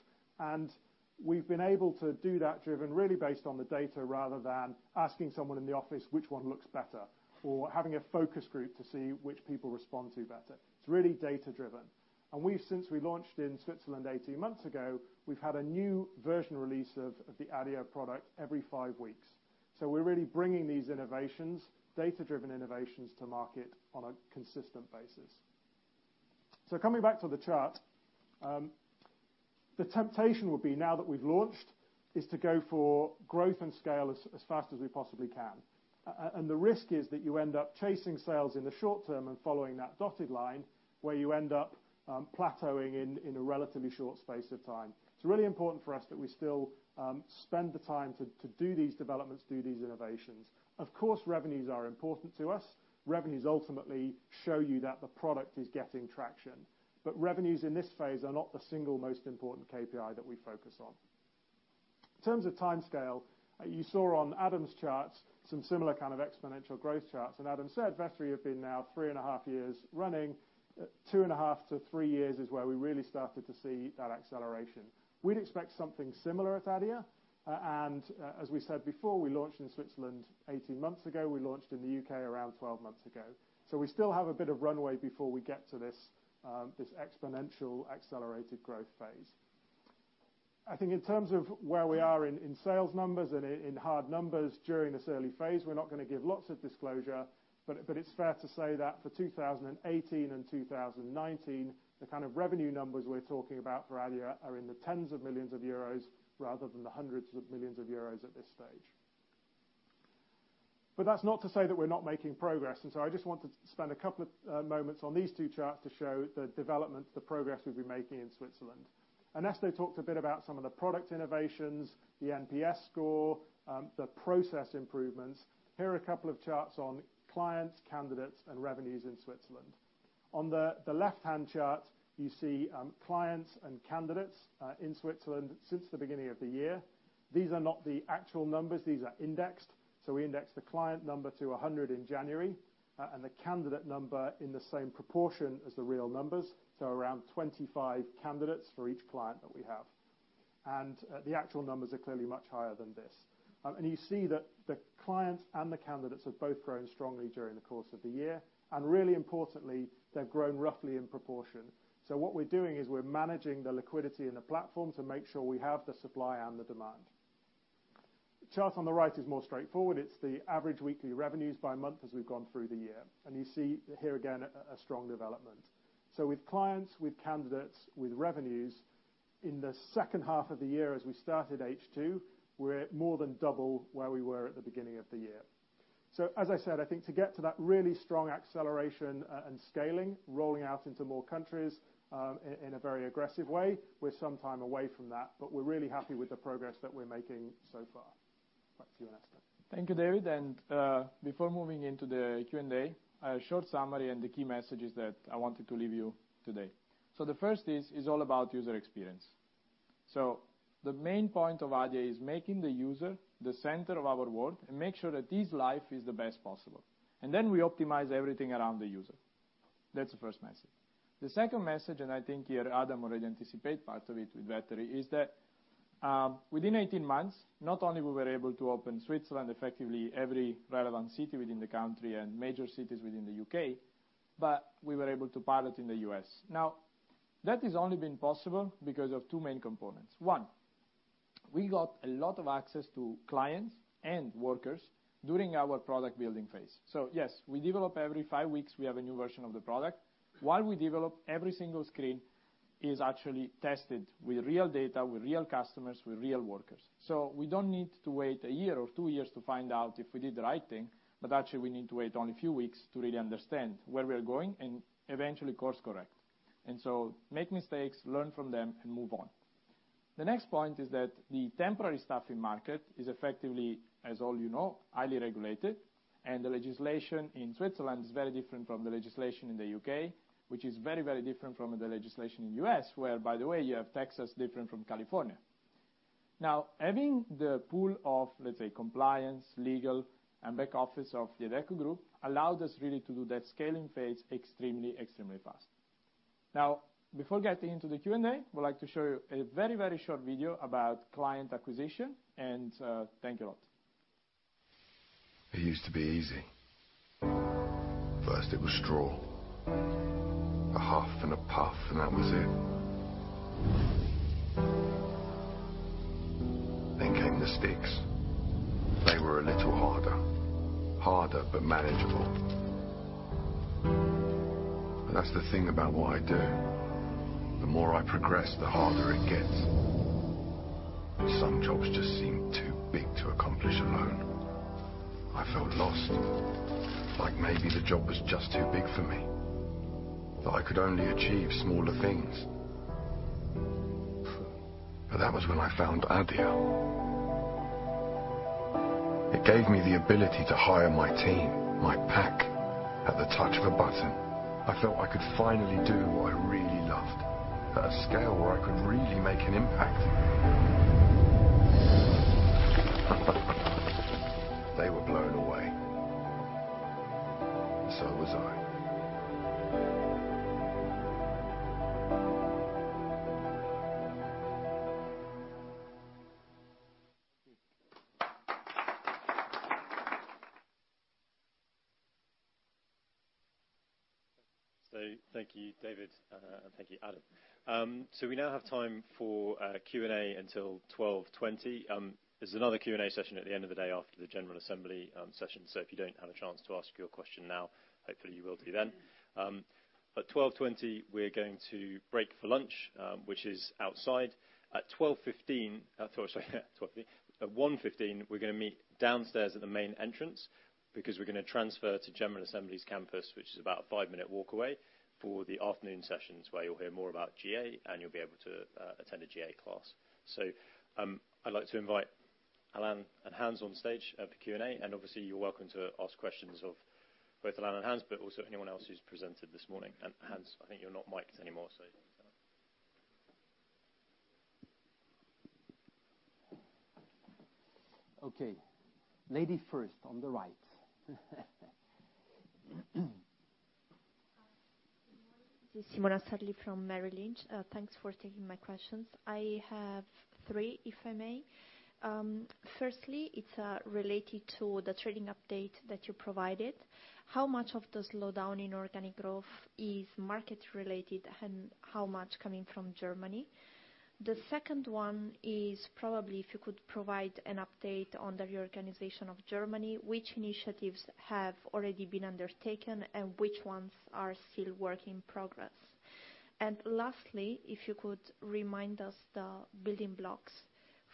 We've been able to do that driven really based on the data, rather than asking someone in the office which one looks better, or having a focus group to see which people respond to better. It's really data-driven. We've since we launched in Switzerland 18 months ago, we've had a new version release of the Adia product every five weeks. We're really bringing these innovations, data-driven innovations to market on a consistent basis. Coming back to the chart. The temptation would be, now that we've launched, is to go for growth and scale as fast as we possibly can. The risk is that you end up chasing sales in the short term and following that dotted line, where you end up plateauing in a relatively short space of time. It's really important for us that we still spend the time to do these developments, do these innovations. Of course, revenues are important to us. Revenues ultimately show you that the product is getting traction. Revenues in this phase are not the single most important KPI that we focus on. In terms of timescale, you saw on Adam's charts some similar kind of exponential growth charts, and Adam said Vettery have been now three and a half years running. Two and a half to three years is where we really started to see that acceleration. We'd expect something similar at Adia, and as we said before, we launched in Switzerland 18 months ago, we launched in the U.K. around 12 months ago. We still have a bit of runway before we get to this exponential accelerated growth phase. I think in terms of where we are in sales numbers and in hard numbers during this early phase, we're not going to give lots of disclosure, but it's fair to say that for 2018 and 2019, the kind of revenue numbers we're talking about for Adia are in the tens of millions of EUR rather than the hundreds of millions of EUR at this stage. That's not to say that we're not making progress, I just want to spend a couple of moments on these two charts to show the development, the progress we've been making in Switzerland. Ernesto talked a bit about some of the product innovations, the NPS score, the process improvements. Here are a couple of charts on clients, candidates, and revenues in Switzerland. On the left-hand chart, you see clients and candidates in Switzerland since the beginning of the year. These are not the actual numbers, these are indexed. We index the client number to 100 in January, and the candidate number in the same proportion as the real numbers. Around 25 candidates for each client that we have. The actual numbers are clearly much higher than this. You see that the clients and the candidates have both grown strongly during the course of the year. Really importantly, they've grown roughly in proportion. What we're doing is we're managing the liquidity in the platform to make sure we have the supply and the demand. The chart on the right is more straightforward. It's the average weekly revenues by month as we've gone through the year. You see here again, a strong development. With clients, with candidates, with revenues, in the second half of the year as we started H2, we're more than double where we were at the beginning of the year. As I said, I think to get to that really strong acceleration and scaling, rolling out into more countries, in a very aggressive way, we're some time away from that, but we're really happy with the progress that we're making so far. Back to you, Ernesto. Thank you, David. Before moving into the Q&A, a short summary and the key messages that I wanted to leave you today. The first is all about user experience. The main point of Adia is making the user the center of our world and make sure that his life is the best possible. We optimize everything around the user. That's the first message. The second message, I think here Adam already anticipate part of it with Vettery, is that within 18 months, not only we were able to open Switzerland, effectively every relevant city within the country and major cities within the U.K., but we were able to pilot in the U.S. That has only been possible because of two main components. One, we got a lot of access to clients and workers during our product building phase. Yes, we develop every five weeks, we have a new version of the product. While we develop every single screen is actually tested with real data, with real customers, with real workers. We don't need to wait a year or two years to find out if we did the right thing, but actually we need to wait only a few weeks to really understand where we are going and eventually course correct. Make mistakes, learn from them, and move on. The next point is that the temporary staffing market is effectively, as all you know, highly regulated, and the legislation in Switzerland is very different from the legislation in the U.K., which is very, very different from the legislation in U.S., where, by the way, you have taxes different from California. Having the pool of, let's say, compliance, legal, and back office of the Adecco Group allowed us really to do that scaling phase extremely fast. Before getting into the Q&A, we'd like to show you a very, very short video about client acquisition, and thank you a lot. It used to be easy. First it was straw. A huff and a puff, and that was it. Came the sticks. They were a little harder. Harder, but manageable. That's the thing about what I do. The more I progress, the harder it gets. Some jobs just seem too big to accomplish alone. I felt lost, like maybe the job was just too big for me, that I could only achieve smaller things. That was when I found Adia. It gave me the ability to hire my team, my pack, at the touch of a button. I felt I could finally do what I really loved at a scale where I could really make an impact. They were blown away. So was I. Thank you, David, and thank you, Adam. We now have time for Q&A until 12:20. There's another Q&A session at the end of the day after the General Assembly session, so if you don't have a chance to ask your question now, hopefully you will do then. At 12:20, we're going to break for lunch, which is outside. At 1:15, we're going to meet downstairs at the main entrance because we're going to transfer to General Assembly's campus, which is about a five-minute walk away, for the afternoon sessions, where you'll hear more about GA, and you'll be able to attend a GA class. I'd like to invite Alain and Hans on stage for Q&A, and obviously, you're welcome to ask questions of both Alain and Hans, but also anyone else who's presented this morning. Hans, I think you're not mic'd anymore. Okay. Lady first on the right. Good morning. This is Simona Sardelli from Merrill Lynch. Thanks for taking my questions. I have three, if I may. Firstly, it's related to the trading update that you provided. How much of the slowdown in organic growth is market-related, and how much coming from Germany? The second one is probably if you could provide an update on the reorganization of Germany, which initiatives have already been undertaken and which ones are still work in progress? Lastly, if you could remind us the building blocks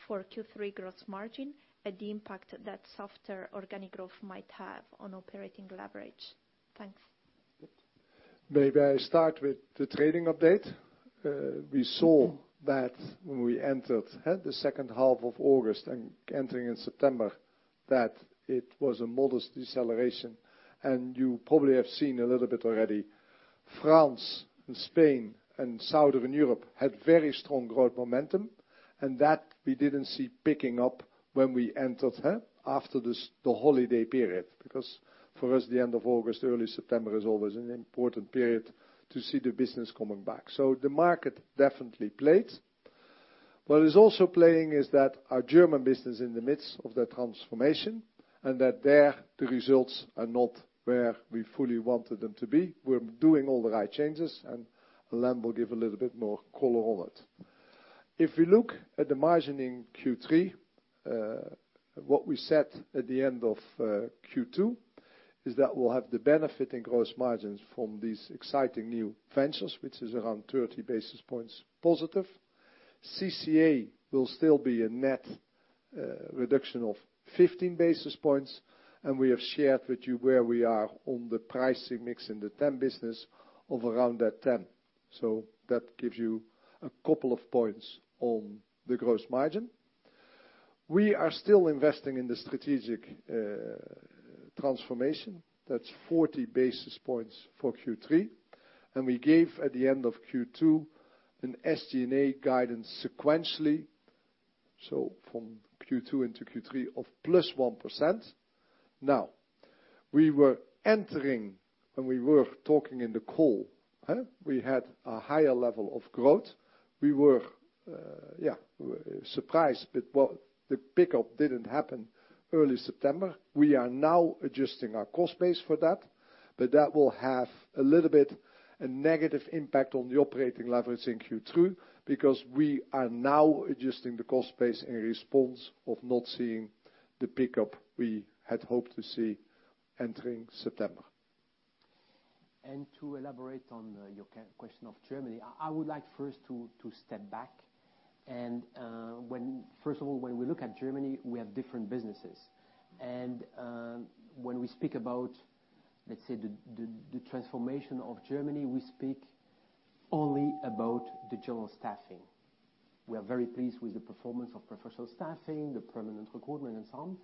for Q3 growth margin and the impact that softer organic growth might have on operating leverage. Thanks. Maybe I start with the trading update. We saw that when we entered the second half of August and entering in September, that it was a modest deceleration, and you probably have seen a little bit already. France and Spain and southern Europe had very strong growth momentum, and that we didn't see picking up when we entered after the holiday period. For us, the end of August, early September, is always an important period to see the business coming back. The market definitely played. What is also playing is that our German business in the midst of the transformation, and that there, the results are not where we fully wanted them to be. We're doing all the right changes, and Alain will give a little bit more color on it. If we look at the margin in Q3, what we set at the end of Q2 is that we'll have the benefit in gross margins from these exciting new ventures, which is around 30 basis points positive. CCA will still be a net reduction of 15 basis points, and we have shared with you where we are on the pricing mix in the temp business of around that 10. That gives you a couple of points on the gross margin. We are still investing in the strategic transformation. That's 40 basis points for Q3, and we gave, at the end of Q2, an SG&A guidance sequentially, so from Q2 into Q3, of plus 1%. We were entering when we were talking in the call. We had a higher level of growth. We were surprised, well, the pickup didn't happen early September. We are now adjusting our cost base for that will have a little bit of a negative impact on the operating leverage in Q2, because we are now adjusting the cost base in response of not seeing the pickup we had hoped to see entering September. To elaborate on your question of Germany, I would like first to step back. First of all, when we look at Germany, we have different businesses. When we speak about, let's say, the transformation of Germany, we speak only about the general staffing. We are very pleased with the performance of professional staffing, the permanent recruitment, and so on.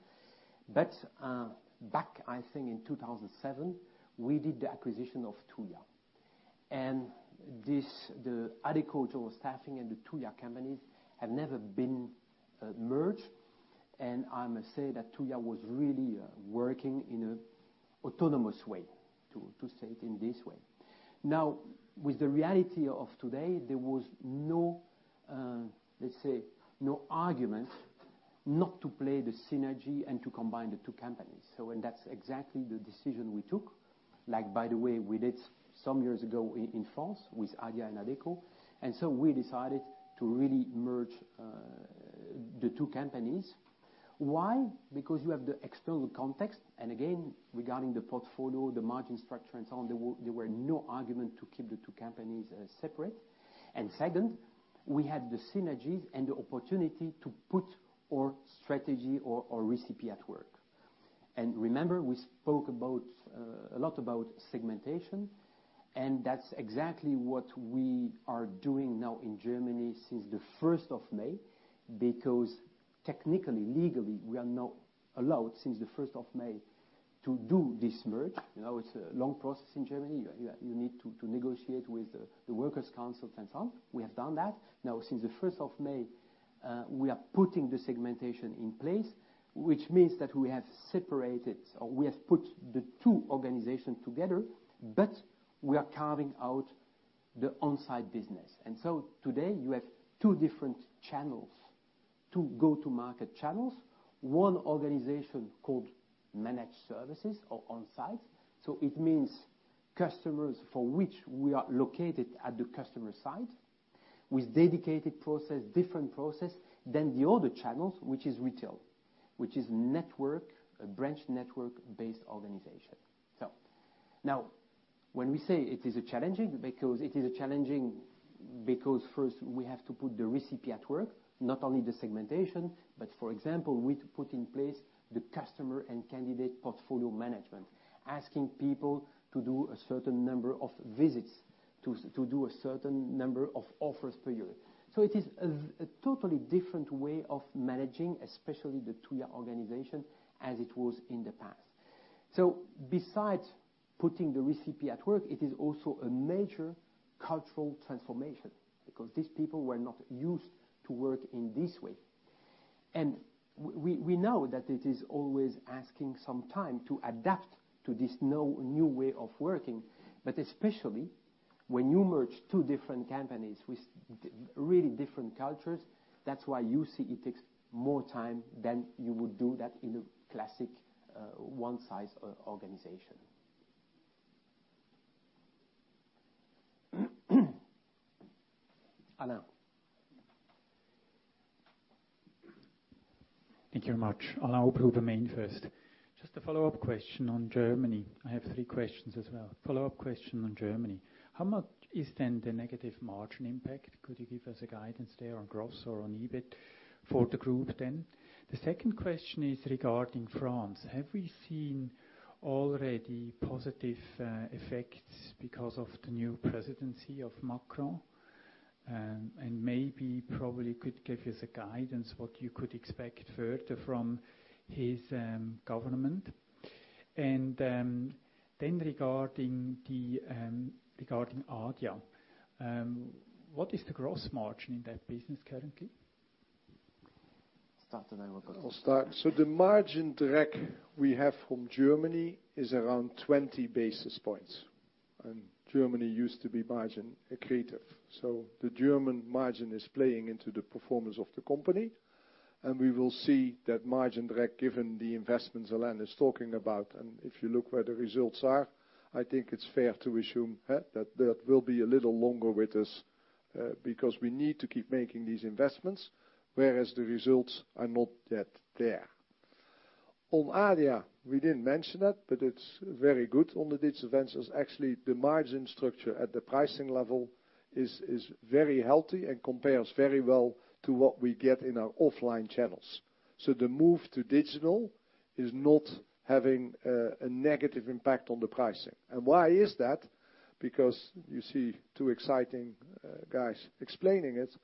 Back, I think, in 2007, we did the acquisition of Tuja. The Adecco general staffing and the Tuja companies have never been merged, I must say that Tuja was really working in an autonomous way, to say it in this way. With the reality of today, there was no arguments not to play the synergy and to combine the two companies. That's exactly the decision we took Like by the way, we did some years ago in France with Adia and Adecco. We decided to really merge the two companies. Why? Because you have the external context, again, regarding the portfolio, the margin structure and so on, there were no argument to keep the two companies separate. Second, we had the synergies and the opportunity to put our strategy, our recipe at work. Remember, we spoke a lot about segmentation, that's exactly what we are doing now in Germany since the 1st of May. Because technically, legally, we are now allowed, since the 1st of May, to do this merge. It's a long process in Germany. You need to negotiate with the workers councils and so on. We have done that. Since the 1st of May, we are putting the segmentation in place. Which means that we have put the two organizations together, but we are carving out the on-site business. Today, you have two different go-to-market channels. One organization called Managed Services or on-site. It means customers for which we are located at the customer site with dedicated process, different process than the other channels, which is retail, which is a branch network based organization. When we say it is challenging, because first we have to put the recipe at work, not only the segmentation, but for example, we put in place the customer and candidate portfolio management. Asking people to do a certain number of visits, to do a certain number of offers per year. It is a totally different way of managing, especially the two organization, as it was in the past. Besides putting the recipe at work, it is also a major cultural transformation because these people were not used to work in this way. We know that it is always taking some time to adapt to this new way of working. Especially when you merge two different companies with really different cultures, that's why you see it takes more time than you would do that in a classic one-size organization. (Alain). Thank you very much. (Alain) Dehaze, MainFirst. Just a follow-up question on Germany. I have three questions as well. Follow-up question on Germany. How much is the negative margin impact? Could you give us a guidance there on gross or on EBIT for the group? The second question is regarding France. Have we seen already positive effects because of the new presidency of Macron? Maybe, probably could give us a guidance what you could expect further from his government. Regarding Adia, what is the gross margin in that business currently? Start and I will continue. I'll start. The margin drag we have from Germany is around 20 basis points, Germany used to be margin accretive. The German margin is playing into the performance of the company, we will see that margin drag given the investments Alain is talking about. If you look where the results are, I think it's fair to assume that that will be a little longer with us, because we need to keep making these investments, whereas the results are not yet there. On Adia, we didn't mention it, but it's very good on the digital ventures. Actually, the margin structure at the pricing level is very healthy and compares very well to what we get in our offline channels. The move to digital is not having a negative impact on the pricing. Why is that? You see two exciting guys explaining it,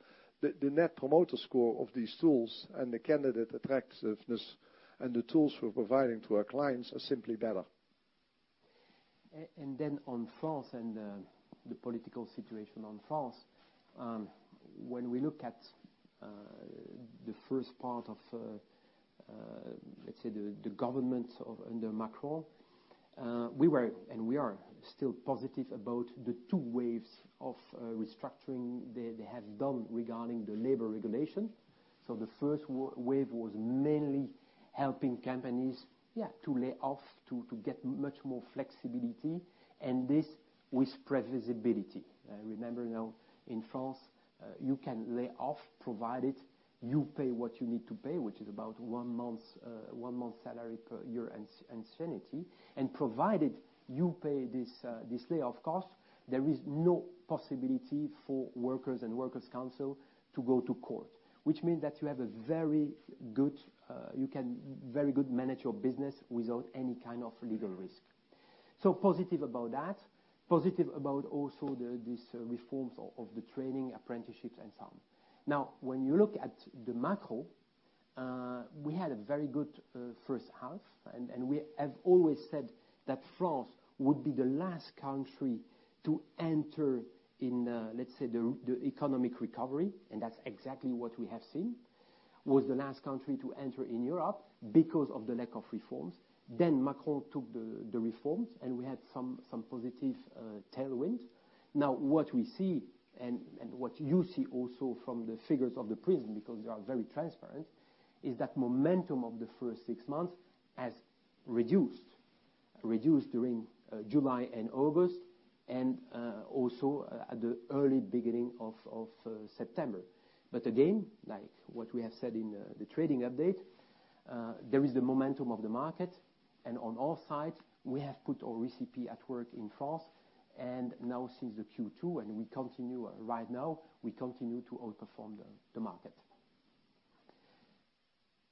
the net promoter score of these tools and the candidate attractiveness and the tools we're providing to our clients are simply better. On France and the political situation on France. When we look at the first part of, let's say the government under Macron. We were, and we are still positive about the two waves of restructuring they have done regarding the labor regulation. The first wave was mainly helping companies to lay off, to get much more flexibility and this with previsibility. Remember now in France, you can lay off provided you pay what you need to pay, which is about one month salary per year, and seniority. Provided you pay this layoff cost, there is no possibility for workers and workers council to go to court. Which means that you can very good manage your business without any kind of legal risk. Positive about that. Positive about also these reforms of the training apprenticeships and so on. When you look at the macro, we had a very good first half, and we have always said that France would be the last country to enter in the, let's say, the economic recovery. That's exactly what we have seen. Was the last country to enter in Europe because of the lack of reforms. Macron took the reforms, and we had some positive tailwind. What we see and what you see also from the figures of the PRISME, because they are very transparent Is that momentum of the first six months has reduced during July and August, and also at the early beginning of September. Again, like what we have said in the trading update, there is the momentum of the market. On our side, we have put our recipe at work in France, since the Q2 and right now, we continue to outperform the market.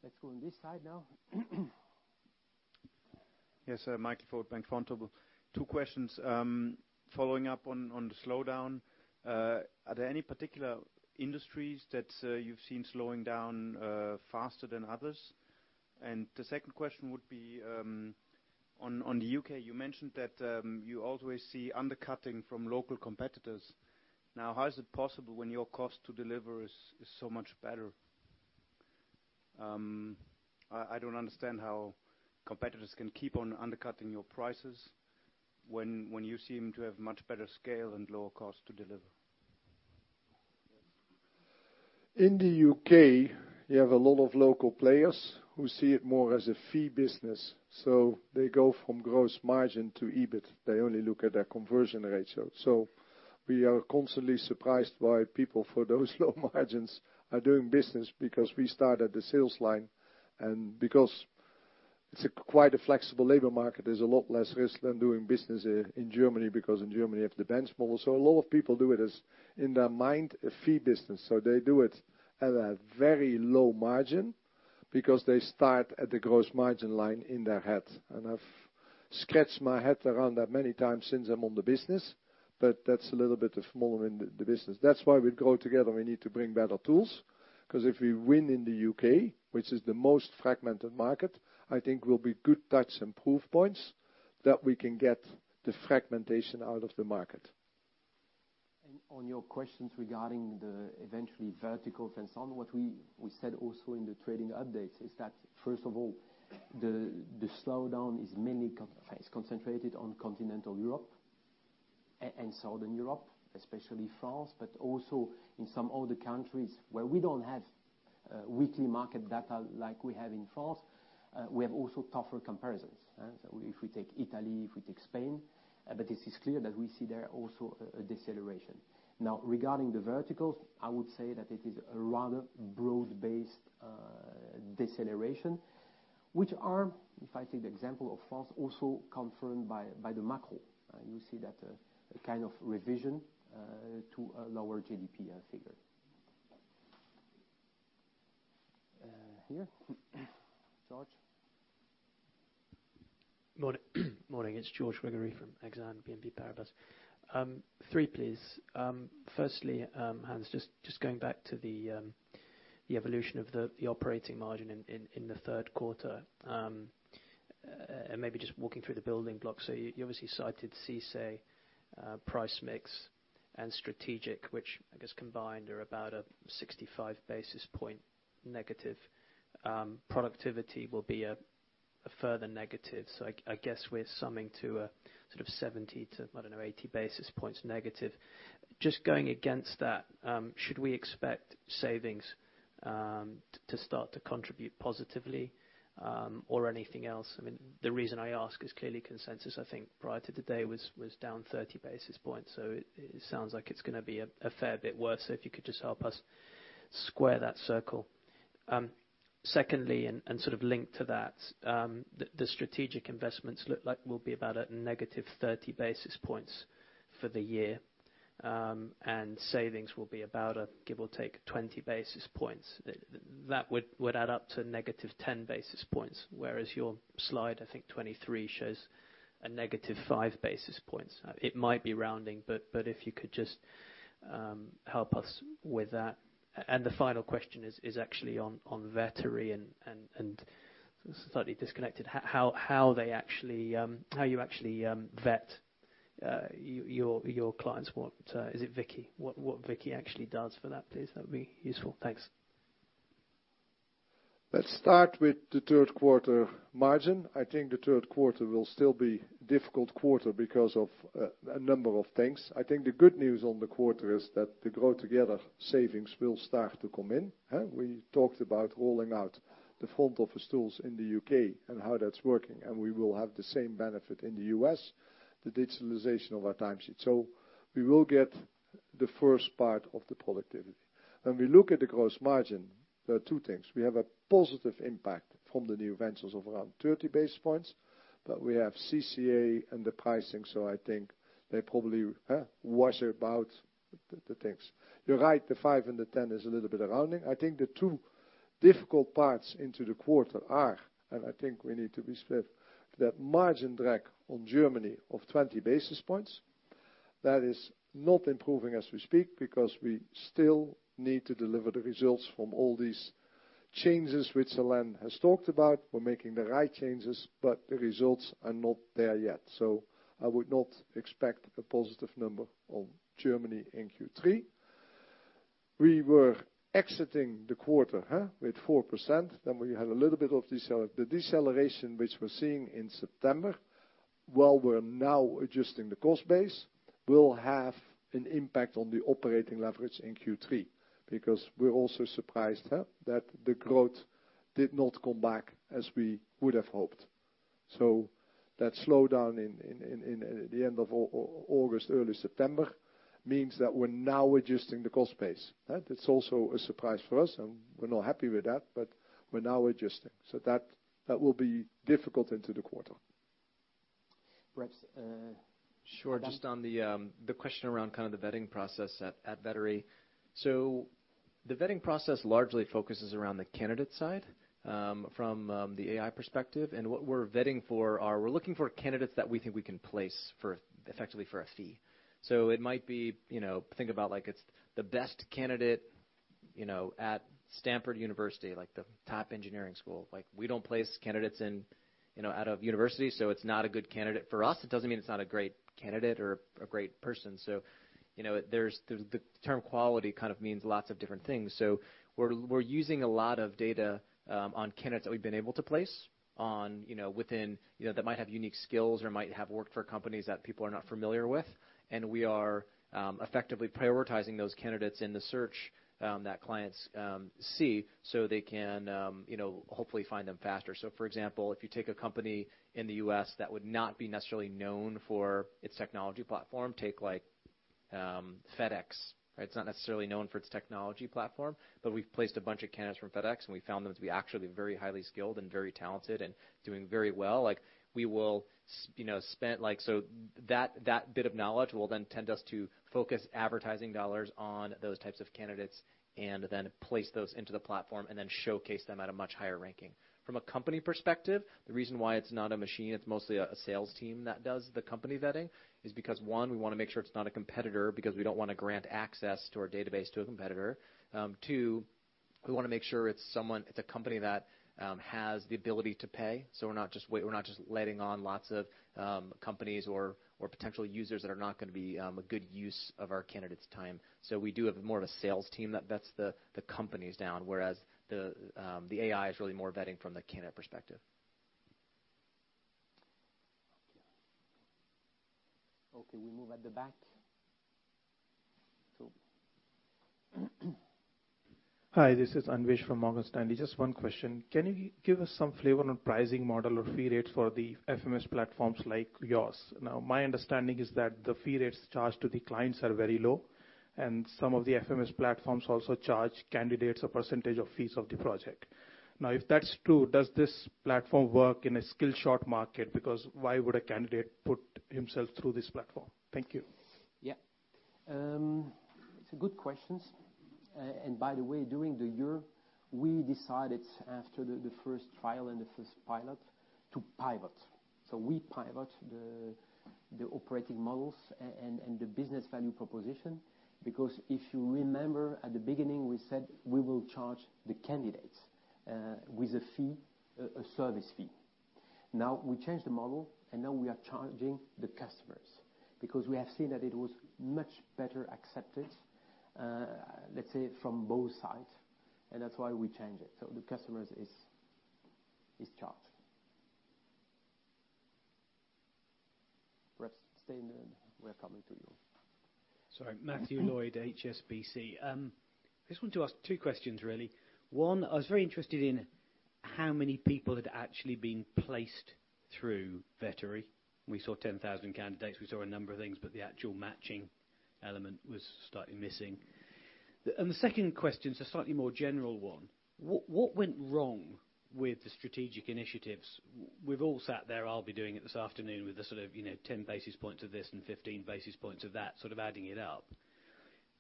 Let's go on this side now. Yes, Michael Foeth, Bank Vontobel. Two questions. Following up on the slowdown, are there any particular industries that you've seen slowing down faster than others? The second question would be, on the U.K., you mentioned that you always see undercutting from local competitors. How is it possible when your cost to deliver is so much better? I don't understand how competitors can keep on undercutting your prices when you seem to have much better scale and lower cost to deliver. In the U.K., you have a lot of local players who see it more as a fee business. They go from gross margin to EBIT. They only look at their conversion ratio. We are constantly surprised why people for those low margins are doing business, because we start at the sales line, and because it's quite a flexible labor market, there's a lot less risk than doing business in Germany, because in Germany you have the bench model. A lot of people do it as, in their mind, a fee business. They do it at a very low margin because they start at the gross margin line in their head. I've scratched my head around that many times since I'm on the business, but that's a little bit of (small) in the business. That's why with Grow Together, we need to bring better tools, because if we win in the U.K., which is the most fragmented market, I think will be good touch and proof points that we can get the fragmentation out of the market. On your questions regarding the eventually verticals and so on, what we said also in the trading updates is that first of all, the slowdown is concentrated on Continental Europe and Southern Europe, especially France, but also in some other countries where we don't have weekly market data like we have in France, we have also tougher comparisons. If we take Italy, if we take Spain. It is clear that we see there also a deceleration. Regarding the verticals, I would say that it is a rather broad-based deceleration, which are, if I take the example of France, also confirmed by the macro. You see that kind of revision to a lower GDP figure. Here, George. Morning. Morning, it is George Gregory from Exane BNP Paribas. Three, please. Firstly, Hans, just going back to the evolution of the operating margin in the third quarter. Maybe just walking through the building blocks. You obviously cited CCA, price mix, and strategic, which I guess combined are about a 65 basis points negative. Productivity will be a further negative. I guess we are summing to a sort of 70 to, I do not know, 80 basis points negative. Just going against that, should we expect savings to start to contribute positively, or anything else? The reason I ask is clearly consensus, I think prior to today was down 30 basis points. It sounds like it is going to be a fair bit worse. If you could just help us square that circle. Secondly, sort of linked to that, the strategic investments look like will be about a negative 30 basis points for the year. Savings will be about a give or take 20 basis points. That would add up to negative 10 basis points, whereas your slide, I think 23, shows a negative five basis points. It might be rounding, but if you could just help us with that. The final question is actually on Vettery and slightly disconnected, how you actually vet your clients (want). Is it Vicky? What Vicky actually does for that, please? That would be useful. Thanks. Let us start with the third quarter margin. I think the third quarter will still be difficult quarter because of a number of things. I think the good news on the quarter is that the Grow Together savings will start to come in. We talked about rolling out the front office tools in the U.K. and how that is working, and we will have the same benefit in the U.S., the digitalization of our timesheets. We will get the first part of the productivity. When we look at the gross margin, there are two things. We have a positive impact from the new ventures of around 30 basis points, but we have CCA and the pricing, I think they probably wash about the things. You are right, the five and the 10 is a little bit of rounding. I think the two difficult parts into the quarter are, I think we need to be split, that margin drag on Germany of 20 basis points. That is not improving as we speak because we still need to deliver the results from all these changes which Alain has talked about. We are making the right changes, but the results are not there yet. I would not expect a positive number on Germany in Q3. We were exiting the quarter with 4%. We had a little bit of the deceleration, which we are seeing in September. While we are now adjusting the cost base, we will have an impact on the operating leverage in Q3, because we are also surprised that the growth did not come back as we would have hoped. That slowdown in the end of August, early September, means that we are now adjusting the cost base. It's also a surprise for us, and we're not happy with that, but we're now adjusting. That will be difficult into the quarter. Brett? Sure. Just on the question around kind of the vetting process at Vettery. The vetting process largely focuses around the candidate side, from the AI perspective. What we're vetting for are we're looking for candidates that we think we can place effectively for a fee. It might be, think about like, it's the best candidate at Stanford University, the top engineering school. We don't place candidates out of university, so it's not a good candidate for us. It doesn't mean it's not a great candidate or a great person. The term quality kind of means lots of different things. We're using a lot of data on candidates that we've been able to place that might have unique skills or might have worked for companies that people are not familiar with. We are effectively prioritizing those candidates in the search that clients see so they can hopefully find them faster. For example, if you take a company in the U.S. that would not be necessarily known for its technology platform, take FedEx. It's not necessarily known for its technology platform, but we've placed a bunch of candidates from FedEx, and we found them to be actually very highly skilled and very talented and doing very well. That bit of knowledge will then tempt us to focus advertising dollars on those types of candidates and then place those into the platform and then showcase them at a much higher ranking. From a company perspective, the reason why it's not a machine, it's mostly a sales team that does the company vetting is because, one, we want to make sure it's not a competitor, because we don't want to grant access to our database to a competitor. Two, we want to make sure it's a company that has the ability to pay. We're not just letting on lots of companies or potential users that are not going to be a good use of our candidates' time. We do have more of a sales team that vets the companies down, whereas the AI is really more vetting from the candidate perspective. Okay. We move at the back. Hi, this is Anvisha from Morgan Stanley. Just one question. Can you give us some flavor on pricing model or fee rates for the FMS platforms like yours? My understanding is that the fee rates charged to the clients are very low, and some of the FMS platforms also charge candidates a % of fees of the project. If that's true, does this platform work in a skill short market? Because why would a candidate put himself through this platform? Thank you. Yeah. It's a good question. By the way, during the year, we decided after the first trial and the first pilot to pivot. We pivot the operating models and the business value proposition, because if you remember at the beginning, we said we will charge the candidates with a service fee. We changed the model, and we are charging the customers because we have seen that it was much better accepted, let's say, from both sides, and that's why we changed it. The customers is charged. Brett, stay and we're coming to you. Sorry. Matthew Lloyd, HSBC. I just want to ask two questions, really. One, I was very interested in how many people had actually been placed through Vettery. We saw 10,000 candidates. We saw a number of things, but the actual matching element was slightly missing. The second question's a slightly more general one. What went wrong with the strategic initiatives? We've all sat there. I'll be doing it this afternoon with the sort of 10 basis points of this and 15 basis points of that, sort of adding it up.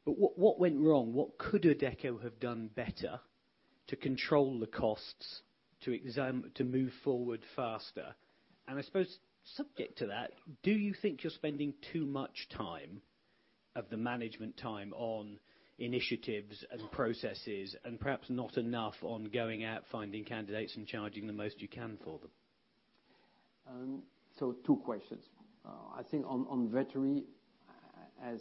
What went wrong? What could Adecco have done better to control the costs, to move forward faster? I suppose subject to that, do you think you're spending too much time, of the management time, on initiatives and processes and perhaps not enough on going out, finding candidates and charging the most you can for them? Two questions. On Vettery, as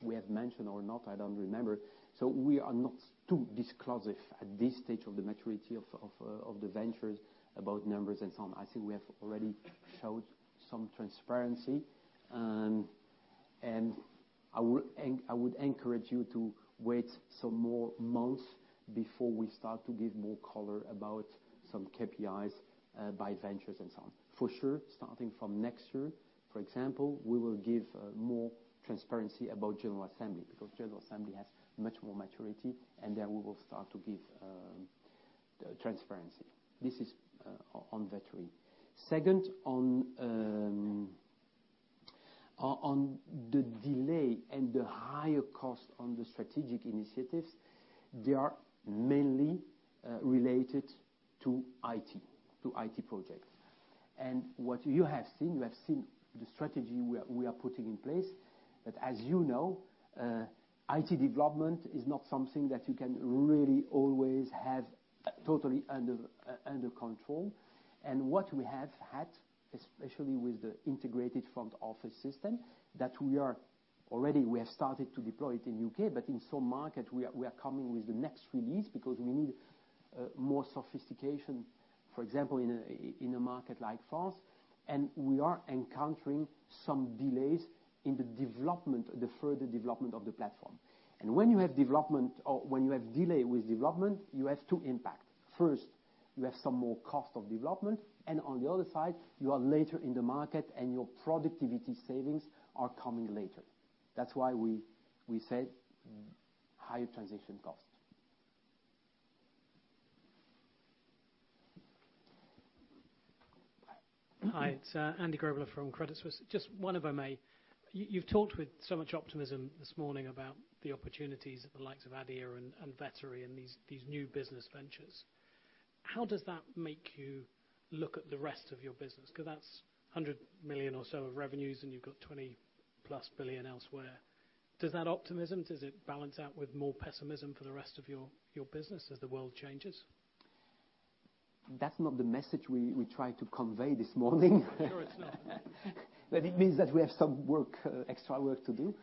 we have mentioned or not, I don't remember. We are not too disclosive at this stage of the maturity of the ventures about numbers and so on. I think we have already showed some transparency, and I would encourage you to wait some more months before we start to give more color about some KPIs by ventures and so on. Starting from next year, for example, we will give more transparency about General Assembly, because General Assembly has much more maturity, then we will start to give transparency. This is on Vettery. Second, on the delay and the higher cost on the strategic initiatives, they are mainly related to IT projects. What you have seen, you have seen the strategy we are putting in place. As you know, IT development is not something that you can really always have totally under control. What we have had, especially with the integrated front office system that already we have started to deploy it in U.K., but in some markets, we are coming with the next release because we need more sophistication, for example, in a market like France, and we are encountering some delays in the further development of the platform. When you have delay with development, you have two impact. First, you have some more cost of development, and on the other side, you are later in the market, and your productivity savings are coming later. That's why we said higher transition cost. Hi. It's Andrew Grobler from Credit Suisse. Just one, if I may. You've talked with so much optimism this morning about the opportunities of the likes of Adia and Vettery and these new business ventures. How does that make you look at the rest of your business? That's 100 million or so of revenues, and you've got 20 plus billion elsewhere. Does that optimism, does it balance out with more pessimism for the rest of your business as the world changes? That's not the message we try to convey this morning. I'm sure it's not. It means that we have some extra work to do.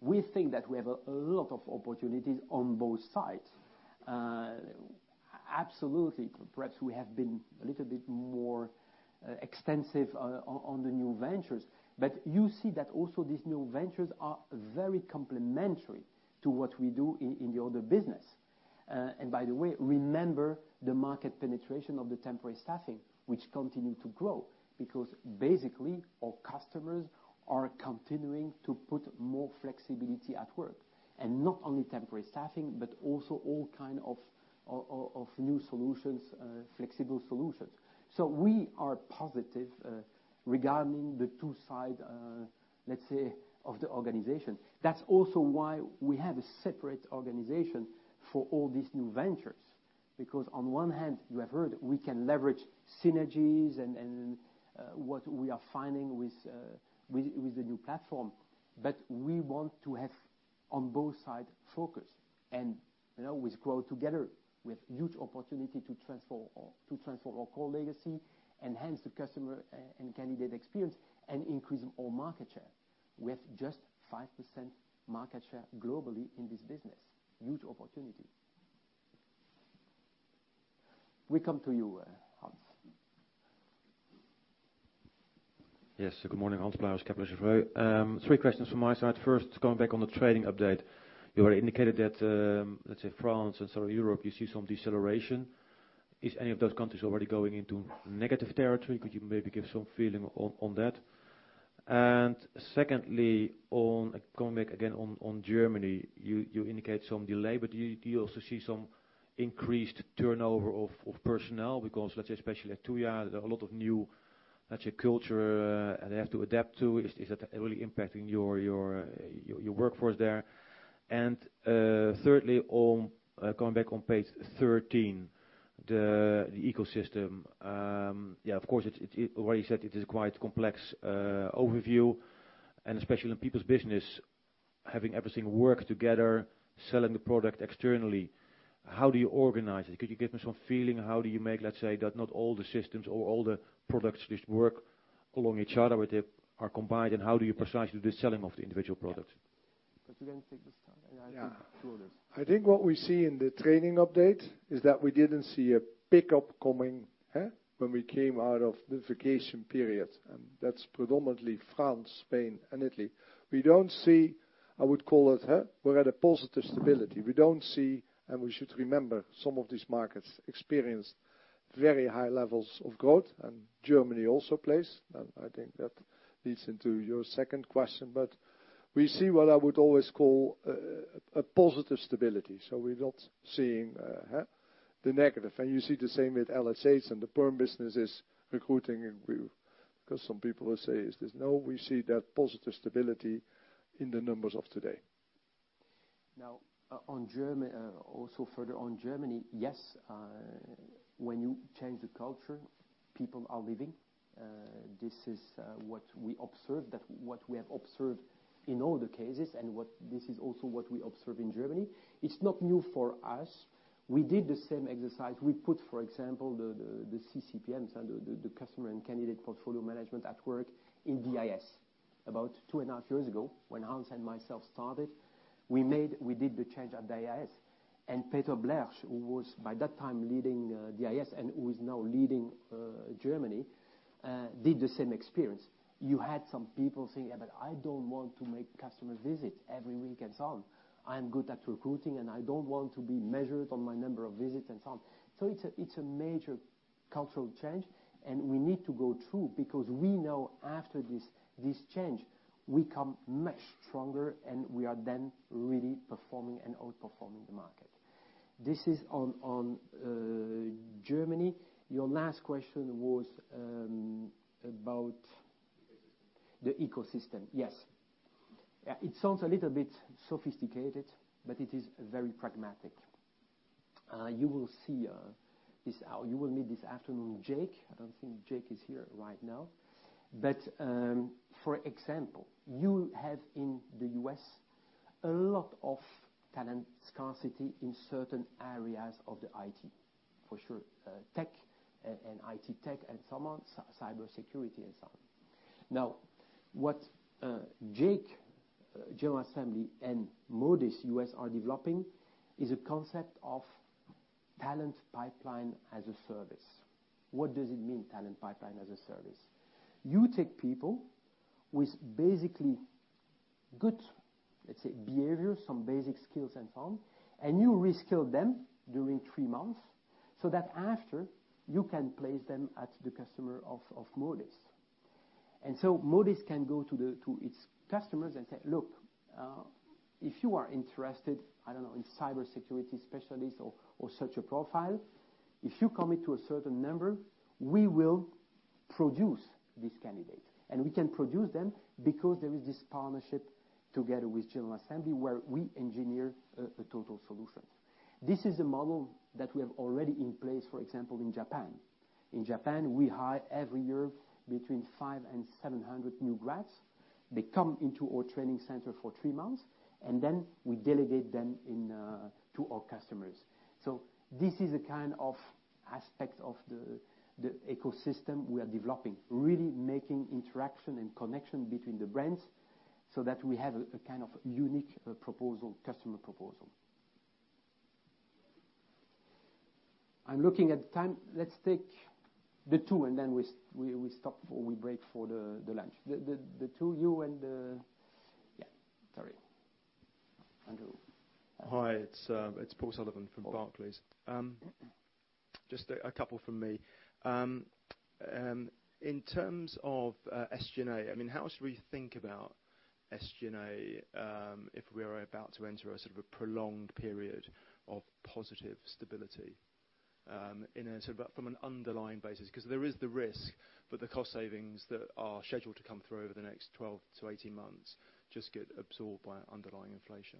We think that we have a lot of opportunities on both sides. Absolutely. Perhaps we have been a little bit more extensive on the new ventures. You see that also these new ventures are very complementary to what we do in the older business. By the way, remember the market penetration of the temporary staffing, which continue to grow, because basically all customers are continuing to put more flexibility at work. Not only temporary staffing, but also all kind of new solutions, flexible solutions. We are positive regarding the two side, let's say, of the organization. That's also why we have a separate organization for all these new ventures. On one hand, you have heard, we can leverage synergies and what we are finding with the new platform. We want to have on both sides focus and always grow together with huge opportunity to transform our core legacy, enhance the customer and candidate experience, and increase our market share. We have just 5% market share globally in this business. Huge opportunity. We come to you, Hans. Yes. Good morning. Hans Pluijgers, Kepler Cheuvreux. Three questions from my side. First, going back on the trading update, you already indicated that, let's say France and sort of Europe, you see some deceleration. Is any of those countries already going into negative territory? Could you maybe give some feeling on that? Secondly, coming back again on Germany, you indicate some delay, but do you also see some increased turnover of personnel? Because let's say especially at Tuja, there are a lot of new culture they have to adapt to. Is that really impacting your workforce there? Thirdly, going back on page 13, the ecosystem. Of course, you already said it is quite complex overview and especially on people's business, having everything work together, selling the product externally, how do you organize it? Could you give me some feeling how do you make, let's say, that not all the systems or all the products just work along each other, but they are combined, how do you precisely do selling of the individual products? You can take this time, I think two others. I think what we see in the trading update is that we didn't see a pickup coming, huh? When we came out of the vacation period, that's predominantly France, Spain, and Italy. We don't see, I would call it, huh, we're at a positive stability. We don't see, we should remember, some of these markets experienced very high levels of growth, Germany also plays. I think that leads into your second question. We see what I would always call a positive stability. We're not seeing the negative. You see the same with LHH and the perm businesses recruiting because some people will say, is this No, we see that positive stability in the numbers of today. Also further on Germany, yes, when you change the culture, people are leaving. This is what we observed, that what we have observed in all the cases, this is also what we observe in Germany. It's not new for us. We did the same exercise. We put, for example, the CCPM, the customer and candidate portfolio management at work in DIS about two and a half years ago when Hans and myself started. We did the change at DIS. Peter Bleich, who was by that time leading DIS and who is now leading Germany, did the same experience. You had some people saying, "I don't want to make customer visits every week," and so on. "I am good at recruiting, I don't want to be measured on my number of visits," and so on. It's a major cultural change, we need to go through because we know after this change, we come much stronger, we are then really performing and outperforming the market. This is on Germany. Your last question was about- The ecosystem The ecosystem. Yes. It sounds a little bit sophisticated, but it is very pragmatic. You will meet this afternoon, Jake. I don't think Jake is here right now. For example, you have in the U.S. a lot of talent scarcity in certain areas of the IT, for sure. Tech and IT tech and so on, cybersecurity and so on. What Jake, General Assembly, and Modis U.S. are developing is a concept of talent pipeline as a service. What does it mean, talent pipeline as a service? You take people with basically good, let's say, behavior, some basic skills and so on, you reskill them during 3 months, so that after you can place them at the customer of Modis. Modis can go to its customers and say, "Look, if you are interested, I don't know, in cybersecurity specialists or such a profile, if you commit to a certain number, we will produce this candidate." We can produce them because there is this partnership together with General Assembly where we engineer a total solution. This is a model that we have already in place, for example, in Japan. In Japan, we hire every year between 500 and 700 new grads. They come into our training center for 3 months, we delegate them to our customers. This is a kind of aspect of the ecosystem we are developing, really making interaction and connection between the brands so that we have a kind of unique customer proposal. I'm looking at the time. Let's take the two, we stop, or we break for the lunch. The two, you and. Sorry. Andrew. Hi, it's Paul Sullivan from Barclays. Just a couple from me. In terms of SG&A, how should we think about SG&A if we're about to enter a sort of a prolonged period of positive stability from an underlying basis? There is the risk for the cost savings that are scheduled to come through over the next 12-18 months just get absorbed by underlying inflation.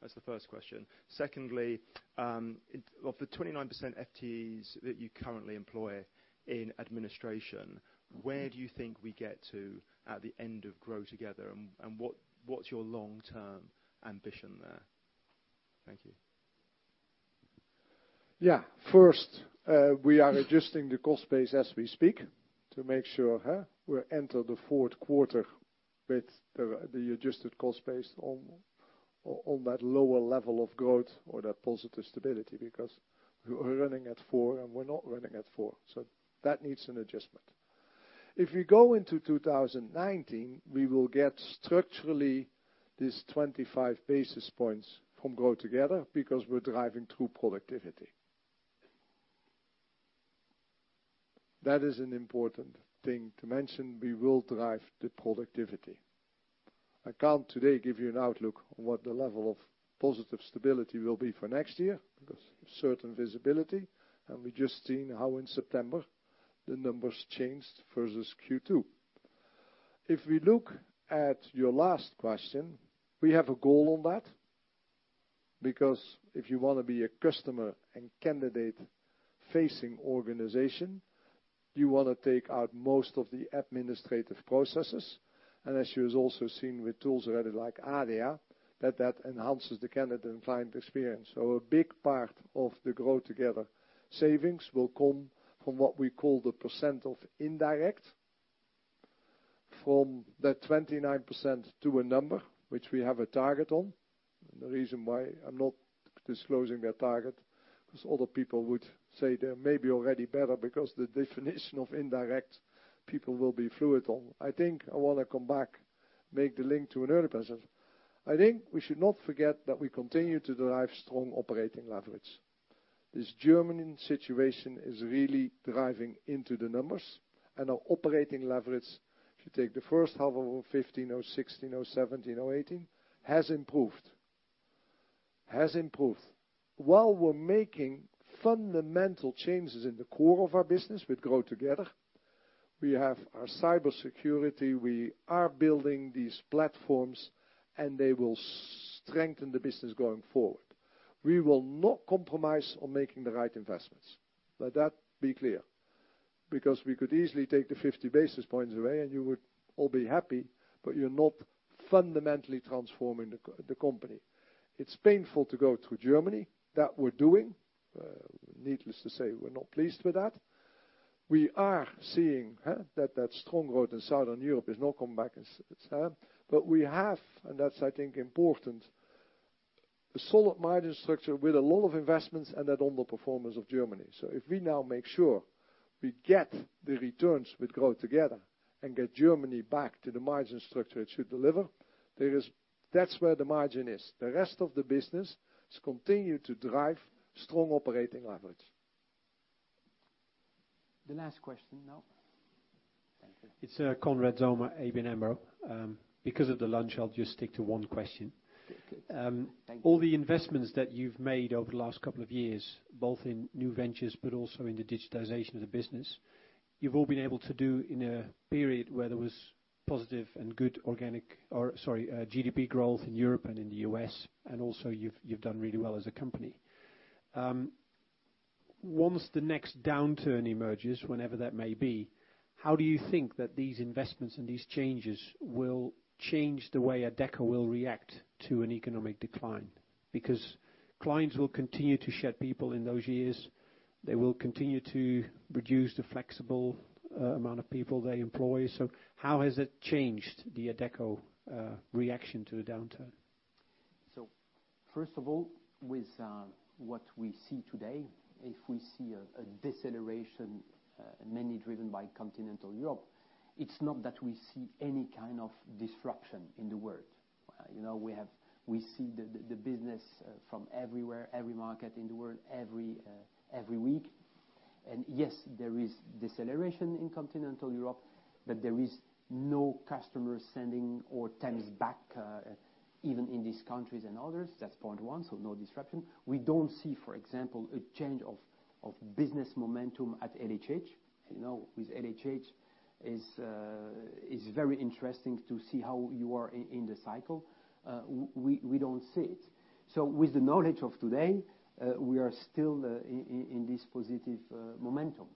That's the first question. Secondly, of the 29% FTEs that you currently employ in administration, where do you think we get to at the end of Grow Together? What's your long-term ambition there? Thank you. First, we are adjusting the cost base as we speak to make sure we enter the fourth quarter with the adjusted cost base on that lower level of growth or that positive stability, because we're running at 4, and we're not running at 4. That needs an adjustment. If you go into 2019, we will get structurally this 25 basis points from Grow Together because we're driving true productivity. That is an important thing to mention. We will drive the productivity. I can't today give you an outlook on what the level of positive stability will be for next year, certain visibility, and we've just seen how in September the numbers changed versus Q2. If we look at your last question, we have a goal on that, because if you want to be a customer and candidate-facing organization, you want to take out most of the administrative processes. As you have also seen with tools already like Adia, that that enhances the candidate and client experience. A big part of the Grow Together savings will come from what we call the percent of indirect from that 29% to a number, which we have a target on. The reason why I'm not disclosing that target is other people would say they're maybe already better because the definition of indirect people will be fluid on. I think I want to come back, make the link to an earlier question. I think we should not forget that we continue to derive strong operating leverage. This German situation is really driving into the numbers and our operating leverage, if you take the first half of 2015, 2016, 2017, 2018, has improved. While we're making fundamental changes in the core of our business with Grow Together, we have our cybersecurity, we are building these platforms, and they will strengthen the business going forward. We will not compromise on making the right investments. Let that be clear. We could easily take the 50 basis points away and you would all be happy, but you're not fundamentally transforming the company. It's painful to go through Germany. That we're doing. Needless to say, we're not pleased with that. We are seeing that that strong growth in Southern Europe is now coming back. We have, and that's, I think, important, a solid margin structure with a lot of investments and that underperformance of Germany. If we now make sure we get the returns with Grow Together and get Germany back to the margin structure it should deliver, that's where the margin is. The rest of the business continue to drive strong operating leverage. The last question now. Thank you. It's Conrad Zarra, Anheuser-Busch InBev. Because of the lunch, I'll just stick to one question. Good. Thank you. All the investments that you've made over the last couple of years, both in new ventures, but also in the digitization of the business, you've all been able to do in a period where there was positive and good GDP growth in Europe and in the U.S., and also you've done really well as a company. Once the next downturn emerges, whenever that may be, how do you think that these investments and these changes will change the way Adecco will react to an economic decline? Clients will continue to shed people in those years. They will continue to reduce the flexible amount of people they employ. How has it changed the Adecco reaction to the downturn? First of all, with what we see today, if we see a deceleration mainly driven by continental Europe, it's not that we see any kind of disruption in the world. We see the business from everywhere, every market in the world, every week. Yes, there is deceleration in continental Europe, but there is no customer sending or tenants back, even in these countries and others. That's point one, so no disruption. We don't see, for example, a change of business momentum at LHH. With LHH, it's very interesting to see how you are in the cycle. We don't see it. With the knowledge of today, we are still in this positive momentum.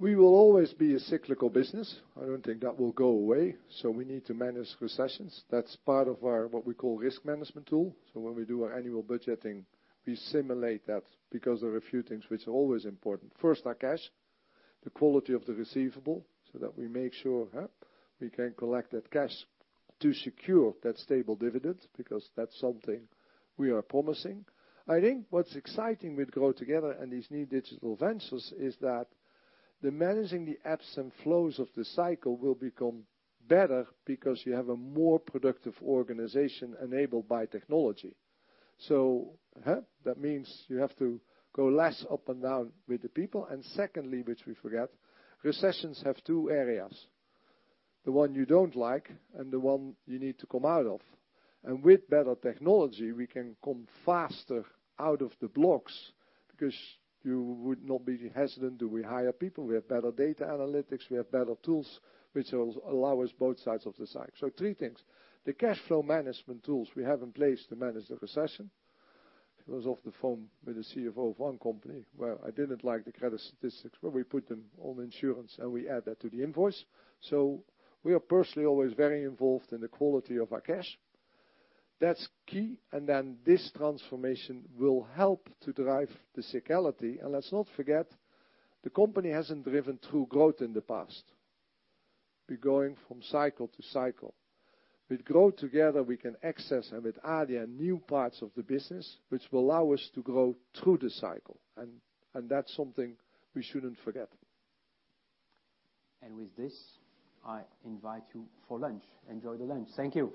We will always be a cyclical business. I don't think that will go away. We need to manage recessions. That's part of our what we call risk management tool. When we do our annual budgeting, we simulate that because there are a few things which are always important. First, our cash, the quality of the receivable, so that we make sure we can collect that cash to secure that stable dividend, because that's something we are promising. I think what's exciting with Grow Together and these new digital ventures is that the managing the ebbs and flows of the cycle will become better because you have a more productive organization enabled by technology. That means you have to go less up and down with the people. Secondly, which we forget, recessions have two areas. The one you don't like and the one you need to come out of. With better technology, we can come faster out of the blocks because you would not be hesitant, do we hire people? We have better data analytics, we have better tools, which allow us both sides of the cycle. Three things. The cash flow management tools we have in place to manage the recession. I was off the phone with the CFO of one company where I didn't like the credit statistics, but we put them on insurance, and we add that to the invoice. We are personally always very involved in the quality of our cash. That's key. Then this transformation will help to drive the cyclicality. Let's not forget, the company hasn't driven true growth in the past. We're going from cycle to cycle. With Grow Together, we can access and with Adia new parts of the business, which will allow us to grow through the cycle. That's something we shouldn't forget. With this, I invite you for lunch. Enjoy the lunch. Thank you.